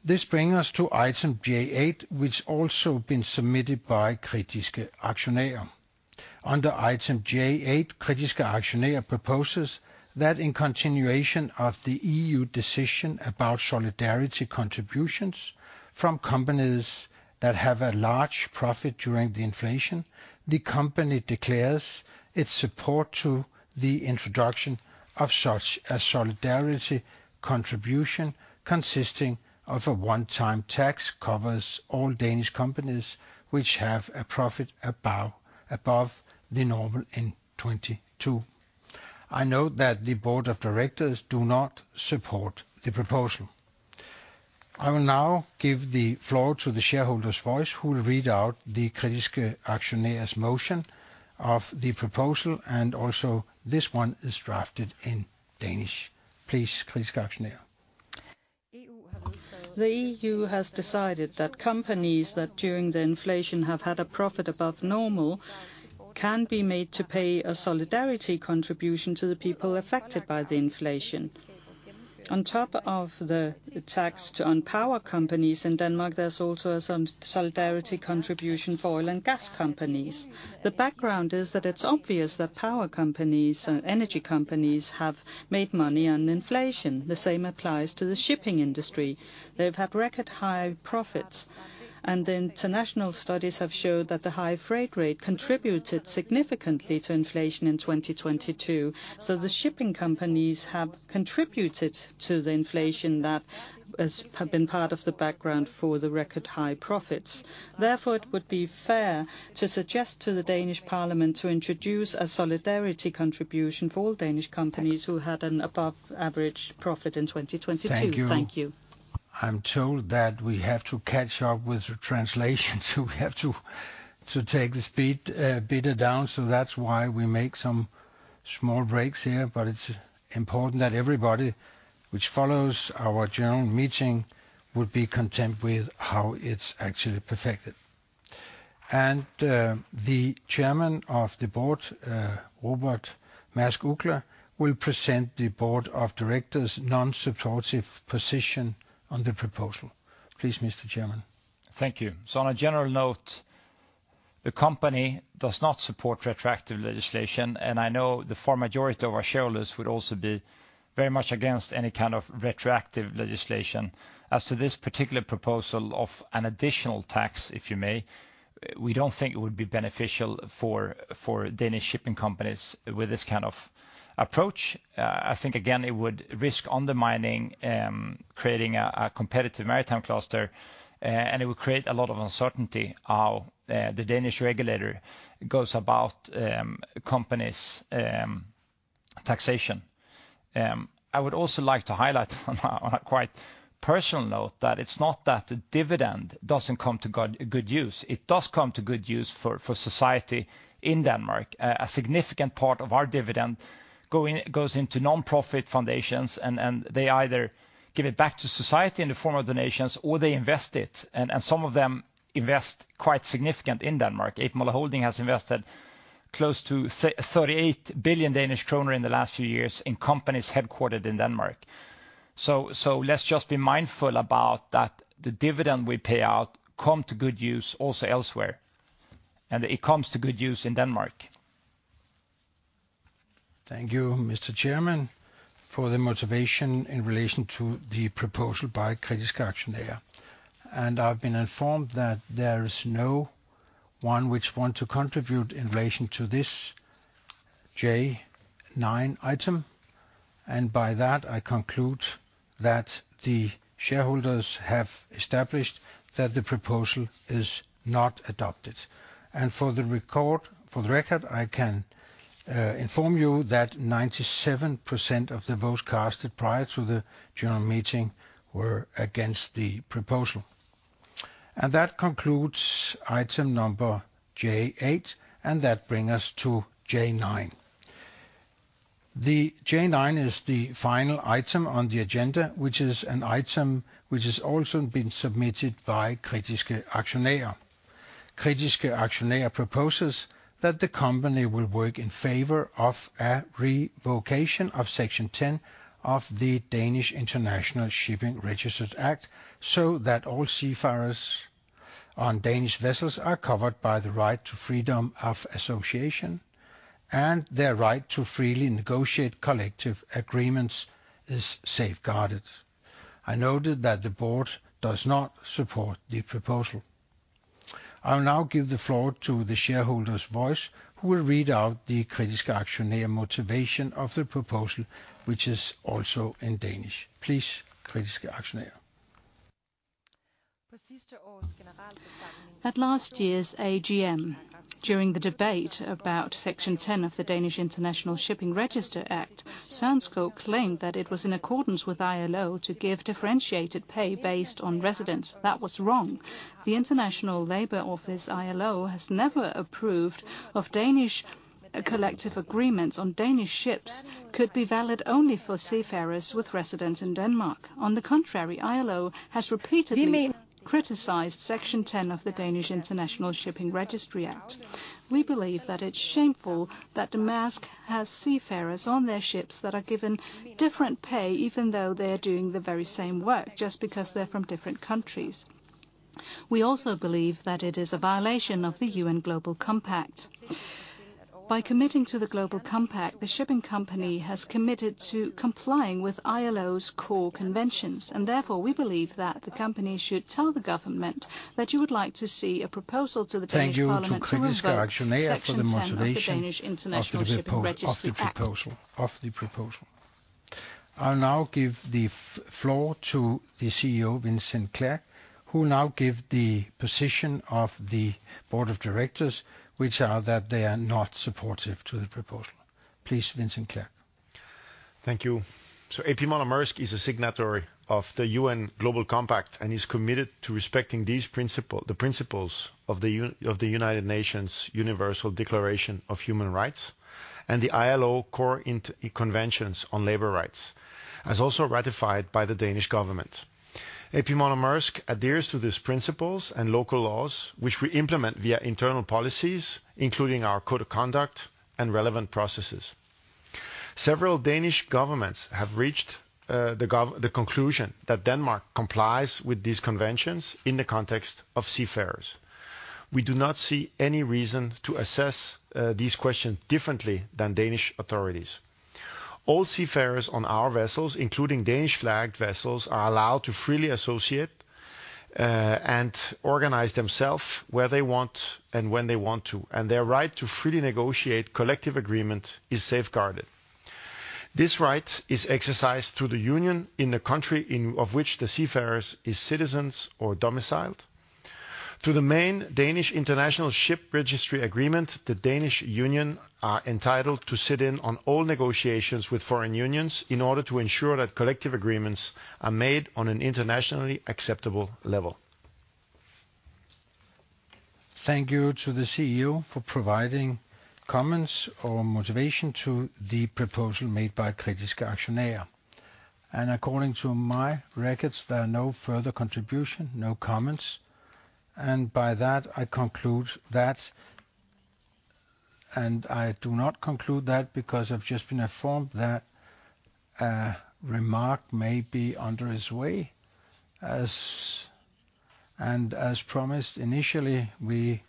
This bring us to item J 8, which also been submitted by Kritiske Aktionærer. Under item J 8, Kritiske Aktionærer proposes that in continuation of the EU decision about solidarity contributions from companies that have a large profit during the inflation, the company declares its support to the introduction of such a solidarity contribution consisting of a one-time tax, covers all Danish companies which have a profit above the normal in 2022. I note that the board of directors do not support the proposal. I will now give the floor to the shareholders' voice, who will read out the Kritiske Aktionærer's motion of the proposal. Also this one is drafted in Danish. Please, Kritiske Aktionærer. The EU has decided that companies that during the inflation have had a profit above normal can be made to pay a solidarity contribution to the people affected by the inflation. On top of the tax on power companies in Denmark, there's also a so-solidarity contribution for oil and gas companies. The background is that it's obvious that power companies and energy companies have made money on inflation. The same applies to the shipping industry. They've had record high profits. The international studies have showed that the high freight rate contributed significantly to inflation in 2022. The shipping companies have contributed to the inflation that have been part of the background for the record high profits. Therefore, it would be fair to suggest to the Danish Parliament to introduce a solidarity contribution for all Danish companies who had an above average profit in 2022. Thank you. Thank you. I'm told that we have to catch up with the translation, so we have to take the speed it down, so that's why we make some small breaks here. But it's important that everybody which follows our general meeting would be content with how it's actually perfected. The chairman of the board, Robert Mærsk Uggla, will present the board of directors' non-supportive position on the proposal. Please, Mr. Chairman. Thank you. On a general note, the company does not support retroactive legislation, and I know the far majority of our shareholders would also be very much against any kind of retroactive legislation. As to this particular proposal of an additional tax, if you may, we don't think it would be beneficial for Danish shipping companies with this kind of approach. I think again, it would risk undermining creating a competitive maritime cluster, and it would create a lot of uncertainty how the Danish regulator goes about companies' taxation. I would also like to highlight on a quite personal note that it's not that the dividend doesn't come to good use. It does come to good use for society in Denmark. A significant part of our dividend goes into nonprofit foundations, and they either give it back to society in the form of donations or they invest it. Some of them invest quite significant in Denmark. A.P. Moller Holding has invested close to 38 billion Danish kroner in the last few years in companies headquartered in Denmark. Let's just be mindful about that the dividend we pay out come to good use also elsewhere, and it comes to good use in Denmark. Thank you, Mr. Chairman, for the motivation in relation to the proposal by Kritiske Aktionær. I've been informed that there is no one which want to contribute in relation to this J9 item. By that, I conclude that the shareholders have established that the proposal is not adopted. For the record, I can inform you that 97% of the votes casted prior to the general meeting were against the proposal. That concludes item number J8, and that bring us to J9. The J9 is the final item on the agenda, which is an item which has also been submitted by Kritiske Aktionær. Kritiske Aktionær proposes that the company will work in favor of a revocation of Section 10 of the Danish International Shipping Register Act, so that all seafarers on Danish vessels are covered by the right to freedom of association, and their right to freely negotiate collective agreements is safeguarded. I noted that the board does not support the proposal. I will now give the floor to the shareholders' voice, who will read out the Kritiske Aktionær motivation of the proposal, which is also in Danish. Please, Kritiske Aktionær. At last year's AGM, during the debate about Section 10 of the Act on the Danish International Shipping Register, Søren Skou claimed that it was in accordance with ILO to give differentiated pay based on residence. That was wrong. The International Labour Organization, ILO, has never approved of Danish collective agreements on Danish ships could be valid only for seafarers with residence in Denmark. On the contrary, ILO has repeatedly criticized Section 10 of the Act on the Danish International Shipping Register. We believe that it's shameful that Mærsk has seafarers on their ships that are given different pay even though they are doing the very same work just because they're from different countries. We also believe that it is a violation of the UN Global Compact. By committing to the Global Compact, the shipping company has committed to complying with ILO's core conventions. Therefore, we believe that the company should tell the government that you would like to see a proposal to the Danish parliament. Thank you to Kritiske Aktionærer for the motivation of the proposal. I'll now give the floor to the CEO, Vincent Clerc, who will now give the position of the board of directors, which are that they are not supportive to the proposal. Please, Vincent Clerc. Thank you. A.P. Moller - Mærsk is a signatory of the UN Global Compact and is committed to respecting these principle, the principles of the United Nations Universal Declaration of Human Rights and the ILO Core Conventions on Labor Rights, as also ratified by the Danish government. A.P. Moller - Mærsk adheres to these principles and local laws which we implement via internal policies, including our code of conduct and relevant processes. Several Danish governments have reached the conclusion that Denmark complies with these conventions in the context of seafarers. We do not see any reason to assess these questions differently than Danish authorities. All seafarers on our vessels, including Danish-flagged vessels, are allowed to freely associate and organize themselves where they want and when they want to, and their right to freely negotiate collective agreement is safeguarded. This right is exercised through the union in the country of which the seafarers is citizens or domiciled. Through the main Danish International Ship Registry Agreement, the Danish Union are entitled to sit in on all negotiations with foreign unions in order to ensure that collective agreements are made on an internationally acceptable level. Thank you to the CEO for providing comments or motivation to the proposal made by Kritiske Aktionærer. According to my records, there are no further contribution, no comments, and by that I conclude that... I do not conclude that because I've just been informed that a remark may be under his way. As promised, initially, we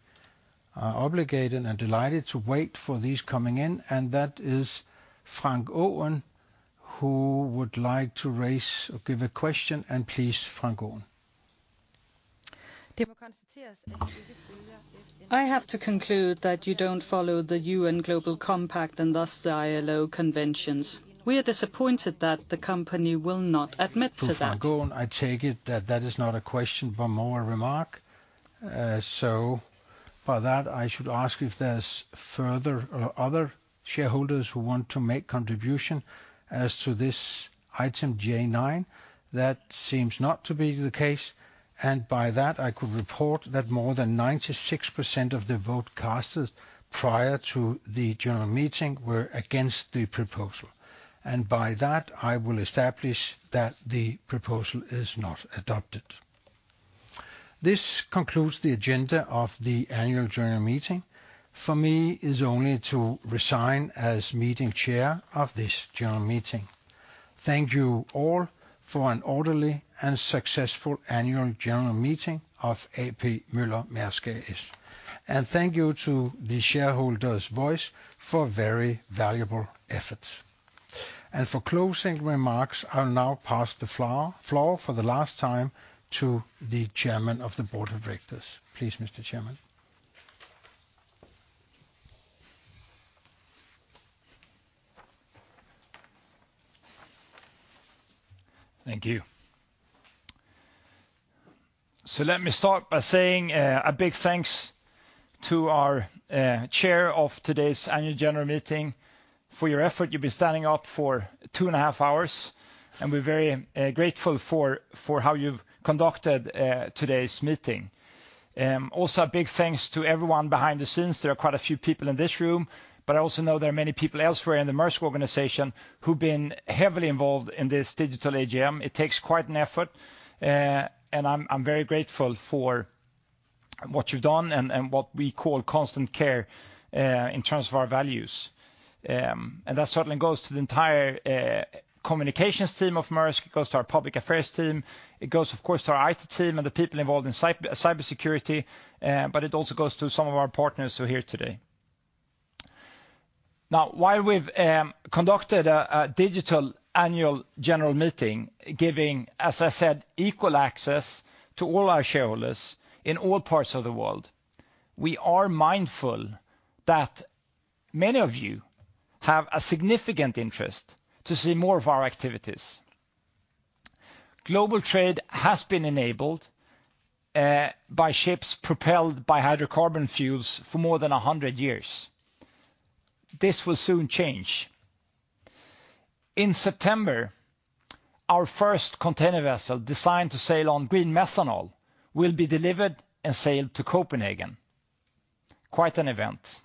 are obligated and delighted to wait for this coming in, and that is Frank Aaen who would like to raise or give a question, and please, Frank Aaen. I have to conclude that you don't follow the UN Global Compact and thus the ILO Conventions. We are disappointed that the company will not admit to that. To Frank Aaen, I take it that that is not a question, but more a remark. By that, I should ask if there's further or other shareholders who want to make contribution as to this item J-9. That seems not to be the case. By that, I could report that more than 96% of the vote casted prior to the general meeting were against the proposal. By that, I will establish that the proposal is not adopted. This concludes the agenda of the annual general meeting. For me, it is only to resign as meeting chair of this general meeting. Thank you all for an orderly and successful annual general meeting of A.P. Moller - Mærsk S. Thank you to the shareholders' voice for very valuable efforts. for closing remarks, I will now pass the floor for the last time to the Chairman of the Board of Directors. Please, Mr. Chairman. Thank you. Let me start by saying a big thanks to our chair of today's annual general meeting for your effort. You've been standing up for 2 and a half hours, and we're very grateful for how you've conducted today's meeting. Also a big thanks to everyone behind the scenes. There are quite a few people in this room, but I also know there are many people elsewhere in the Mærsk organization who've been heavily involved in this digital AGM. It takes quite an effort, and I'm very grateful for what you've done and what we call constant care in terms of our values. That certainly goes to the entire communications team of Mærsk. It goes to our public affairs team. It goes, of course, to our IT team and the people involved in cybersecurity, it also goes to some of our partners who are here today. While we've conducted a digital annual general meeting, giving, as I said, equal access to all our shareholders in all parts of the world, we are mindful that many of you have a significant interest to see more of our activities. Global trade has been enabled by ships propelled by hydrocarbon fuels for more than 100 years. This will soon change. In September, our first container vessel designed to sail on green methanol will be delivered and sailed to Copenhagen. Quite an event.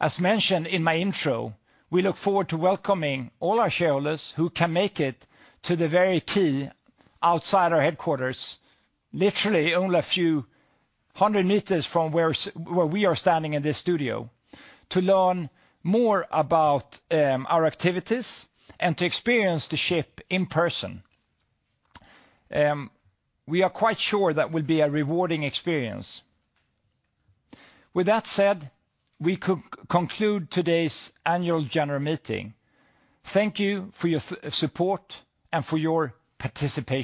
As mentioned in my intro, we look forward to welcoming all our shareholders who can make it to the very quay outside our headquarters, literally only a few hundred meters from where we are standing in this studio, to learn more about our activities and to experience the ship in person. We are quite sure that will be a rewarding experience. With that said, we conclude today's annual general meeting. Thank you for your support and for your participation.